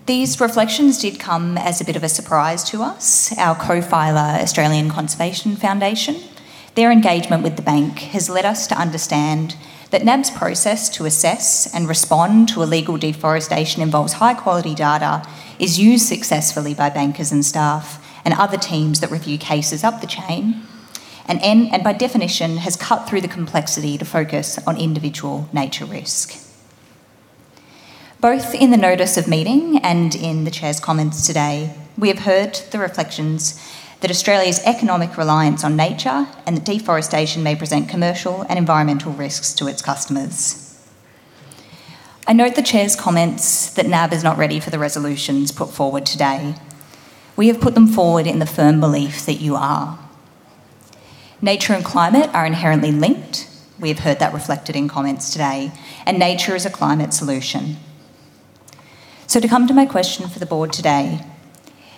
These reflections did come as a bit of a surprise to us. Our co-filer, Australian Conservation Foundation, their engagement with the bank has led us to understand that NAB's process to assess and respond to illegal deforestation involves high-quality data is used successfully by bankers and staff and other teams that review cases up the chain, and by definition, has cut through the complexity to focus on individual nature risk. Both in the notice of meeting and in the chair's comments today, we have heard the reflections that Australia's economic reliance on nature and that deforestation may present commercial and environmental risks to its customers. I note the chair's comments that NAB is not ready for the resolutions put forward today. We have put them forward in the firm belief that you are. Nature and climate are inherently linked. We have heard that reflected in comments today, and nature is a climate solution. To come to my question for the board today,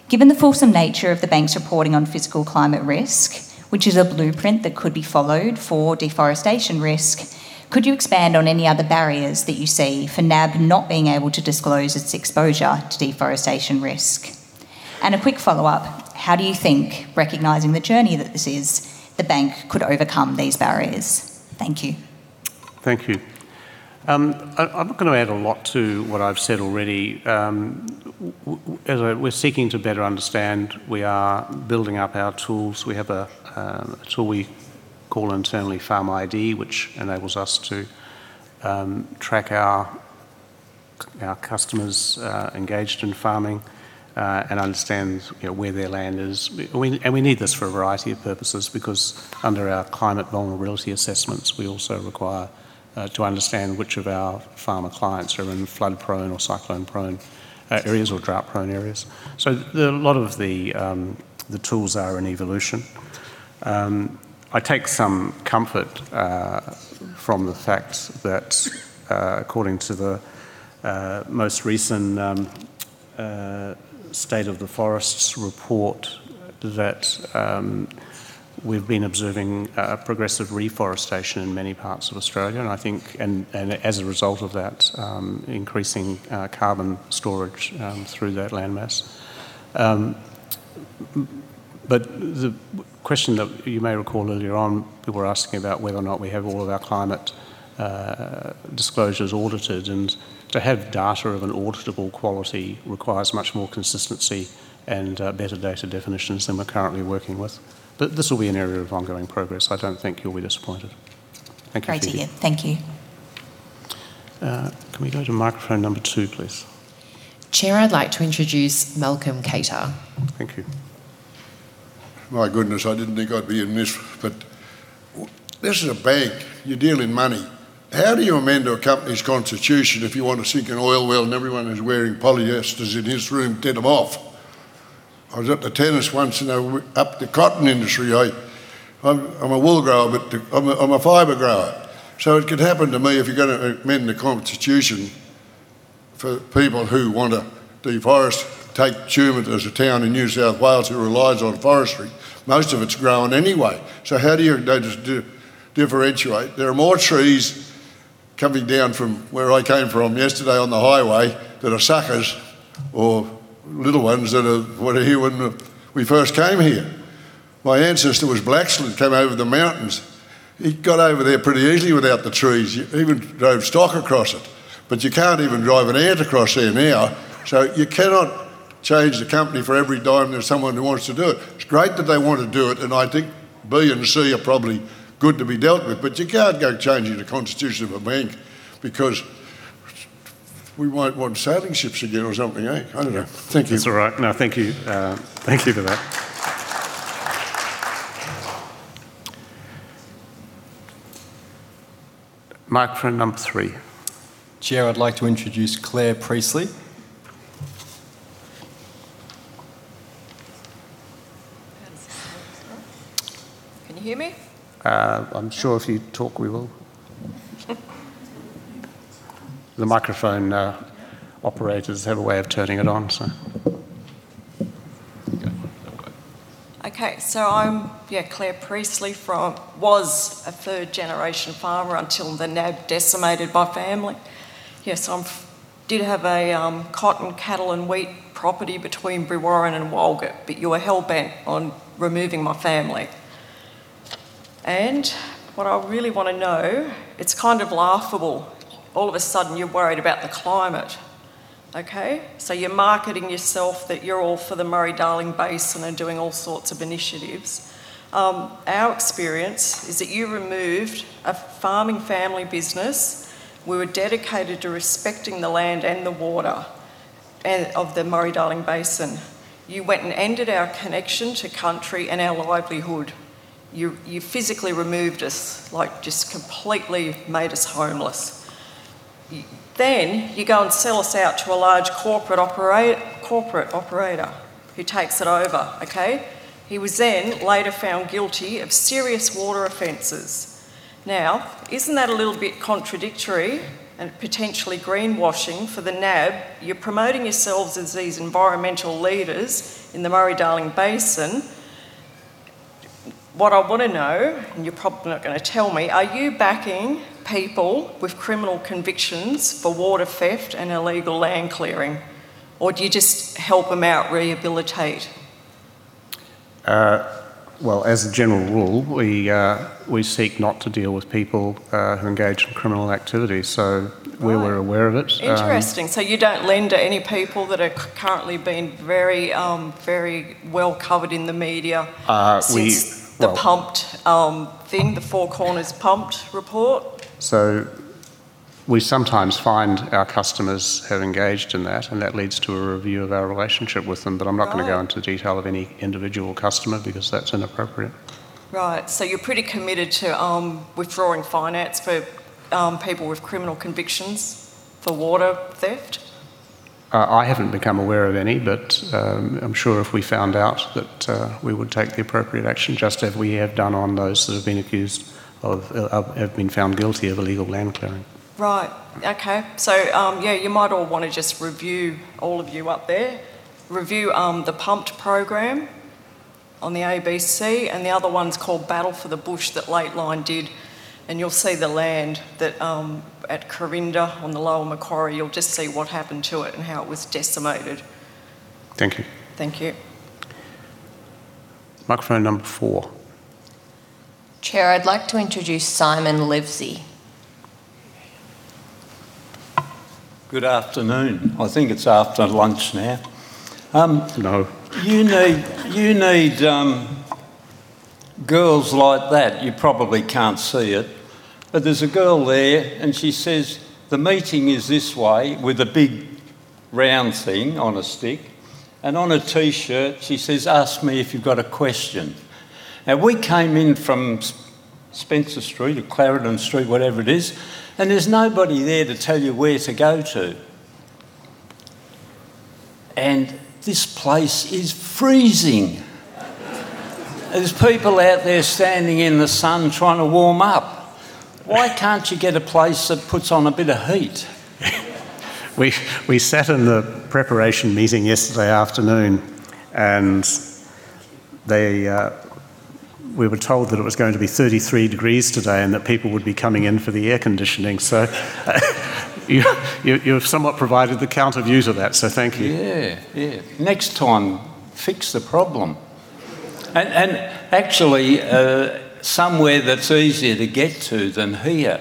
given the fulsome nature of the bank's reporting on physical climate risk, which is a blueprint that could be followed for deforestation risk, could you expand on any other barriers that you see for NAB not being able to disclose its exposure to deforestation risk? And a quick follow-up, how do you think, recognizing the journey that this is, the bank could overcome these barriers? Thank you. Thank you. I'm not going to add a lot to what I've said already. As we're seeking to better understand, we are building up our tools. We have a tool we call internally Farm ID, which enables us to track our customers engaged in farming and understand where their land is, and we need this for a variety of purposes because under our climate vulnerability assessments, we also require to understand which of our farmer clients are in flood-prone or cyclone-prone areas or drought-prone areas, so a lot of the tools are in evolution. I take some comfort from the fact that, according to the most recent state of the forests report, that we've been observing progressive reforestation in many parts of Australia, and I think, as a result of that, increasing carbon storage through that landmass. But the question that you may recall earlier on, people were asking about whether or not we have all of our climate disclosures audited, and to have data of an auditable quality requires much more consistency and better data definitions than we're currently working with. But this will be an area of ongoing progress. I don't think you'll be disappointed. Thank you. Great to hear. Thank you. Can we go to microphone number two, please? Chair, I'd like to introduce Malcolm Cater. Thank you. My goodness, I didn't think I'd be in this, but this is a bank. You're dealing money. How do you amend a company's constitution if you want to sink an oil well and everyone is wearing polyesters in his room to get them off? I was at the tennis once and they were up the cotton industry. I'm a wool grower, but I'm a fibre grower. So it could happen to me if you're going to amend the constitution for people who want to deforest. Take Sherwood, there's a town in New South Wales who relies on forestry. Most of it's grown anyway. So how do you differentiate? There are more trees coming down from where I came from yesterday on the highway than a suckers or little ones that are here when we first came here. My ancestor was blacksmith, came over the mountains. He got over there pretty easily without the trees. He even drove stock across it. But you can't even drive an ant across there now, so you cannot change the company for every time there's someone who wants to do it. It's great that they want to do it, and I think B and C are probably good to be dealt with, but you can't go changing the constitution of a bank because we won't want sailing ships again or something, I don't know. Thank you. That's all right. No, thank you. Thank you for that. Microphone number three. Chair, I'd like to introduce Claire Priestley. Can you hear me? I'm sure if you talk, we will. The microphone operators have a way of turning it on, so. Okay. I'm, yeah, Claire Priestley, was a third-generation farmer until the NAB decimated my family. Yes, I did have a cotton, cattle, and wheat property between Brewarrina and Walgett, but you were hell-bent on removing my family. What I really want to know, it's kind of laughable. All of a sudden, you're worried about the climate, okay. You're marketing yourself that you're all for the Murray-Darling Basin and doing all sorts of initiatives. Our experience is that you removed a farming family business. We were dedicated to respecting the land and the water of the Murray-Darling Basin. You went and ended our connection to country and our livelihood. You physically removed us, like just completely made us homeless. You go and sell us out to a large corporate operator who takes it over, okay. He was then later found guilty of serious water offenses. Now, isn't that a little bit contradictory and potentially greenwashing for the NAB? You're promoting yourselves as these environmental leaders in the Murray-Darling Basin. What I want to know, and you're probably not going to tell me, are you backing people with criminal convictions for water theft and illegal land clearing, or do you just help them out rehabilitate? As a general rule, we seek not to deal with people who engage in criminal activity, so we were aware of it. Interesting. So you don't lend to any people that are currently being very, very well covered in the media. We see the. The pumped thing, the Four Corners Pumped report. So we sometimes find our customers have engaged in that, and that leads to a review of our relationship with them, but I'm not going to go into the detail of any individual customer because that's inappropriate. Right. So you're pretty committed to withdrawing finance for people with criminal convictions for water theft? I haven't become aware of any, but I'm sure if we found out that we would take the appropriate action just as we have done on those that have been accused or have been found guilty of illegal land clearing. Right. Okay. So yeah, you might all want to just review, all of you up there, review the pumped program on the ABC, and the other one's called Battle for the Bush that Lateline did. And you'll see the land at Corinda on the Lower Macquarie. You'll just see what happened to it and how it was decimated. Thank you. Thank you. Microphone number four. Chair, I'd like to introduce Simon Livesey. Good afternoon. I think it's after lunch now. No. You need girls like that. You probably can't see it, but there's a girl there, and she says, "The meeting is this way with a big round thing on a stick, and on a T-shirt," she says, "ask me if you've got a question." Now, we came in from Spencer Street or Clarendon Street, whatever it is, and there's nobody there to tell you where to go to. And this place is freezing. There's people out there standing in the sun trying to warm up. Why can't you get a place that puts on a bit of heat? We sat in the preparation meeting yesterday afternoon, and we were told that it was going to be 33 degrees Celsius today and that people would be coming in for the air conditioning. So you've somewhat provided the counter-views of that, so thank you. Yeah, yeah. Next time, fix the problem. Actually, somewhere that's easier to get to than here.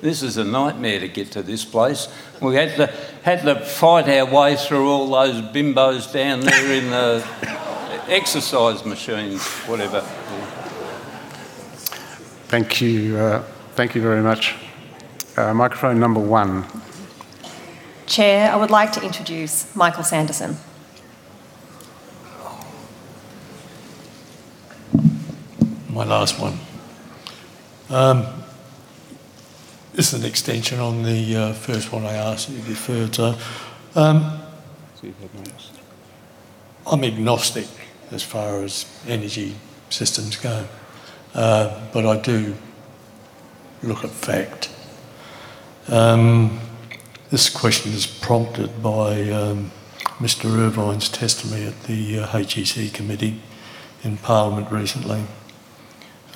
This is a nightmare to get to this place. We had to fight our way through all those bimbos down there in the exercise machines, whatever. Thank you. Thank you very much. Microphone number one. Chair, I would like to introduce Michael Sanderson. My last one. This is an extension on the first one I asked you to refer. So you've had my ask. I'm agnostic as far as energy systems go, but I do look at fact. This question is prompted by Mr. Irvine's testimony at the HEC committee in Parliament recently.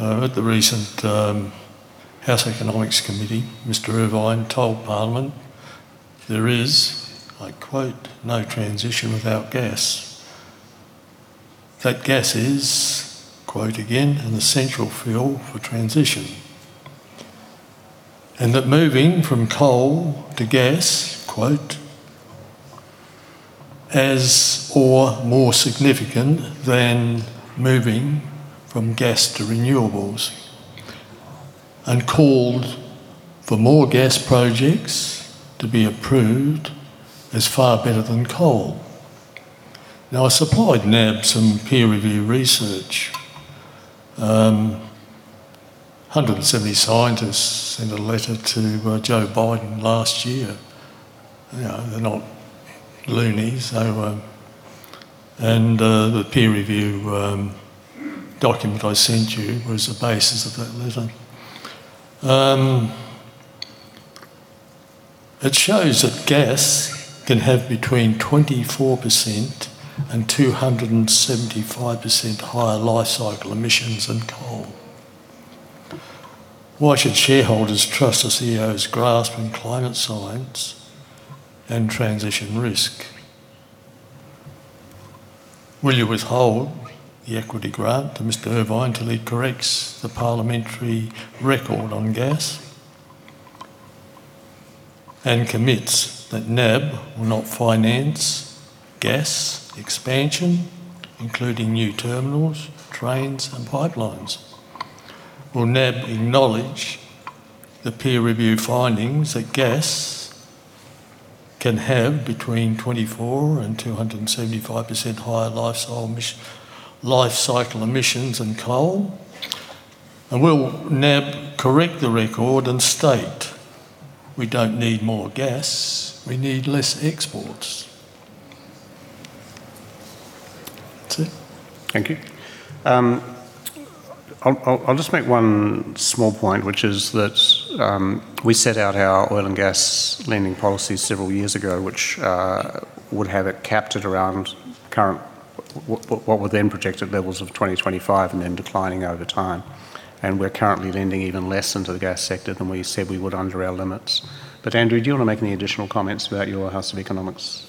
At the recent House Economics Committee, Mr. Irvine told Parliament there is, I quote, "no transition without gas." That gas is, quote again, "an essential fuel for transition." And that moving from coal to gas, quote, "is more significant than moving from gas to renewables" and called for more gas projects to be approved as far better than coal. Now, I supplied NAB some peer-reviewed research. 170 scientists sent a letter to Joe Biden last year. They're not loony, so. And the peer-review document I sent you was the basis of that letter. It shows that gas can have between 24% and 275% higher life cycle emissions than coal. Why should shareholders trust the CEO's grasp in climate science and transition risk? Will you withhold the equity grant to Mr. Irvine till he corrects the parliamentary record on gas and commits that NAB will not finance gas expansion, including new terminals, trains, and pipelines? Will NAB acknowledge the peer-reviewed findings that gas can have between 24% and 275% higher life cycle emissions than coal? And will NAB correct the record and state, "We don't need more gas, we need less exports"? That's it. Thank you. I'll just make one small point, which is that we set out our oil and gas lending policies several years ago, which would have it capped at around current what were then projected levels of 2025 and then declining over time. And we're currently lending even less into the gas sector than we said we would under our limits. But Andrew, do you want to make any additional comments about your House Economics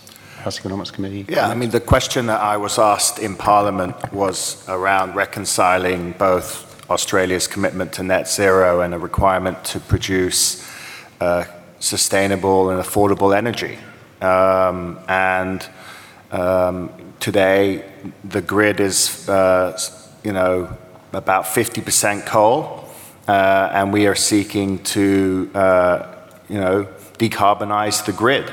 Committee? Yeah. I mean, the question that I was asked in Parliament was around reconciling both Australia's commitment to net zero and a requirement to produce sustainable and affordable energy. And today, the grid is about 50% coal, and we are seeking to decarbonize the grid.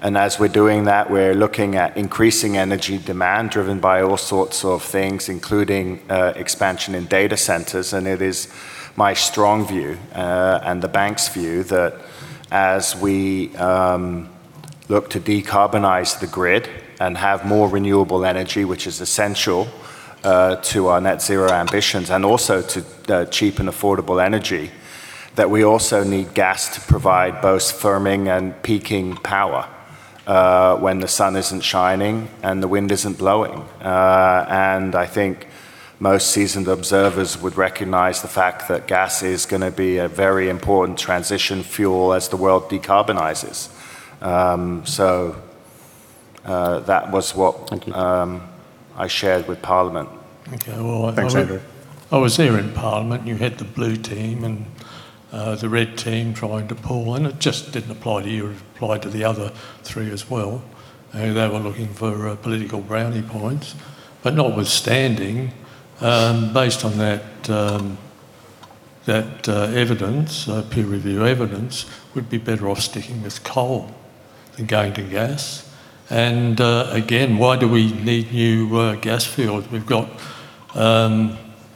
And as we're doing that, we're looking at increasing energy demand driven by all sorts of things, including expansion in data centers. And it is my strong view and the bank's view that as we look to decarbonize the grid and have more renewable energy, which is essential to our net zero ambitions and also to cheap and affordable energy, that we also need gas to provide both firming and peaking power when the sun isn't shining and the wind isn't blowing. And I think most seasoned observers would recognize the fact that gas is going to be a very important transition fuel as the world decarbonizes. So that was what I shared with Parliament. Okay. Well, I was there in Parliament. You had the blue team and the red team trying to pull in. It just didn't apply to you. It applied to the other three as well. They were looking for political brownie points. But notwithstanding, based on that evidence, peer-review evidence, we'd be better off sticking with coal than going to gas. And again, why do we need new gas fields? We've got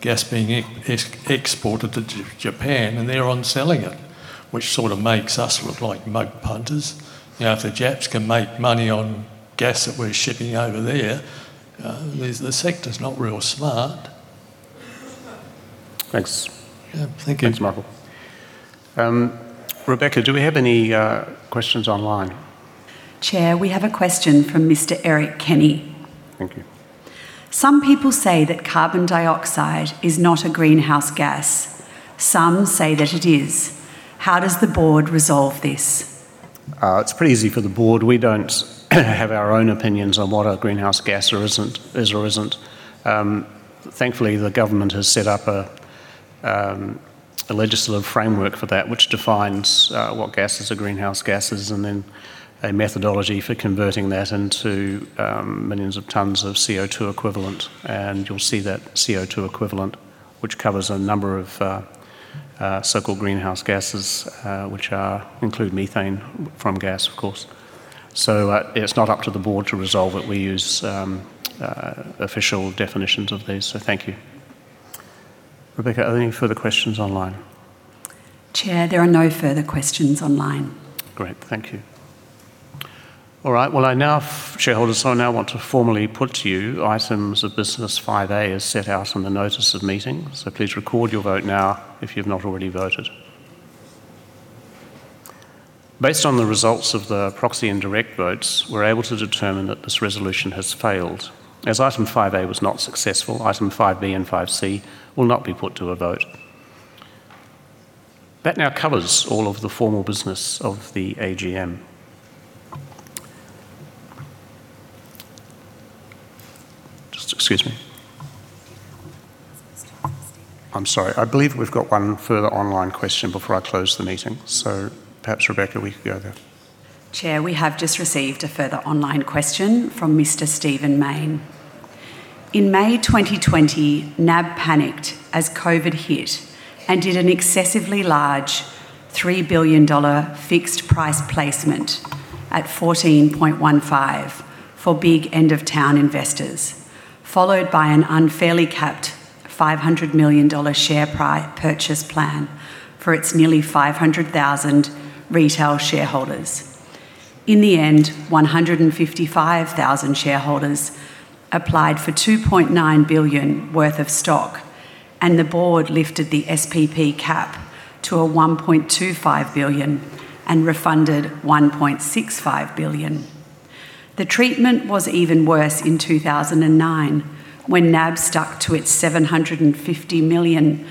gas being exported to Japan, and they're on selling it, which sort of makes us look like mug punters. Now, if the Japs can make money on gas that we're shipping over there, the sector's not real smart. Thanks. Thank you. Thanks, Michael. Rebecca, do we have any questions online? Chair, we have a question from Mr. Eric Kenny. Thank you. Some people say that carbon dioxide is not a greenhouse gas. Some say that it is. How does the board resolve this? It's pretty easy for the board. We don't have our own opinions on what a greenhouse gas is or isn't. Thankfully, the government has set up a legislative framework for that, which defines what a greenhouse gas is, and then a methodology for converting that into millions of tons of CO2 equivalent. And you'll see that CO2 equivalent, which covers a number of so-called greenhouse gases, which include methane from gas, of course. So it's not up to the board to resolve it. We use official definitions of these. So thank you. Rebecca, are there any further questions online? Chair, there are no further questions online. Great. Thank you. All right. Well, shareholders, I now want to formally put to you items of business 5A as set out on the notice of meeting. So please record your vote now if you've not already voted. Based on the results of the proxy and direct votes, we're able to determine that this resolution has failed. As Item 5A was not successful, Item 5B and 5C will not be put to a vote. That now covers all of the formal business of the AGM. Just excuse me. I'm sorry. I believe we've got one further online question before I close the meeting. So perhaps, Rebecca, we could go there. Chair, we have just received a further online question from Mr. Stephen Mayne. In May 2020, NAB panicked as COVID hit and did an excessively large $3 billion fixed price placement at 14.15 for big end-of-town investors, followed by an unfairly capped $500 million share purchase plan for its nearly 500,000 retail shareholders. In the end, 155,000 shareholders applied for $2.9 billion worth of stock, and the board lifted the SPP cap to a $1.25 billion and refunded $1.65 billion. The treatment was even worse in 2009 when NAB stuck to its $750 million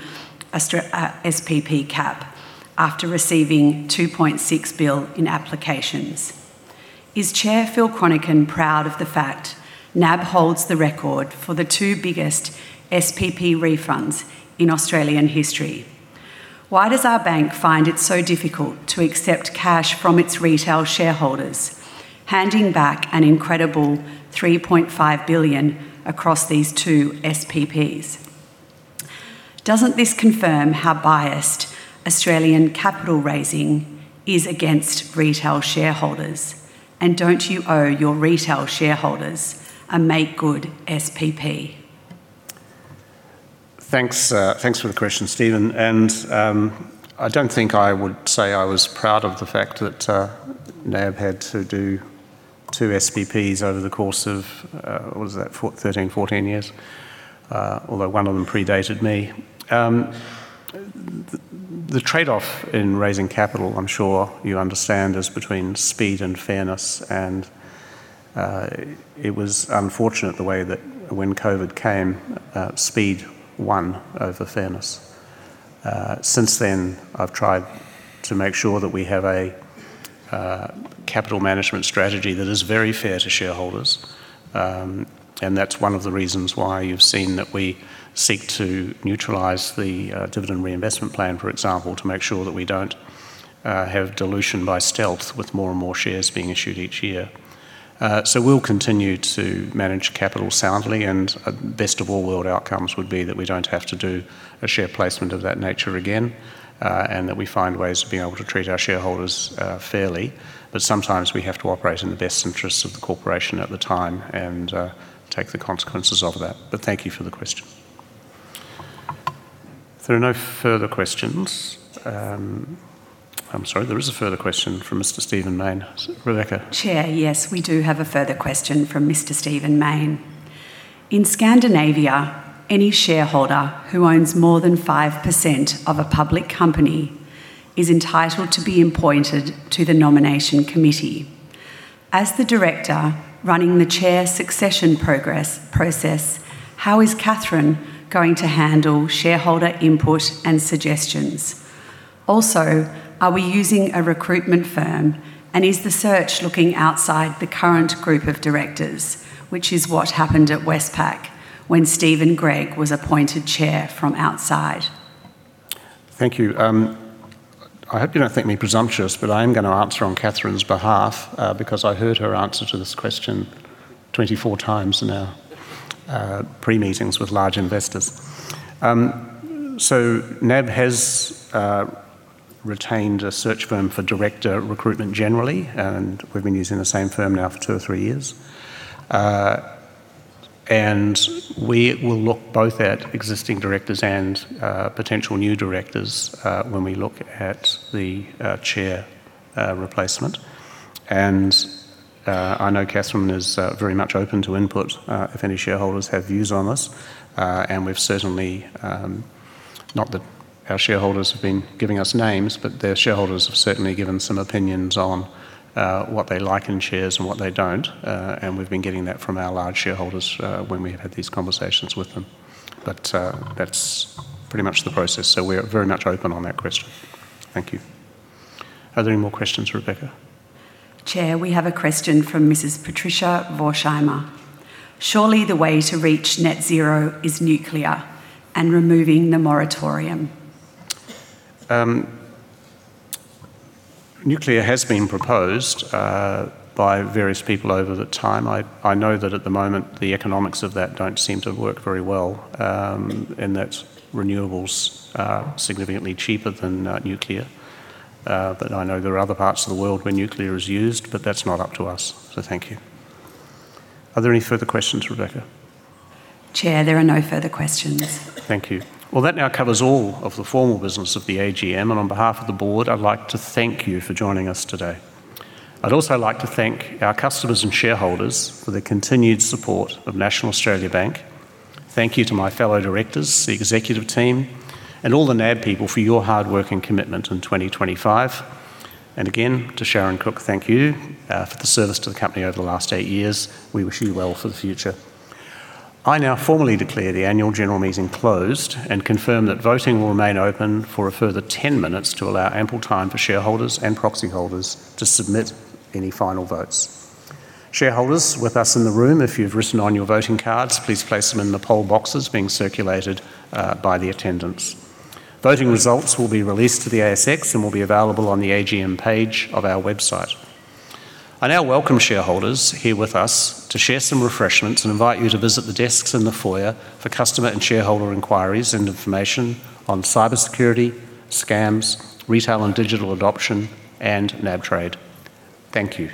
SPP cap after receiving $2.6 billion in applications. Is Chair Phil Chronican proud of the fact NAB holds the record for the two biggest SPP refunds in Australian history? Why does our bank find it so difficult to accept cash from its retail shareholders, handing back an incredible $3.5 billion across these two SPPs? Doesn't this confirm how biased Australian capital raising is against retail shareholders? And don't you owe your retail shareholders a make-good SPP? Thanks for the question, Stephen, and I don't think I would say I was proud of the fact that NAB had to do two SPPs over the course of, what was that, 13, 14 years, although one of them predated me. The trade-off in raising capital, I'm sure you understand, is between speed and fairness, and it was unfortunate the way that when COVID came, speed won over fairness. Since then, I've tried to make sure that we have a capital management strategy that is very fair to shareholders, and that's one of the reasons why you've seen that we seek to neutralize the Dividend Reinvestment Plan, for example, to make sure that we don't have dilution by stealth with more and more shares being issued each year. So we'll continue to manage capital soundly, and best of all world outcomes would be that we don't have to do a share placement of that nature again and that we find ways to be able to treat our shareholders fairly. But sometimes we have to operate in the best interests of the corporation at the time and take the consequences of that. But thank you for the question. There are no further questions. I'm sorry. There is a further question from Mr. Stephen Mayne. Rebecca? Chair, yes, we do have a further question from Mr. Stephen Mayne. In Scandinavia, any shareholder who owns more than 5% of a public company is entitled to be appointed to the nomination committee. As the director running the chair succession process, how is Kathryn going to handle shareholder input and suggestions? Also, are we using a recruitment firm, and is the search looking outside the current group of directors, which is what happened at Westpac when Steven Gregg was appointed chair from outside? Thank you. I hope you don't think me presumptuous, but I am going to answer on Kathryn's behalf because I heard her answer to this question 24 times in our pre-meetings with large investors. So NAB has retained a search firm for director recruitment generally, and we've been using the same firm now for two or three years. And we will look both at existing directors and potential new directors when we look at the chair replacement. And I know Kathryn is very much open to input if any shareholders have views on this. And we've certainly noted that our shareholders have been giving us names, but the shareholders have certainly given some opinions on what they like in chairs and what they don't. And we've been getting that from our large shareholders when we have had these conversations with them. But that's pretty much the process. So we're very much open on that question. Thank you. Are there any more questions, Rebecca? Chair, we have a question from Mrs. Patricia Vorshimer. Surely the way to reach net zero is nuclear and removing the moratorium. Nuclear has been proposed by various people over the time. I know that at the moment, the economics of that don't seem to work very well, and that's renewables significantly cheaper than nuclear. But I know there are other parts of the world where nuclear is used, but that's not up to us. So thank you. Are there any further questions, Rebecca? Chair, there are no further questions. Thank you. Well, that now covers all of the formal business of the AGM. And on behalf of the board, I'd like to thank you for joining us today. I'd also like to thank our customers and shareholders for their continued support of National Australia Bank. Thank you to my fellow directors, the executive team, and all the NAB people for your hard work and commitment in 2025. And again, to Sharon Cook, thank you for the service to the company over the last eight years. We wish you well for the future. I now formally declare the Annual General Meeting closed and confirm that voting will remain open for a further 10 minutes to allow ample time for shareholders and proxy holders to submit any final votes. Shareholders with us in the room, if you've written on your voting cards, please place them in the poll boxes being circulated by the attendants. Voting results will be released to the ASX and will be available on the AGM page of our website. I now welcome shareholders here with us to share some refreshments and invite you to visit the desks in the foyer for customer and shareholder inquiries and information on cybersecurity, scams, retail and digital adoption, and nabtrade. Thank you.